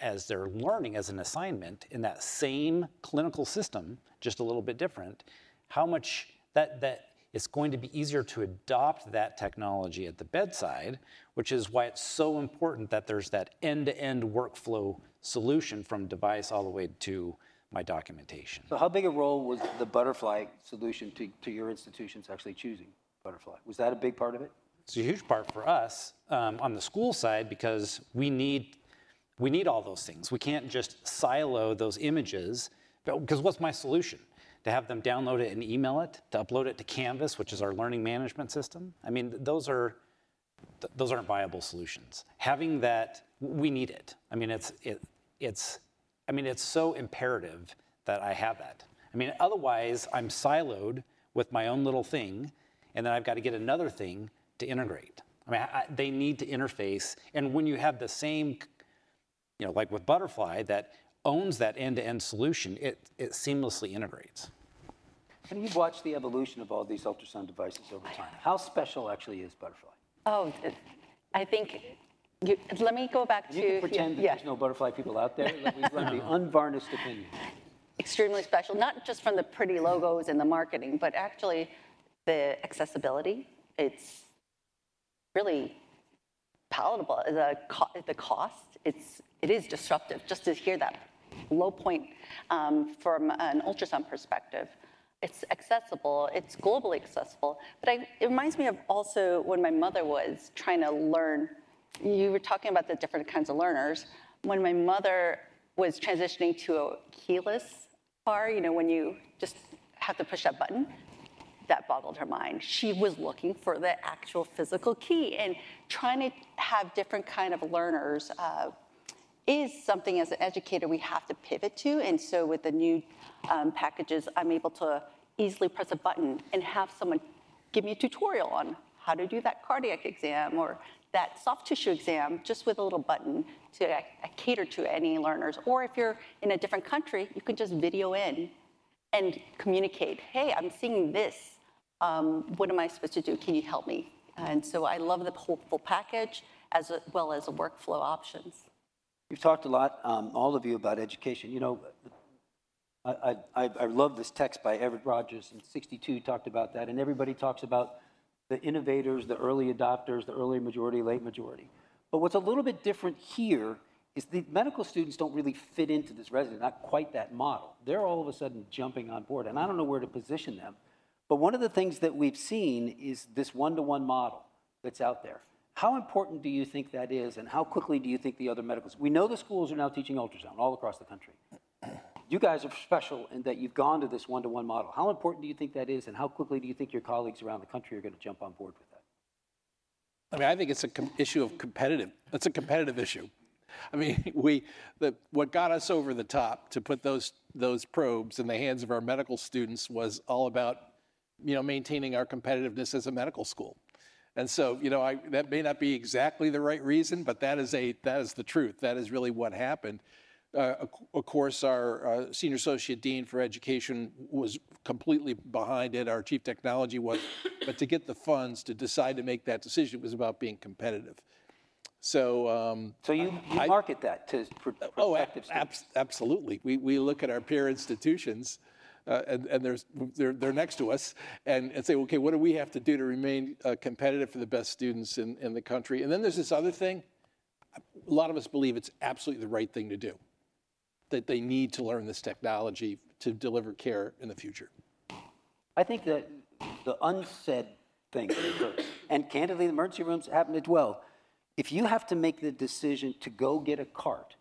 as they're learning, as an assignment in that same clinical system, just a little bit different, how much that it's going to be easier to adopt that technology at the bedside, which is why it's so important that there's that end-to-end workflow solution from device all the way to my documentation. So how big a role was the Butterfly solution to your institution's actually choosing Butterfly? Was that a big part of it? It's a huge part for us on the school side because we need all those things. We can't just silo those images. Because what's my solution? To have them download it and email it, to upload it to Canvas, which is our learning management system? I mean, those aren't viable solutions. Having that, we need it. I mean, I mean, it's so imperative that I have that. I mean, otherwise, I'm siloed with my own little thing. And then I've got to get another thing to integrate. I mean, they need to interface. And when you have the same, like with Butterfly, that owns that end-to-end solution, it seamlessly integrates. Penny, you've watched the evolution of all these ultrasound devices over time. How special actually is Butterfly? Oh, I think. Let me go back to... You can pretend that there's no Butterfly people out there. Let me run the unvarnished opinion. Extremely special, not just from the pretty logos and the marketing, but actually the accessibility. It's really palatable. The cost, it is disruptive. Just to hear that low point from an ultrasound perspective. It's accessible. It's globally accessible. But it reminds me of also when my mother was trying to learn. You were talking about the different kinds of learners. When my mother was transitioning to a keyless car, you know when you just have to push that button, that boggled her mind. She was looking for the actual physical key. And trying to have different kinds of learners is something, as an educator, we have to pivot to. And so with the new packages, I'm able to easily press a button and have someone give me a tutorial on how to do that cardiac exam or that soft tissue exam just with a little button to cater to any learners. Or if you're in a different country, you can just video in and communicate, "Hey, I'm seeing this. What am I supposed to do? Can you help me? And so I love the whole full package as well as the workflow options. You've talked a lot, all of you, about education. You know I love this text by Everett Rogers in '62. He talked about that. And everybody talks about the innovators, the early adopters, the early majority, late majority. But what's a little bit different here is the medical students don't really fit into this resident, not quite that model. They're all of a sudden jumping on board. And I don't know where to position them. But one of the things that we've seen is this one-to-one model that's out there. How important do you think that is? And how quickly do you think the other medical we know the schools are now teaching ultrasound all across the country. You guys are special in that you've gone to this one-to-one model. How important do you think that is? And how quickly do you think your colleagues around the country are going to jump on board with that? I mean, I think it's an issue of competitiveness. It's a competitive issue. I mean, what got us over the top to put those probes in the hands of our medical students was all about maintaining our competitiveness as a medical school. And so that may not be exactly the right reason. But that is the truth. That is really what happened. Of course, our senior associate dean for education was completely behind it. Our chief technology was. But to get the funds to decide to make that decision was about being competitive. So you market that to prospective students? Oh, absolutely. We look at our peer institutions. They're next to us and say, OK, what do we have to do to remain competitive for the best students in the country? Then there's this other thing. A lot of us believe it's absolutely the right thing to do, that they need to learn this technology to deliver care in the future. I think that the unsaid thing that occurs and candidly, the emergency rooms happened as well. If you have to make the decision to go get a CAR-T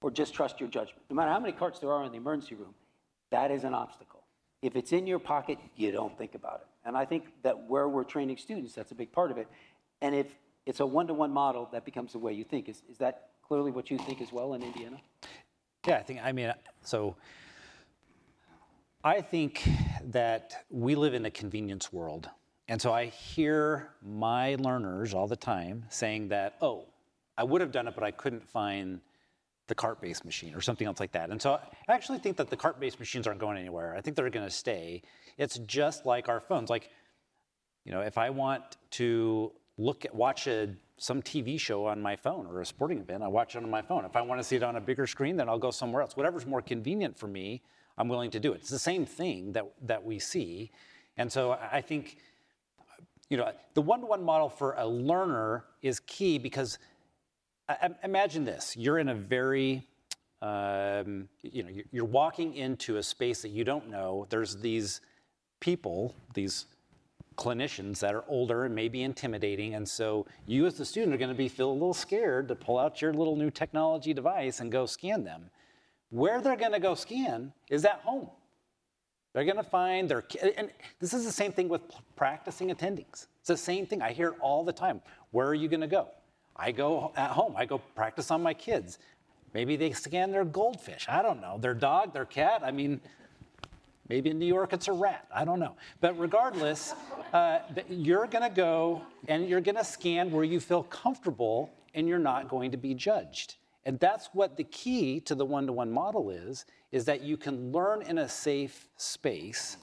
or just trust your judgment, no matter how many CAR-Ts there are in the emergency room, that is an obstacle. If it's in your pocket, you don't think about it. I think that where we're training students, that's a big part of it. If it's a one-to-one model, that becomes the way you think. Is that clearly what you think as well in Indiana? Yeah, I think, I mean, we live in a convenience world. So I hear my learners all the time saying that, oh, I would have done it. But I couldn't find the cart-based machine or something else like that. So I actually think that the cart-based machines aren't going anywhere. I think they're going to stay. It's just like our phones. Like if I want to watch some TV show on my phone or a sporting event, I watch it on my phone. If I want to see it on a bigger screen, then I'll go somewhere else. Whatever's more convenient for me, I'm willing to do it. It's the same thing that we see. So I think the one-to-one model for a learner is key because imagine this. You're walking into a space that you don't know. There's these people, these clinicians that are older and may be intimidating. And so you, as the student, are going to feel a little scared to pull out your little new technology device and go scan them. Where they're going to go scan is at home. They're going to find their and this is the same thing with practicing attendings. It's the same thing I hear all the time. Where are you going to go? I go at home. I go practice on my kids. Maybe they scan their goldfish. I don't know. Their dog, their cat. I mean, maybe in New York, it's a rat. I don't know. But regardless, you're going to go. And you're going to scan where you feel comfortable. And you're not going to be judged. And that's what the key to the one-to-one model is, is that you can learn in a safe space.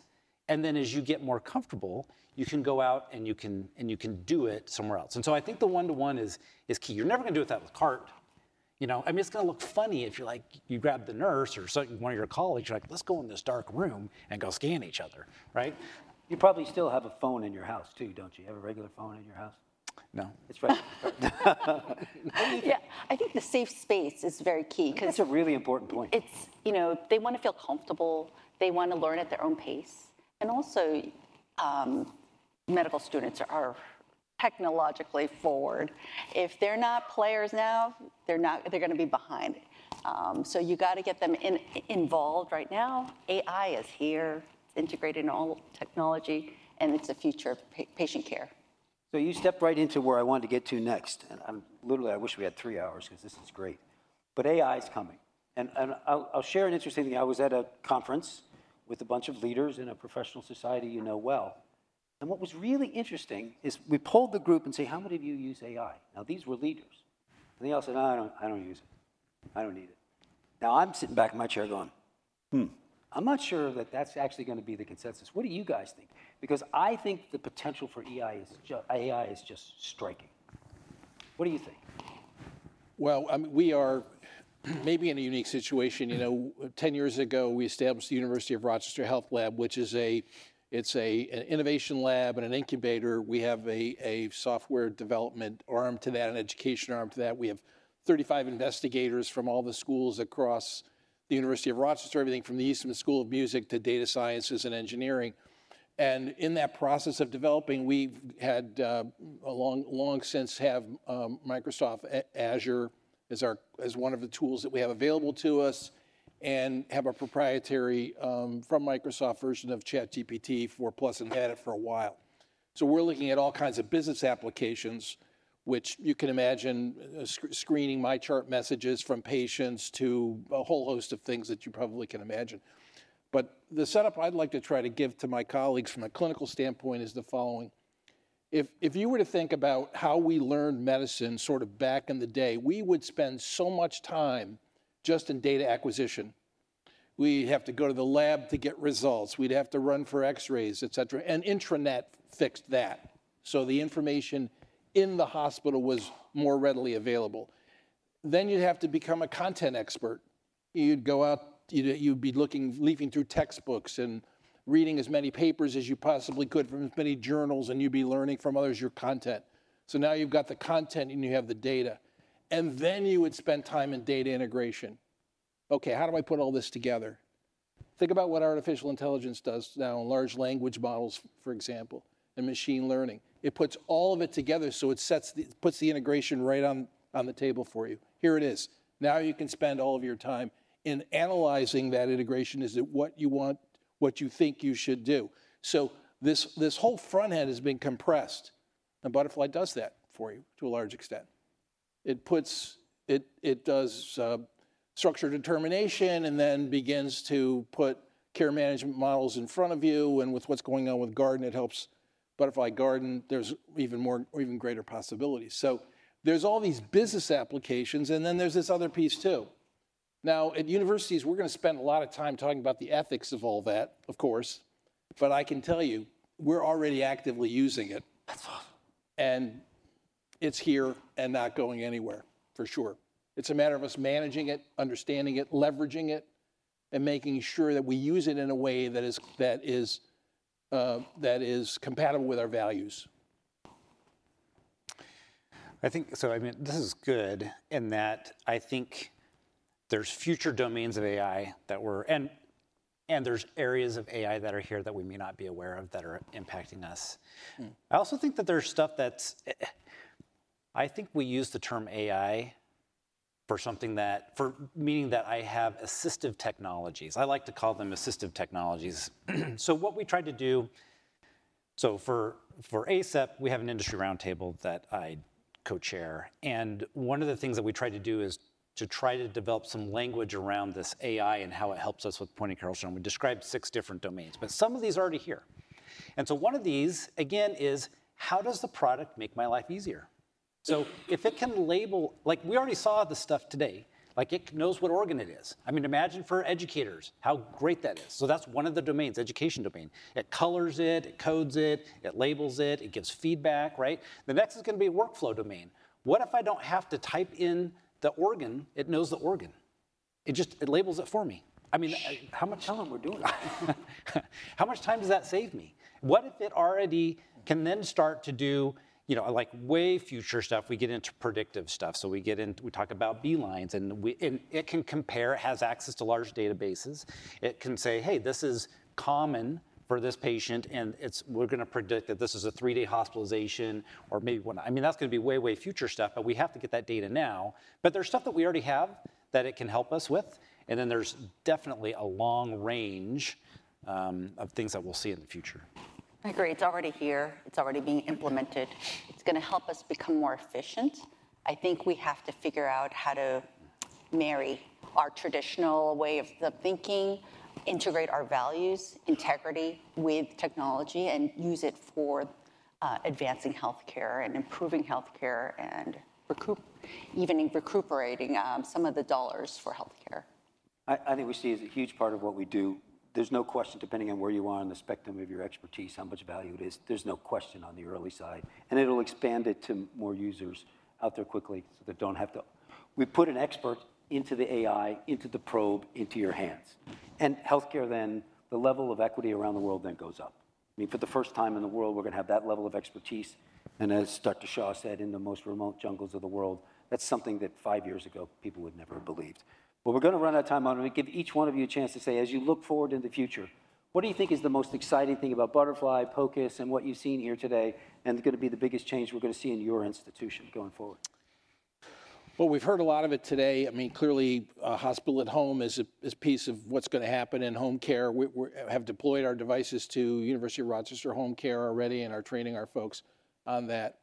And then as you get more comfortable, you can go out. And you can do it somewhere else. And so I think the one-to-one is key. You're never going to do it that with CAR-T. I mean, it's going to look funny if you grab the nurse or one of your colleagues. You're like, let's go in this dark room and go scan each other, right? You probably still have a phone in your house, too, don't you? You have a regular phone in your house? No. It's right. Yeah, I think the safe space is very key because it's a really important point. They want to feel comfortable. They want to learn at their own pace. And also, medical students are technologically forward. If they're not players now, they're going to be behind. So you've got to get them involved right now. AI is here. It's integrated in all technology. And it's the future of patient care. So you stepped right into where I wanted to get to next. And literally, I wish we had three hours because this is great. But AI is coming. And I'll share an interesting thing. I was at a conference with a bunch of leaders in a professional society you know well. And what was really interesting is we polled the group and said, how many of you use AI? Now, these were leaders. And they all said, no, I don't use it. I don't need it. Now, I'm sitting back in my chair going, I'm not sure that that's actually going to be the consensus. What do you guys think? Because I think the potential for AI is just striking. What do you think? Well, I mean, we are maybe in a unique situation. You know, 10 years ago, we established the University of Rochester Health Lab, which is an innovation lab and an incubator. We have a software development arm to that, an education arm to that. We have 35 investigators from all the schools across the University of Rochester, everything from the Eastman School of Music to data sciences and engineering. And in that process of developing, we've had a long, long since have Microsoft Azure as one of the tools that we have available to us and have a proprietary from Microsoft version of ChatGPT 4 Plus and had it for a while. So we're looking at all kinds of business applications, which you can imagine screening MyChart messages from patients to a whole host of things that you probably can imagine. But the setup I'd like to try to give to my colleagues from a clinical standpoint is the following. If you were to think about how we learned medicine sort of back in the day, we would spend so much time just in data acquisition. We'd have to go to the lab to get results. We'd have to run for X-rays, et cetera. And intranet fixed that. So the information in the hospital was more readily available. Then you'd have to become a content expert. You'd go out. You'd be looking, leafing through textbooks and reading as many papers as you possibly could from as many journals. And you'd be learning from others your content. So now you've got the content. And you have the data. And then you would spend time in data integration. OK, how do I put all this together? Think about what artificial intelligence does now in large language models, for example, and machine learning. It puts all of it together. So it puts the integration right on the table for you. Here it is. Now you can spend all of your time in analyzing that integration. Is it what you want, what you think you should do? So this whole front end has been compressed. And Butterfly does that for you to a large extent. It does structured determination and then begins to put care management models in front of you. And with what's going on with Garden, it helps Butterfly Garden. There's even more, even greater possibilities. So there's all these business applications. And then there's this other piece, too. Now, at universities, we're going to spend a lot of time talking about the ethics of all that, of course. But I can tell you, we're already actively using it. That's fun. And it's here and not going anywhere, for sure. It's a matter of us managing it, understanding it, leveraging it, and making sure that we use it in a way that is compatible with our values. I think so. I mean, this is good in that I think there's future domains of AI that we're and there's areas of AI that are here that we may not be aware of that are impacting us. I also think that there's stuff that's I think we use the term AI for something that for meaning that I have assistive technologies. I like to call them assistive technologies. So what we tried to do so for ACEP, we have an industry roundtable that I co-chair. And one of the things that we tried to do is to try to develop some language around this AI and how it helps us with point of care. And we described six different domains. But some of these are already here. So one of these, again, is how does the product make my life easier? So if it can label like we already saw the stuff today. Like it knows what organ it is. I mean, imagine for educators how great that is. So that's one of the domains, education domain. It colors it. It codes it. It labels it. It gives feedback, right? The next is going to be a workflow domain. What if I don't have to type in the organ? It knows the organ. It just labels it for me. I mean, how much time? Tell them we're doing it. How much time does that save me? What if it already can then start to do like way future stuff? We get into predictive stuff. So we get in. We talk about B-lines. And it can compare. It has access to large databases. It can say, hey, this is common for this patient. And we're going to predict that this is a three-day hospitalization or maybe one I mean, that's going to be way, way future stuff. But we have to get that data now. But there's stuff that we already have that it can help us with. And then there's definitely a long range of things that we'll see in the future. I agree. It's already here. It's already being implemented. It's going to help us become more efficient. I think we have to figure out how to marry our traditional way of thinking, integrate our values, integrity with technology, and use it for advancing health care and improving health care and even recuperating some of the dollars for health care. I think we see it as a huge part of what we do. There's no question, depending on where you are on the spectrum of your expertise, how much value it is. There's no question on the early side. It'll expand it to more users out there quickly so they don't have to. We put an expert into the AI, into the probe, into your hands. And health care, then the level of equity around the world then goes up. I mean, for the first time in the world, we're going to have that level of expertise. And as Dr. Shah said, in the most remote jungles of the world, that's something that five years ago, people would never have believed. But we're going to run out of time. I want to give each one of you a chance to say, as you look forward into the future, what do you think is the most exciting thing about Butterfly, POCUS, and what you've seen here today and going to be the biggest change we're going to see in your institution going forward? Well, we've heard a lot of it today. I mean, clearly, hospital at home is a piece of what's going to happen in home care. We have deployed our devices to University of Rochester home care already. And we're training our folks on that.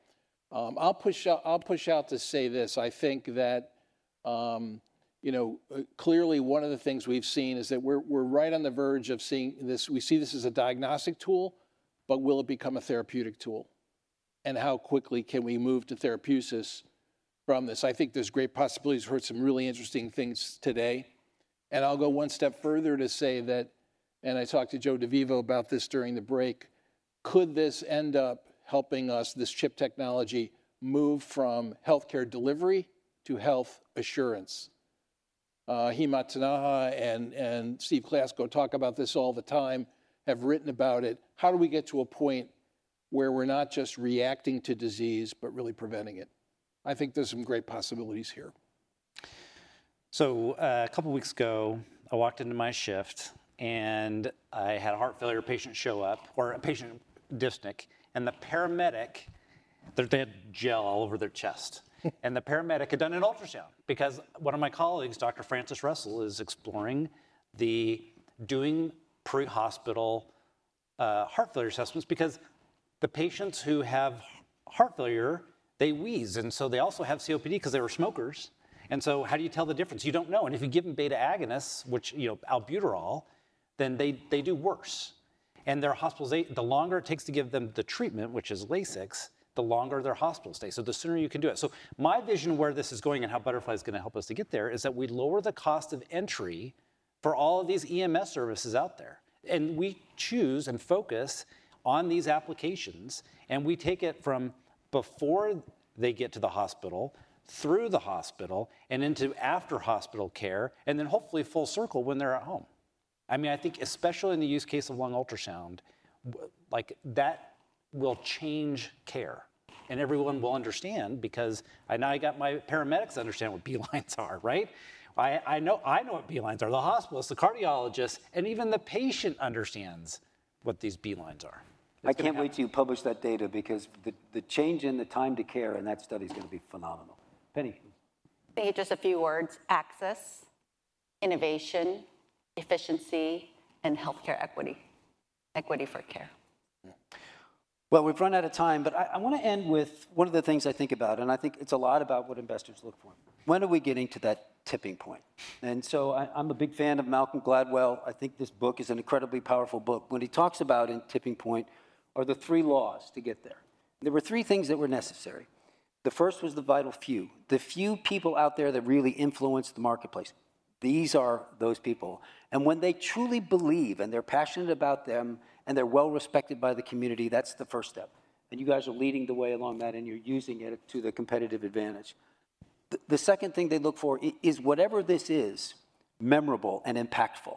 I'll push out to say this. I think that clearly, one of the things we've seen is that we're right on the verge of seeing this. We see this as a diagnostic tool. But will it become a therapeutic tool? And how quickly can we move to therapeutics from this? I think there's great possibilities. We've heard some really interesting things today. I'll go one step further to say that and I talked to Joe DeVivo about this during the break. Could this end up helping us, this chip technology, move from health care delivery to health assurance? Hemant Taneja and Steve Klasko, who talk about this all the time, have written about it. How do we get to a point where we're not just reacting to disease but really preventing it? I think there's some great possibilities here. A couple of weeks ago, I walked into my shift. I had a heart failure patient show up or a patient dyspneic. The paramedic they had gel all over their chest. The paramedic had done an ultrasound because one of my colleagues, Dr. Francis Russell is exploring doing pre-hospital heart failure assessments because the patients who have heart failure, they wheeze. And so they also have COPD because they were smokers. And so how do you tell the difference? You don't know. And if you give them beta agonists, which albuterol, then they do worse. And the longer it takes to give them the treatment, which is Lasix, the longer their hospital stay. So the sooner you can do it. So my vision where this is going and how Butterfly is going to help us to get there is that we lower the cost of entry for all of these EMS services out there. And we choose and focus on these applications. And we take it from before they get to the hospital, through the hospital, and into after-hospital care, and then hopefully full circle when they're at home. I mean, I think especially in the use case of lung ultrasound, like that will change care. And everyone will understand because now I got my paramedics to understand what B-lines are, right? I know what B-lines are. The hospitalists, the cardiologists, and even the patient understands what these B-lines are. I can't wait to publish that data because the change in the time to care in that study is going to be phenomenal. Penny. Maybe just a few words: access, innovation, efficiency, and health care equity, equity for care. Well, we've run out of time. But I want to end with one of the things I think about. And I think it's a lot about what investors look for. When are we getting to that tipping point? And so I'm a big fan of Malcolm Gladwell. I think this book is an incredibly powerful book. What he talks about in "Tipping Point" are the three laws to get there. There were three things that were necessary. The first was the vital few, the few people out there that really influence the marketplace. These are those people. When they truly believe and they're passionate about them and they're well-respected by the community, that's the first step. You guys are leading the way along that. You're using it to the competitive advantage. The second thing they look for is whatever this is, memorable and impactful.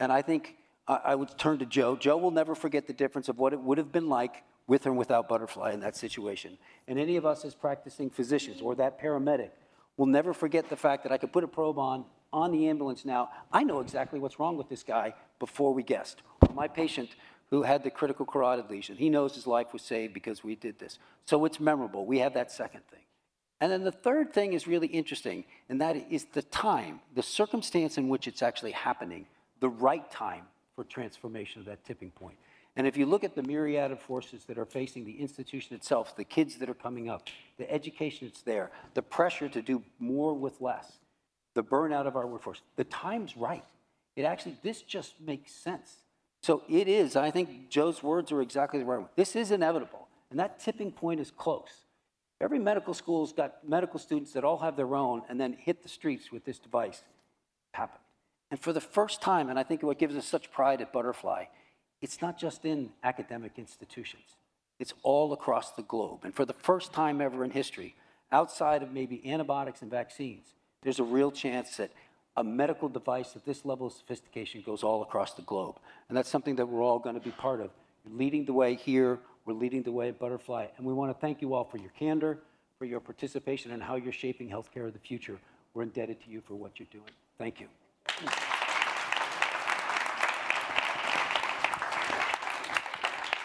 I think I would turn to Joe. Joe will never forget the difference of what it would have been like with or without Butterfly in that situation. Any of us as practicing physicians or that paramedic will never forget the fact that I could put a probe on the ambulance now. I know exactly what's wrong with this guy before we guessed. Or my patient who had the critical carotid lesion, he knows his life was saved because we did this. So it's memorable. We have that second thing. And then the third thing is really interesting. And that is the time, the circumstance in which it's actually happening, the right time for transformation of that tipping point. And if you look at the myriad of forces that are facing the institution itself, the kids that are coming up, the education that's there, the pressure to do more with less, the burnout of our workforce, the time's right. It actually just makes sense. So it is. I think Joe's words are exactly the right one. This is inevitable. And that tipping point is close. Every medical school's got medical students that all have their own. Then hit the streets with this device happened. For the first time, and I think what gives us such pride at Butterfly, it's not just in academic institutions. It's all across the globe. For the first time ever in history, outside of maybe antibiotics and vaccines, there's a real chance that a medical device at this level of sophistication goes all across the globe. That's something that we're all going to be part of. You're leading the way here. We're leading the way at Butterfly. We want to thank you all for your candor, for your participation, and how you're shaping health care of the future. We're indebted to you for what you're doing. Thank you.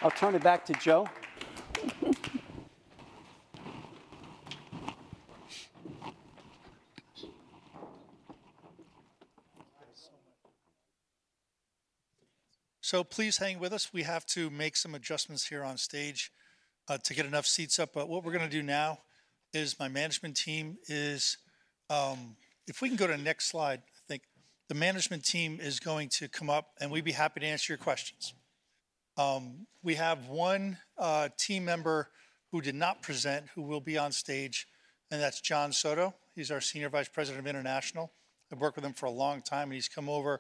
I'll turn it back to Joe. Please hang with us. We have to make some adjustments here on stage to get enough seats up. But what we're going to do now is my management team is if we can go to the next slide. I think the management team is going to come up. And we'd be happy to answer your questions. We have one team member who did not present who will be on stage. And that's John Soto. He's our Senior Vice President of International. I've worked with him for a long time. And he's come over.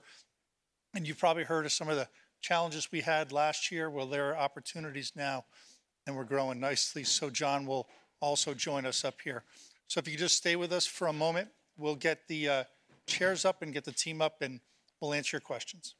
And you've probably heard of some of the challenges we had last year. Well, there are opportunities now. And we're growing nicely. So John will also join us up here. So if you could just stay with us for a moment, we'll get the chairs up and get the team up. And we'll answer your questions.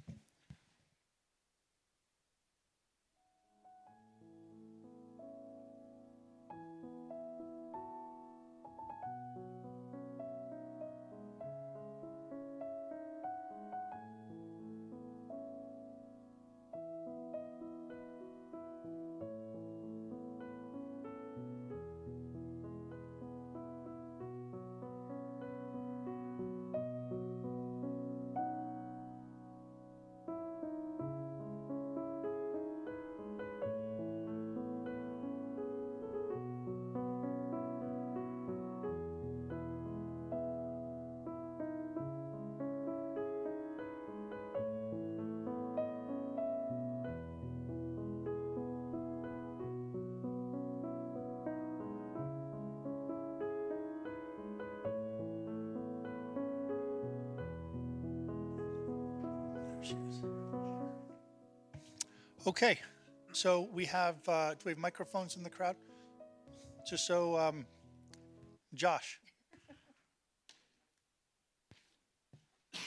OK. So we have do we have microphones in the crowd? Just so Josh. Thank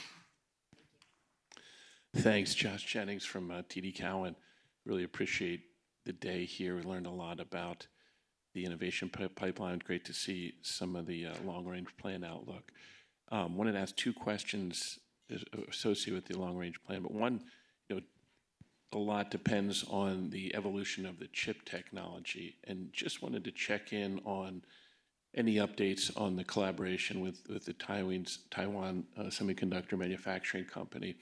you. Thanks, Josh Jennings from TD Cowen. Really appreciate the day here. We learned a lot about the innovation pipeline. Great to see some of the long-range plan outlook. I wanted to ask two questions associated with the long-range plan. But one, a lot depends on the evolution of the chip technology. And just wanted to check in on any updates on the collaboration with the Taiwan Semiconductor Manufacturing Company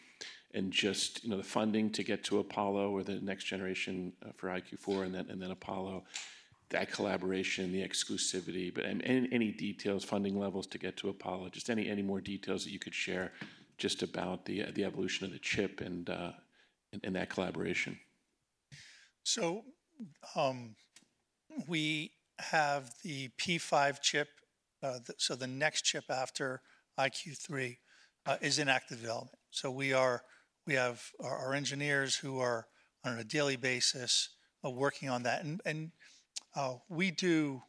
and just the funding to get to Apollo or the next generation for iQ4 and then Apollo, that collaboration, the exclusivity, but any details, funding levels to get to Apollo, just any more details that you could share just about the evolution of the chip and that collaboration. So we have the P5 chip. So the next chip after iQ3 is in active development. So we have our engineers who are on a daily basis working on that. We do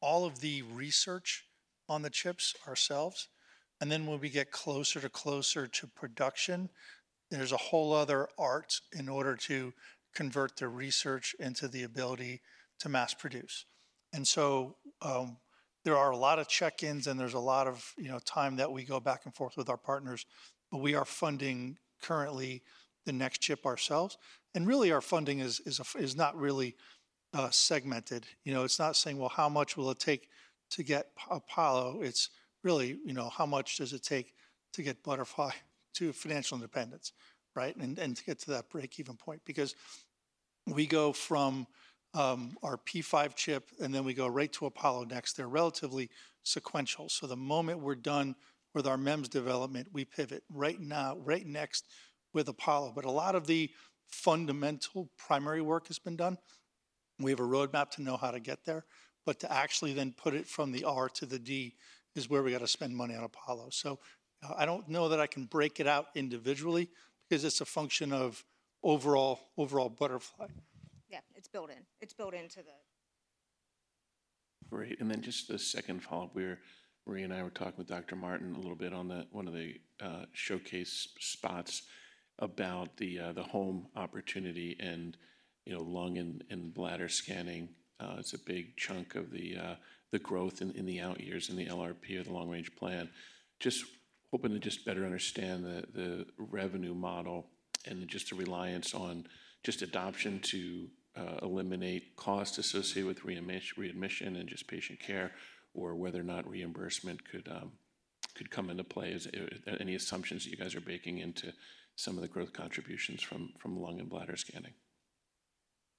all of the research on the chips ourselves. Then when we get closer and closer to production, there's a whole other art in order to convert the research into the ability to mass produce. So there are a lot of check-ins. And there's a lot of time that we go back and forth with our partners. But we are funding currently the next chip ourselves. And really, our funding is not really segmented. It's not saying, well, how much will it take to get Apollo? It's really, how much does it take to get Butterfly to financial independence, right, and to get to that break-even point? Because we go from our P5 chip. And then we go right to Apollo next. They're relatively sequential. So the moment we're done with our MEMS development, we pivot right now, right next with Apollo. But a lot of the fundamental primary work has been done. We have a roadmap to know how to get there. But to actually then put it from the R to the D is where we got to spend money on Apollo. So I don't know that I can break it out individually because it's a function of overall Butterfly. Yeah. It's built in. It's built into the. Great. And then just a second follow-up. Marie and I were talking with Dr. Martin a little bit on one of the showcase spots about the home opportunity and lung and bladder scanning. It's a big chunk of the growth in the out years in the LRP, the long-range plan, just hoping to just better understand the revenue model and just the reliance on just adoption to eliminate costs associated with readmission and just patient care or whether or not reimbursement could come into play, any assumptions that you guys are baking into some of the growth contributions from lung and bladder scanning.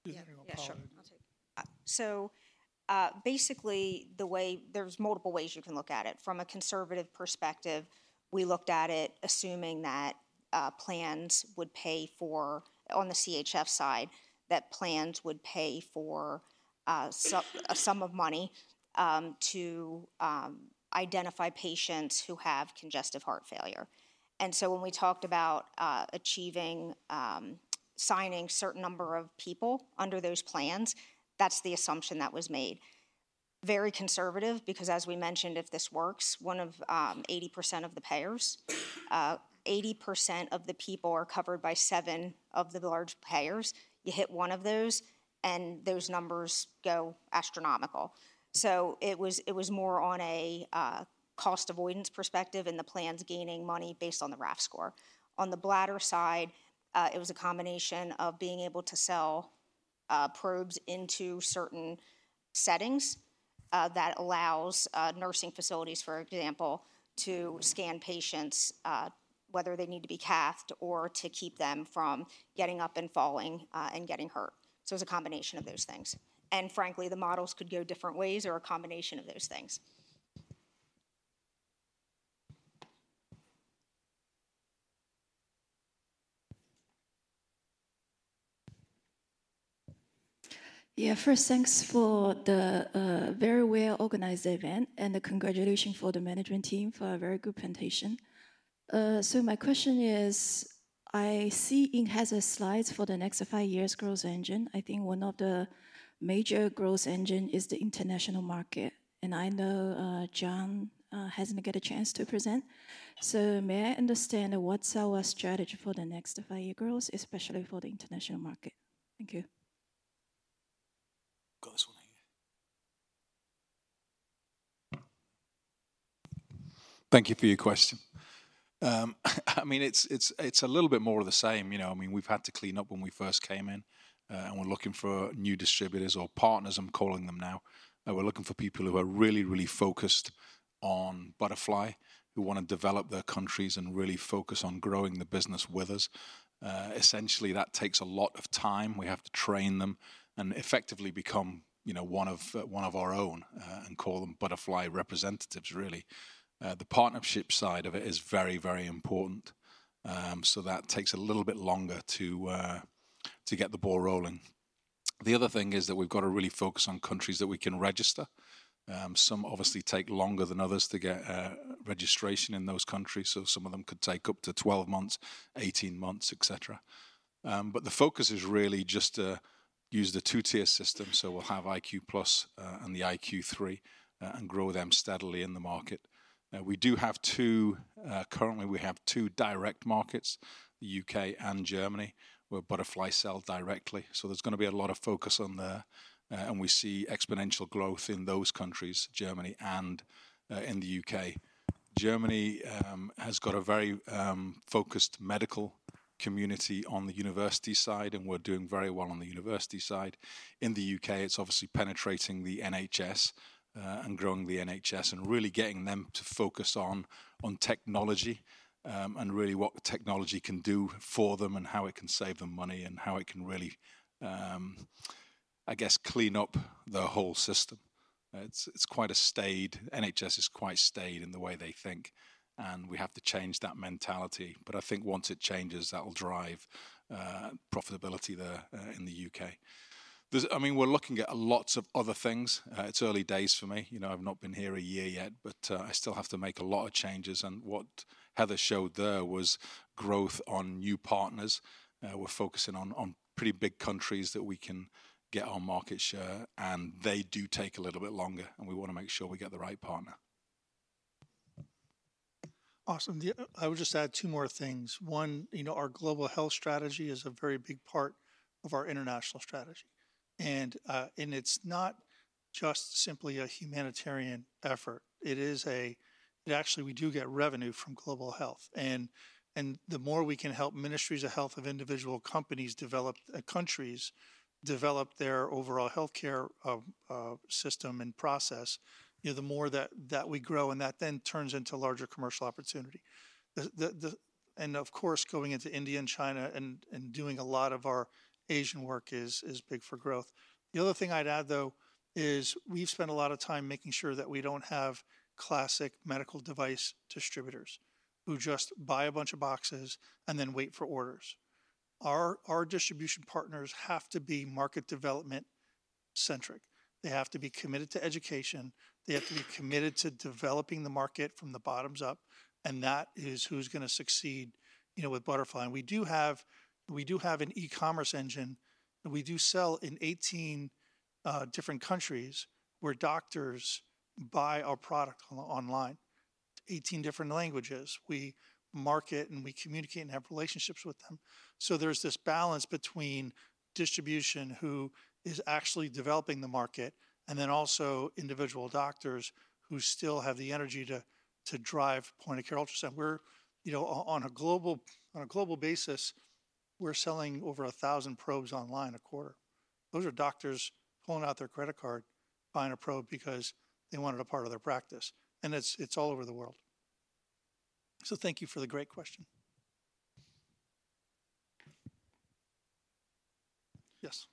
Yeah. Sure. So basically, the way there's multiple ways you can look at it. From a conservative perspective, we looked at it assuming that plans would pay for on the CHF side, that plans would pay for a sum of money to identify patients who have congestive heart failure. When we talked about achieving signing a certain number of people under those plans, that's the assumption that was made, very conservative because, as we mentioned, if this works, one of 80% of the payers, 80% of the people are covered by 7 of the large payers. You hit one of those. And those numbers go astronomical. So it was more on a cost avoidance perspective and the plans gaining money based on the RAF score. On the bladder side, it was a combination of being able to sell probes into certain settings that allows nursing facilities, for example, to scan patients, whether they need to be cathed or to keep them from getting up and falling and getting hurt. So it was a combination of those things. And frankly, the models could go different ways or a combination of those things. Yeah. First, thanks for the very well-organized event. Congratulations for the management team for a very good presentation. My question is, I see it has a slides for the next five years growth engine. I think one of the major growth engines is the international market. I know John hasn't got a chance to present. May I understand what's our strategy for the next five year growth, especially for the international market? Thank you. Got this one here. Thank you for your question. I mean, it's a little bit more of the same. I mean, we've had to clean up when we first came in. We're looking for new distributors or partners, I'm calling them now. We're looking for people who are really, really focused on Butterfly, who want to develop their countries and really focus on growing the business with us. Essentially, that takes a lot of time. We have to train them and effectively become one of our own and call them Butterfly representatives, really. The partnership side of it is very, very important. So that takes a little bit longer to get the ball rolling. The other thing is that we've got to really focus on countries that we can register. Some obviously take longer than others to get registration in those countries. So some of them could take up to 12 months, 18 months, et cetera. But the focus is really just to use the two-tier system. So we'll have iQ+ and the iQ3 and grow them steadily in the market. We do have two currently, we have two direct markets, the UK and Germany, where Butterfly sells directly. So there's going to be a lot of focus on there. We see exponential growth in those countries, Germany and in the U.K. Germany has got a very focused medical community on the university side. We're doing very well on the university side. In the U.K., it's obviously penetrating the NHS and growing the NHS and really getting them to focus on technology and really what technology can do for them and how it can save them money and how it can really, I guess, clean up the whole system. It's quite a staid NHS, it's quite staid in the way they think. We have to change that mentality. I think once it changes, that'll drive profitability there in the U.K. I mean, we're looking at lots of other things. It's early days for me. I've not been here a year yet. I still have to make a lot of changes. What Heather showed there was growth on new partners. We're focusing on pretty big countries that we can get our market share. They do take a little bit longer. We want to make sure we get the right partner. Awesome. I would just add two more things. One, our global health strategy is a very big part of our international strategy. It's not just simply a humanitarian effort. It is actually, we do get revenue from global health. The more we can help ministries of health of individual companies develop countries develop their overall health care system and process, the more that we grow. That then turns into larger commercial opportunity. Of course, going into India and China and doing a lot of our Asian work is big for growth. The other thing I'd add, though, is we've spent a lot of time making sure that we don't have classic medical device distributors who just buy a bunch of boxes and then wait for orders. Our distribution partners have to be market development centric. They have to be committed to education. They have to be committed to developing the market from the bottoms up. And that is who's going to succeed with Butterfly. And we do have an e-commerce engine. We do sell in 18 different countries where doctors buy our product online, 18 different languages. We market. And we communicate and have relationships with them. So there's this balance between distribution, who is actually developing the market, and then also individual doctors who still have the energy to drive point-of-care ultrasound. On a global basis, we're selling over 1,000 probes online a quarter. Those are doctors pulling out their credit card, buying a probe because they want it a part of their practice. And it's all over the world. So thank you for the great question. Yes.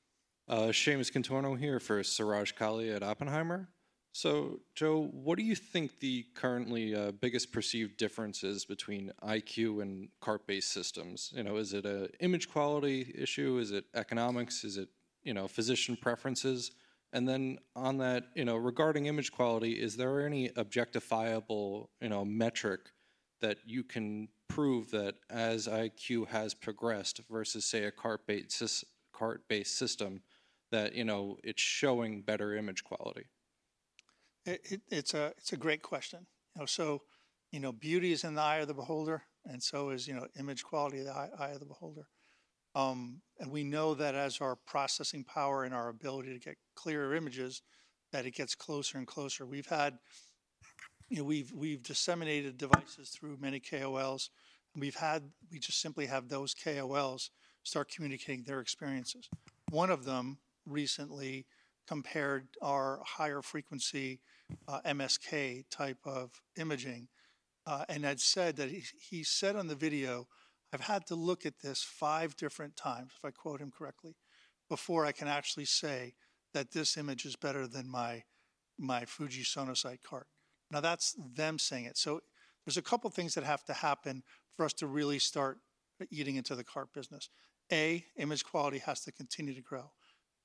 Seamus Cantorno here for Suraj Kalia at Oppenheimer. So Joe, what do you think the currently biggest perceived difference is between iQ and cart-based systems? Is it an image quality issue? Is it economics? Is it physician preferences? And then on that, regarding image quality, is there any objective metric that you can prove that as iQ has progressed versus, say, a cart-based system, that it's showing better image quality? It's a great question. So beauty is in the eye of the beholder. And so is image quality in the eye of the beholder. And we know that as our processing power and our ability to get clearer images, that it gets closer and closer. We've disseminated devices through many KOLs. And we've just simply had those KOLs start communicating their experiences. One of them recently compared our higher frequency MSK type of imaging. And had said that he said on the video, I've had to look at this five different times, if I quote him correctly, before I can actually say that this image is better than my Fujifilm Sonosite cart. Now, that's them saying it. So there's a couple of things that have to happen for us to really start eating into the cart business. A, image quality has to continue to grow.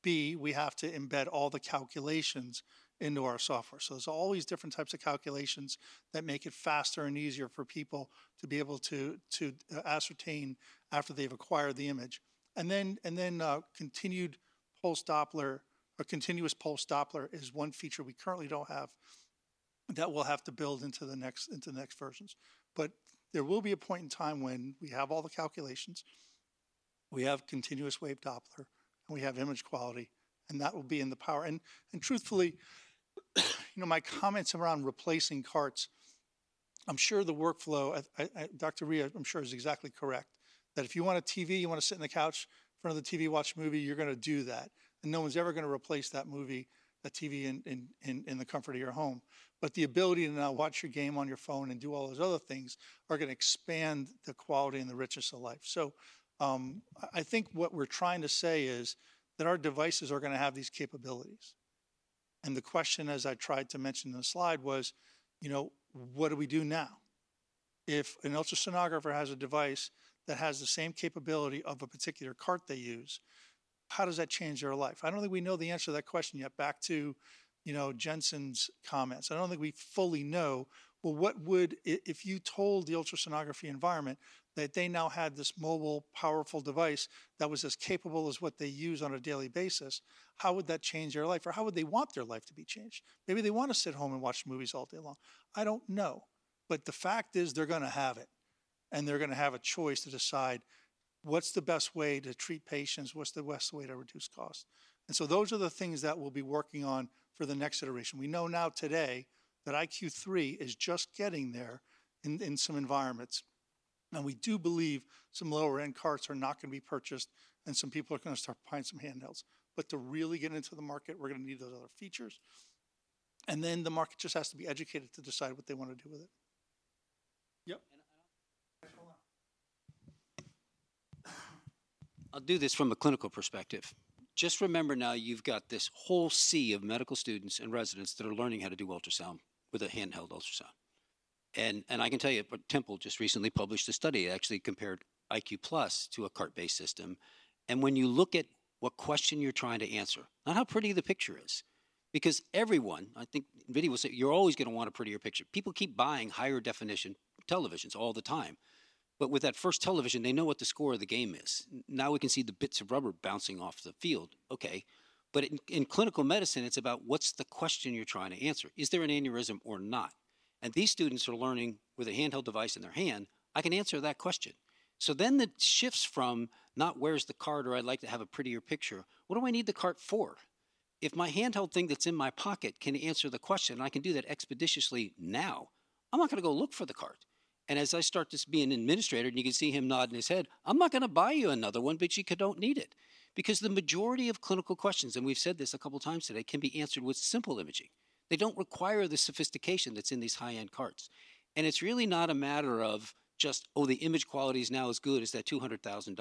B, we have to embed all the calculations into our software. So there's all these different types of calculations that make it faster and easier for people to be able to ascertain after they've acquired the image. Continuous pulsed-wave Doppler or continuous-wave Doppler is one feature we currently don't have that we'll have to build into the next versions. But there will be a point in time when we have all the calculations. We have continuous-wave Doppler. And we have image quality. And that will be in the power. And truthfully, my comments around replacing CAR-Ts, I'm sure the workflow Dr. Aryana, I'm sure, is exactly correct that if you want a TV, you want to sit on the couch in front of the TV, watch a movie, you're going to do that. And no one's ever going to replace that movie, that TV, in the comfort of your home. But the ability to now watch your game on your phone and do all those other things are going to expand the quality and the richness of life. So I think what we're trying to say is that our devices are going to have these capabilities. And the question, as I tried to mention in the slide, was, what do we do now? If an ultrasonographer has a device that has the same capability of a particular cart they use, how does that change their life? I don't think we know the answer to that question yet. Back to Jensen's comments, I don't think we fully know, well, what would if you told the ultrasonography environment that they now had this mobile, powerful device that was as capable as what they use on a daily basis, how would that change their life? Or how would they want their life to be changed? Maybe they want to sit home and watch movies all day long. I don't know. But the fact is, they're going to have it. They're going to have a choice to decide what's the best way to treat patients? What's the best way to reduce cost? And so those are the things that we'll be working on for the next iteration. We know now today that iQ3 is just getting there in some environments. And we do believe some lower-end carts are not going to be purchased. And some people are going to start buying some handhelds. But to really get into the market, we're going to need those other features. And then the market just has to be educated to decide what they want to do with it. Yep. And I'll do this from a clinical perspective. Just remember now, you've got this whole sea of medical students and residents that are learning how to do ultrasound with a handheld ultrasound. I can tell you, Temple just recently published a study. It actually compared iQ+ to a cart-based system. And when you look at what question you're trying to answer, not how pretty the picture is because everyone I think NVIDIA will say, you're always going to want a prettier picture. People keep buying higher definition televisions all the time. But with that first television, they know what the score of the game is. Now we can see the bits of rubber bouncing off the field. OK. But in clinical medicine, it's about what's the question you're trying to answer? Is there an aneurysm or not? And these students are learning with a handheld device in their hand, I can answer that question. So then it shifts from not where's the cart, or I'd like to have a prettier picture. What do I need the cart for? If my handheld thing that's in my pocket can answer the question, and I can do that expeditiously now, I'm not going to go look for the cart. And as I start to be an administrator, and you can see him nodding his head, I'm not going to buy you another one, bitch, you don't need it. Because the majority of clinical questions and we've said this a couple of times today can be answered with simple imaging. They don't require the sophistication that's in these high-end carts. And it's really not a matter of just, oh, the image quality now is good. It's that $200,000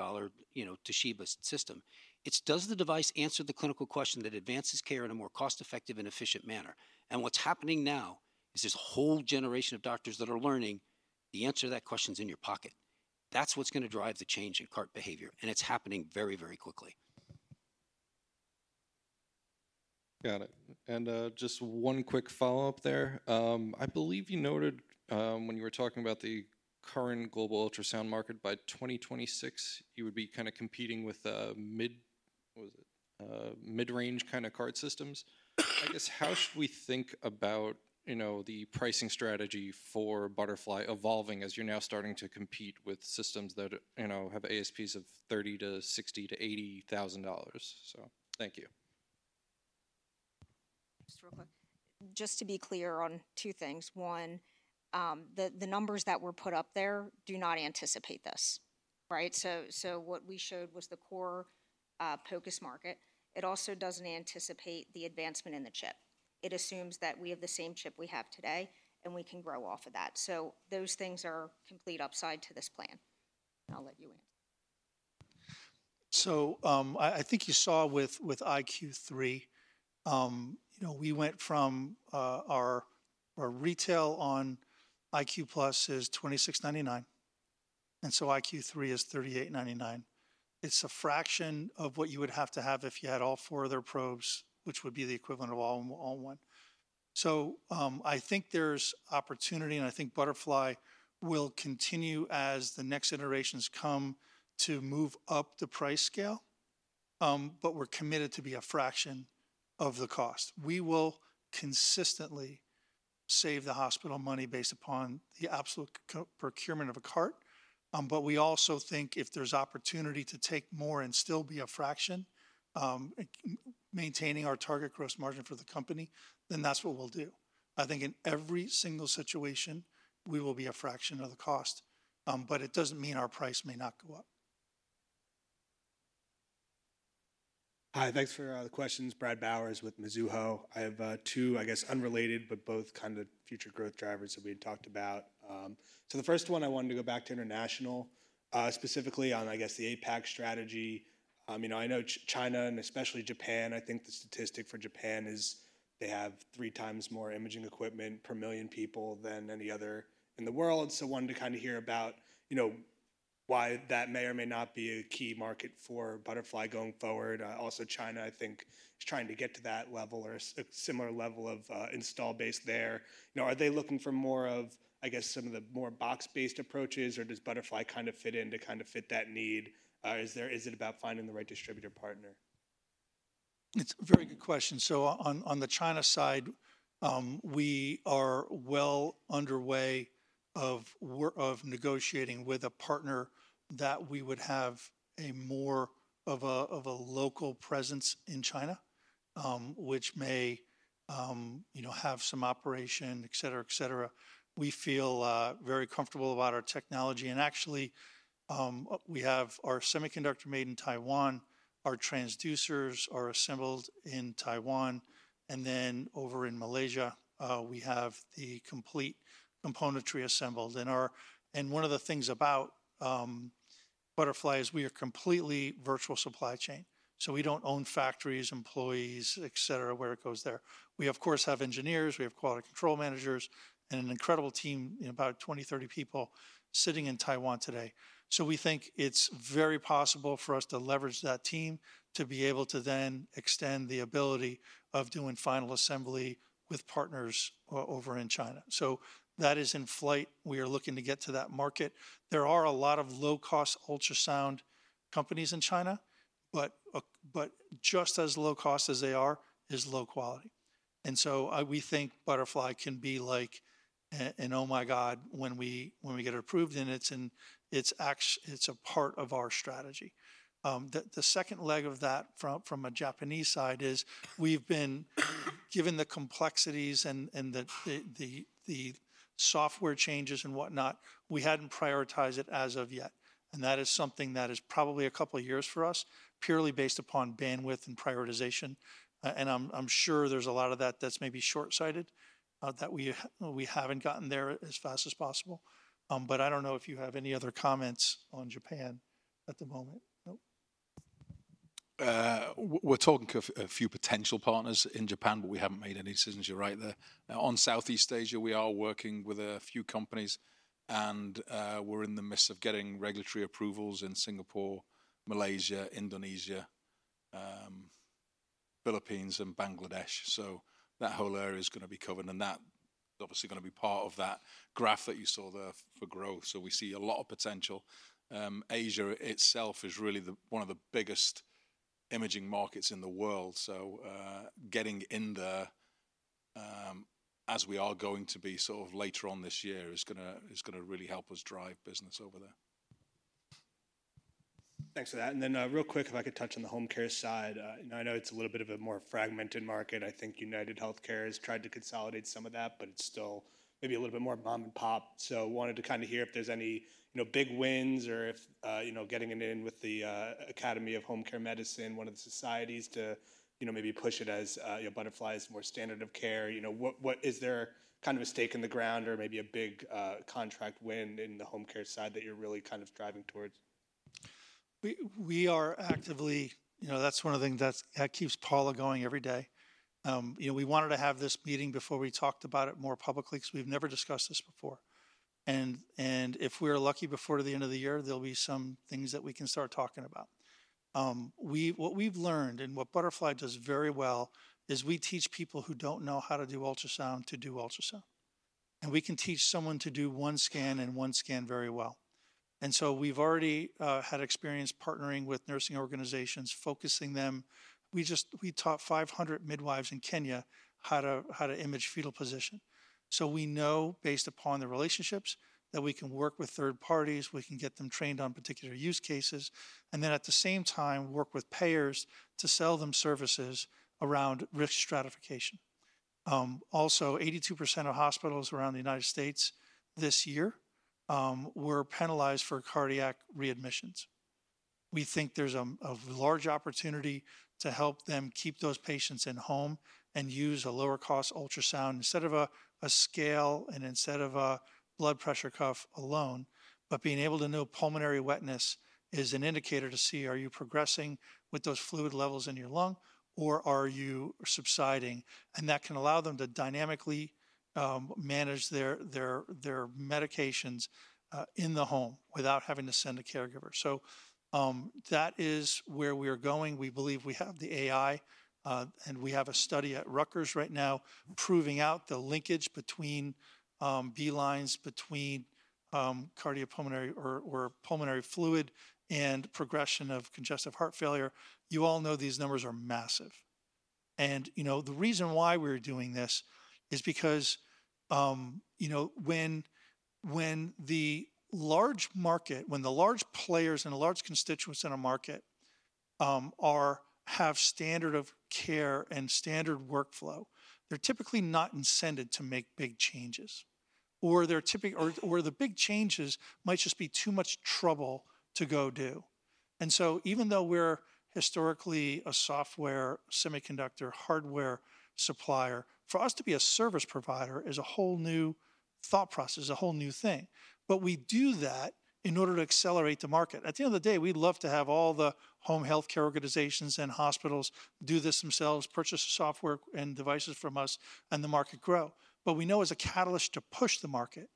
Toshiba system. It's, does the device answer the clinical question that advances care in a more cost-effective and efficient manner? And what's happening now is this whole generation of doctors that are learning the answer to that question is in your pocket. That's what's going to drive the change in cart behavior. And it's happening very, very quickly. Got it. And just one quick follow-up there. I believe you noted when you were talking about the current global ultrasound market, by 2026, you would be kind of competing with mid- what was it? Mid-range kind of cart systems. I guess how should we think about the pricing strategy for Butterfly evolving as you're now starting to compete with systems that have ASPs of $30,000 to $60,000 to $80,000? So thank you. Just real quick. Just to be clear on two things. One, the numbers that were put up there do not anticipate this, right? So what we showed was the core POCUS market. It also doesn't anticipate the advancement in the chip. It assumes that we have the same chip we have today. And we can grow off of that. So those things are complete upside to this plan. And I'll let you answer. So I think you saw with iQ3, we went from our retail on iQ+ is $26.99. And so iQ3 is $38.99. It's a fraction of what you would have to have if you had all four of their probes, which would be the equivalent of all one. So I think there's opportunity. And I think Butterfly will continue as the next iterations come to move up the price scale. But we're committed to be a fraction of the cost. We will consistently save the hospital money based upon the absolute procurement of a cart. But we also think if there's opportunity to take more and still be a fraction, maintaining our target gross margin for the company, then that's what we'll do. I think in every single situation, we will be a fraction of the cost. But it doesn't mean our price may not go up. Hi. Thanks for the questions. Brad Bowers with Mizuho. I have two, I guess, unrelated but both kind of future growth drivers that we had talked about. So the first one, I wanted to go back to international, specifically on, I guess, the APAC strategy. I know China and especially Japan. I think the statistic for Japan is they have three times more imaging equipment per million people than any other in the world. So I wanted to kind of hear about why that may or may not be a key market for Butterfly going forward. Also, China, I think, is trying to get to that level or a similar level of installed base there. Are they looking for more of, I guess, some of the more box-based approaches? Or does Butterfly kind of fit in to kind of fit that need? Is it about finding the right distributor partner? It's a very good question. So on the China side, we are well underway of negotiating with a partner that we would have a more of a local presence in China, which may have some operation, et cetera, et cetera. We feel very comfortable about our technology. And actually, we have our semiconductor made in Taiwan. Our transducers are assembled in Taiwan. And then over in Malaysia, we have the complete componentry assembled. And one of the things about Butterfly is we are completely virtual supply chain. So we don't own factories, employees, et cetera, where it goes there. We, of course, have engineers. We have quality control managers and an incredible team, about 20-30 people, sitting in Taiwan today. So we think it's very possible for us to leverage that team to be able to then extend the ability of doing final assembly with partners over in China. So that is in flight. We are looking to get to that market. There are a lot of low-cost ultrasound companies in China. But just as low cost as they are is low quality. And so we think Butterfly can be like an oh my god when we get it approved. And it's a part of our strategy. The second leg of that from a Japanese side is we've been given the complexities and the software changes and whatnot, we hadn't prioritized it as of yet. That is something that is probably a couple of years for us purely based upon bandwidth and prioritization. I'm sure there's a lot of that that's maybe short-sighted, that we haven't gotten there as fast as possible. I don't know if you have any other comments on Japan at the moment. Nope. We're talking to a few potential partners in Japan. We haven't made any decisions. You're right there. On Southeast Asia, we are working with a few companies. We're in the midst of getting regulatory approvals in Singapore, Malaysia, Indonesia, Philippines, and Bangladesh. That whole area is going to be covered. That's obviously going to be part of that graph that you saw there for growth. We see a lot of potential. Asia itself is really one of the biggest imaging markets in the world. So getting in there as we are going to be sort of later on this year is going to really help us drive business over there. Thanks for that. And then real quick, if I could touch on the home care side. I know it's a little bit of a more fragmented market. I think UnitedHealthcare has tried to consolidate some of that. But it's still maybe a little bit more mom and pop. So I wanted to kind of hear if there's any big wins or if getting it in with the Academy of Home Care Medicine, one of the societies, to maybe push it as Butterfly is more standard of care. Is there kind of a stake in the ground or maybe a big contract win in the home care side that you're really kind of driving towards? We are actively. That's one of the things that keeps Paula going every day. We wanted to have this meeting before we talked about it more publicly because we've never discussed this before. If we're lucky before the end of the year, there'll be some things that we can start talking about. What we've learned and what Butterfly does very well is we teach people who don't know how to do ultrasound to do ultrasound. We can teach someone to do one scan and one scan very well. We've already had experience partnering with nursing organizations, focusing them. We taught 500 midwives in Kenya how to image fetal position. We know, based upon the relationships, that we can work with third parties. We can get them trained on particular use cases. And then at the same time, work with payers to sell them services around risk stratification. Also, 82% of hospitals around the United States this year were penalized for cardiac readmissions. We think there's a large opportunity to help them keep those patients in home and use a lower cost ultrasound instead of a scale and instead of a blood pressure cuff alone. But being able to know pulmonary wetness is an indicator to see, are you progressing with those fluid levels in your lung? Or are you subsiding? And that can allow them to dynamically manage their medications in the home without having to send a caregiver. So that is where we are going. We believe we have the AI. And we have a study at Rutgers right now proving out the linkage between B-lines between cardiopulmonary or pulmonary fluid and progression of congestive heart failure. You all know these numbers are massive. The reason why we're doing this is because when the large players and the large constituents in a market have standard of care and standard workflow, they're typically not incented to make big changes. Or the big changes might just be too much trouble to go do. Even though we're historically a software, semiconductor, hardware supplier, for us to be a service provider is a whole new thought process, a whole new thing. But we do that in order to accelerate the market. At the end of the day, we'd love to have all the home health care organizations and hospitals do this themselves, purchase software and devices from us, and the market grow. But we know as a catalyst to push the market,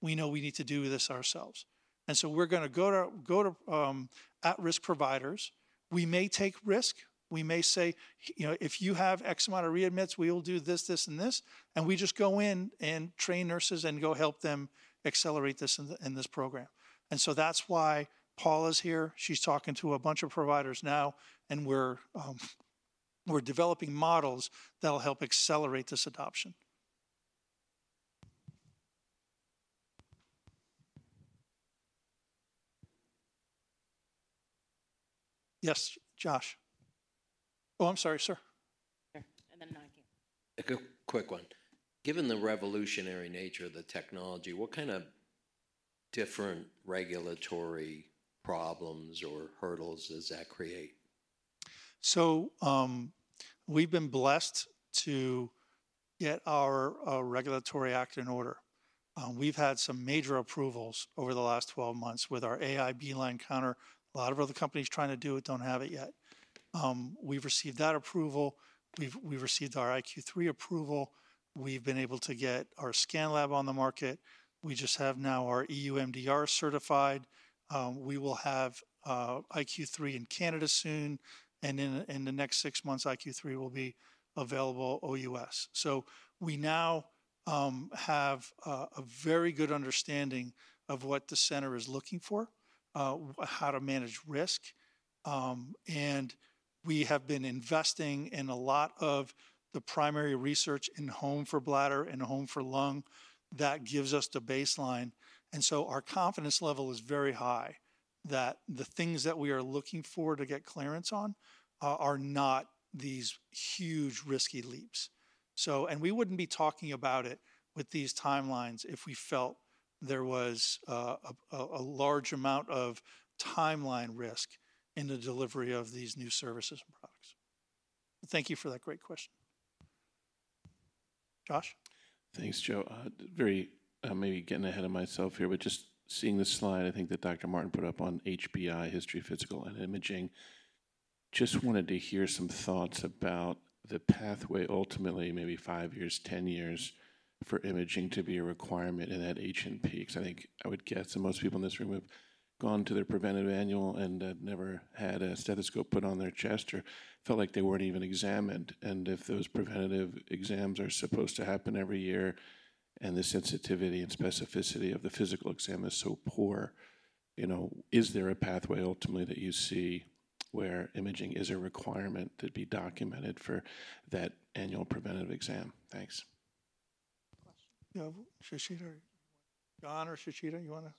we know we need to do this ourselves. And so we're going to go to at-risk providers. We may take risk. We may say, if you have X amount of readmits, we will do this, this, and this. And we just go in and train nurses and go help them accelerate this in this program. And so that's why Paula's here. She's talking to a bunch of providers now. And we're developing models that'll help accelerate this adoption. Yes, Josh. Oh, I'm sorry, sir. And then Mike? A quick one. Given the revolutionary nature of the technology, what kind of different regulatory problems or hurdles does that create? So we've been blessed to get our regulatory act in order. We've had some major approvals over the last 12 months with our AI B-line counter. A lot of other companies trying to do it don't have it yet. We've received that approval. We've received our iQ3 approval. We've been able to get our ScanLab on the market. We just have now our EU MDR certified. We will have iQ3 in Canada soon. And in the next six months, iQ3 will be available OUS. So we now have a very good understanding of what the center is looking for, how to manage risk. And we have been investing in a lot of the primary research in home for bladder and home for lung that gives us the baseline. And so our confidence level is very high that the things that we are looking for to get clearance on are not these huge, risky leaps. And we wouldn't be talking about it with these timelines if we felt there was a large amount of timeline risk in the delivery of these new services and products. Thank you for that great question. Josh? Thanks, Joe. Very maybe getting ahead of myself here. But just seeing this slide, I think that Dr. Martin put up on HPI, history, physical, and imaging, just wanted to hear some thoughts about the pathway ultimately, maybe five years, 10 years, for imaging to be a requirement in that HPI. Because I think I would guess that most people in this room have gone to their preventative annual and never had a stethoscope put on their chest or felt like they weren't even examined. And if those preventative exams are supposed to happen every year, and the sensitivity and specificity of the physical exam is so poor, is there a pathway ultimately that you see where imaging is a requirement that'd be documented for that annual preventative exam? Thanks. Question? Yeah, Shahida? John or Shahida, you want to?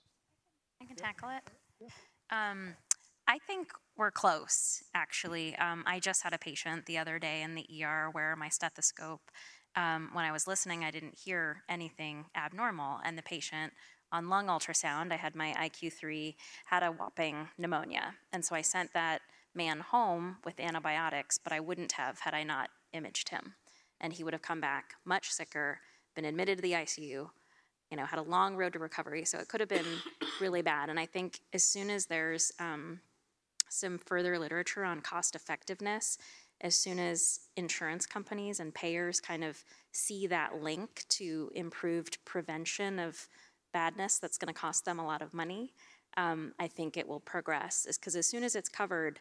I can tackle it. I think we're close, actually. I just had a patient the other day. I was wearing my stethoscope. When I was listening, I didn't hear anything abnormal. And the patient, on lung ultrasound, I had my iQ3, had a whopping pneumonia. And so I sent that man home with antibiotics. But I wouldn't have had I not imaged him. And he would have come back much sicker, been admitted to the ICU, had a long road to recovery. So it could have been really bad. And I think as soon as there's some further literature on cost effectiveness, as soon as insurance companies and payers kind of see that link to improved prevention of badness that's going to cost them a lot of money, I think it will progress. Because as soon as it's covered,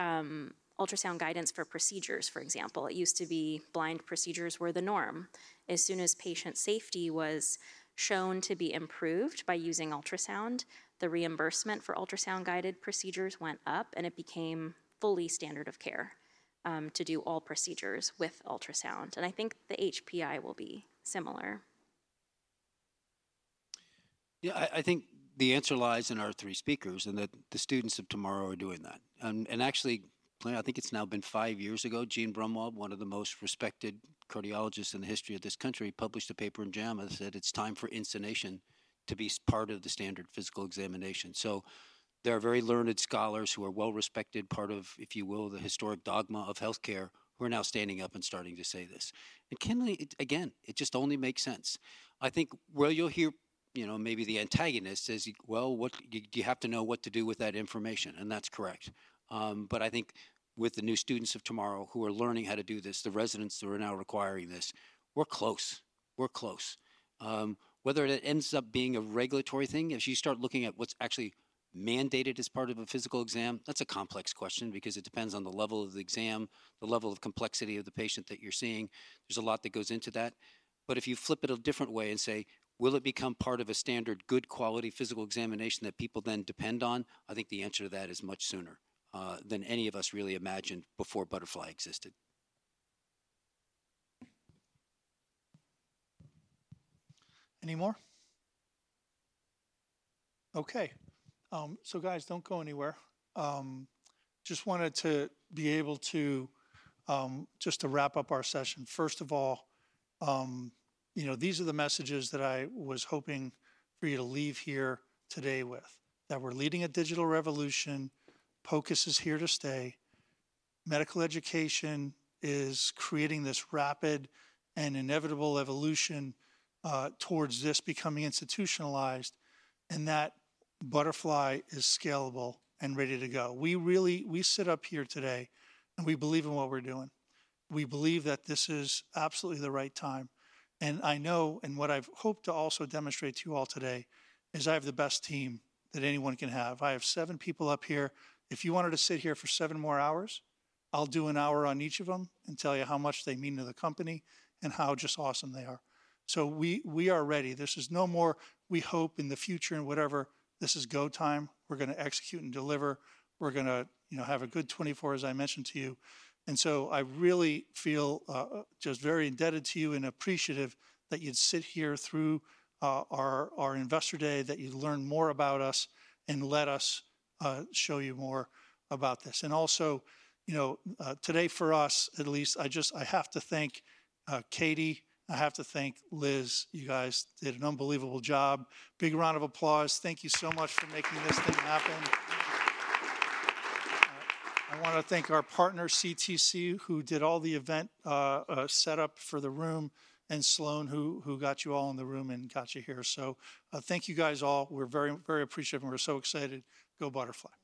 ultrasound guidance for procedures, for example, it used to be blind procedures were the norm. As soon as patient safety was shown to be improved by using ultrasound, the reimbursement for ultrasound-guided procedures went up. It became fully standard of care to do all procedures with ultrasound. I think the HPI will be similar. Yeah, I think the answer lies in our 3 speakers and that the students of tomorrow are doing that. Actually, I think it's now been 5 years ago. Eugene Braunwald, one of the most respected cardiologists in the history of this country, published a paper in JAMA that said, it's time for auscultation to be part of the standard physical examination. So there are very learned scholars who are well respected, part of, if you will, the historic dogma of health care, who are now standing up and starting to say this. Again, it just only makes sense. I think where you'll hear maybe the antagonist is, well, you have to know what to do with that information. And that's correct. But I think with the new students of tomorrow who are learning how to do this, the residents who are now requiring this, we're close. We're close. Whether it ends up being a regulatory thing, if you start looking at what's actually mandated as part of a physical exam, that's a complex question. Because it depends on the level of the exam, the level of complexity of the patient that you're seeing. There's a lot that goes into that. But if you flip it a different way and say, will it become part of a standard, good quality physical examination that people then depend on? I think the answer to that is much sooner than any of us really imagined before Butterfly existed. Any more? OK. So guys, don't go anywhere. Just wanted to be able to just wrap up our session. First of all, these are the messages that I was hoping for you to leave here today with, that we're leading a digital revolution. POCUS is here to stay. Medical education is creating this rapid and inevitable evolution towards this becoming institutionalized. And that Butterfly is scalable and ready to go. We sit up here today. And we believe in what we're doing. We believe that this is absolutely the right time. And I know, and what I've hoped to also demonstrate to you all today, is I have the best team that anyone can have. I have seven people up here. If you wanted to sit here for seven more hours, I'll do an hour on each of them and tell you how much they mean to the company and how just awesome they are. So we are ready. This is no more, we hope, in the future and whatever; this is go time. We're going to execute and deliver. We're going to have a good 2024, as I mentioned to you. And so I really feel just very indebted to you and appreciative that you'd sit here through our Investor Day, that you'd learn more about us, and let us show you more about this. And also, today for us, at least, I have to thank Katie. I have to thank Liz. You guys did an unbelievable job. Big round of applause. Thank you so much for making this thing happen. I want to thank our partner, CTC, who did all the event setup for the room, and Sloan, who got you all in the room and got you here. So thank you guys all. We're very, very appreciative. And we're so excited. Go, Butterfly. Thank you.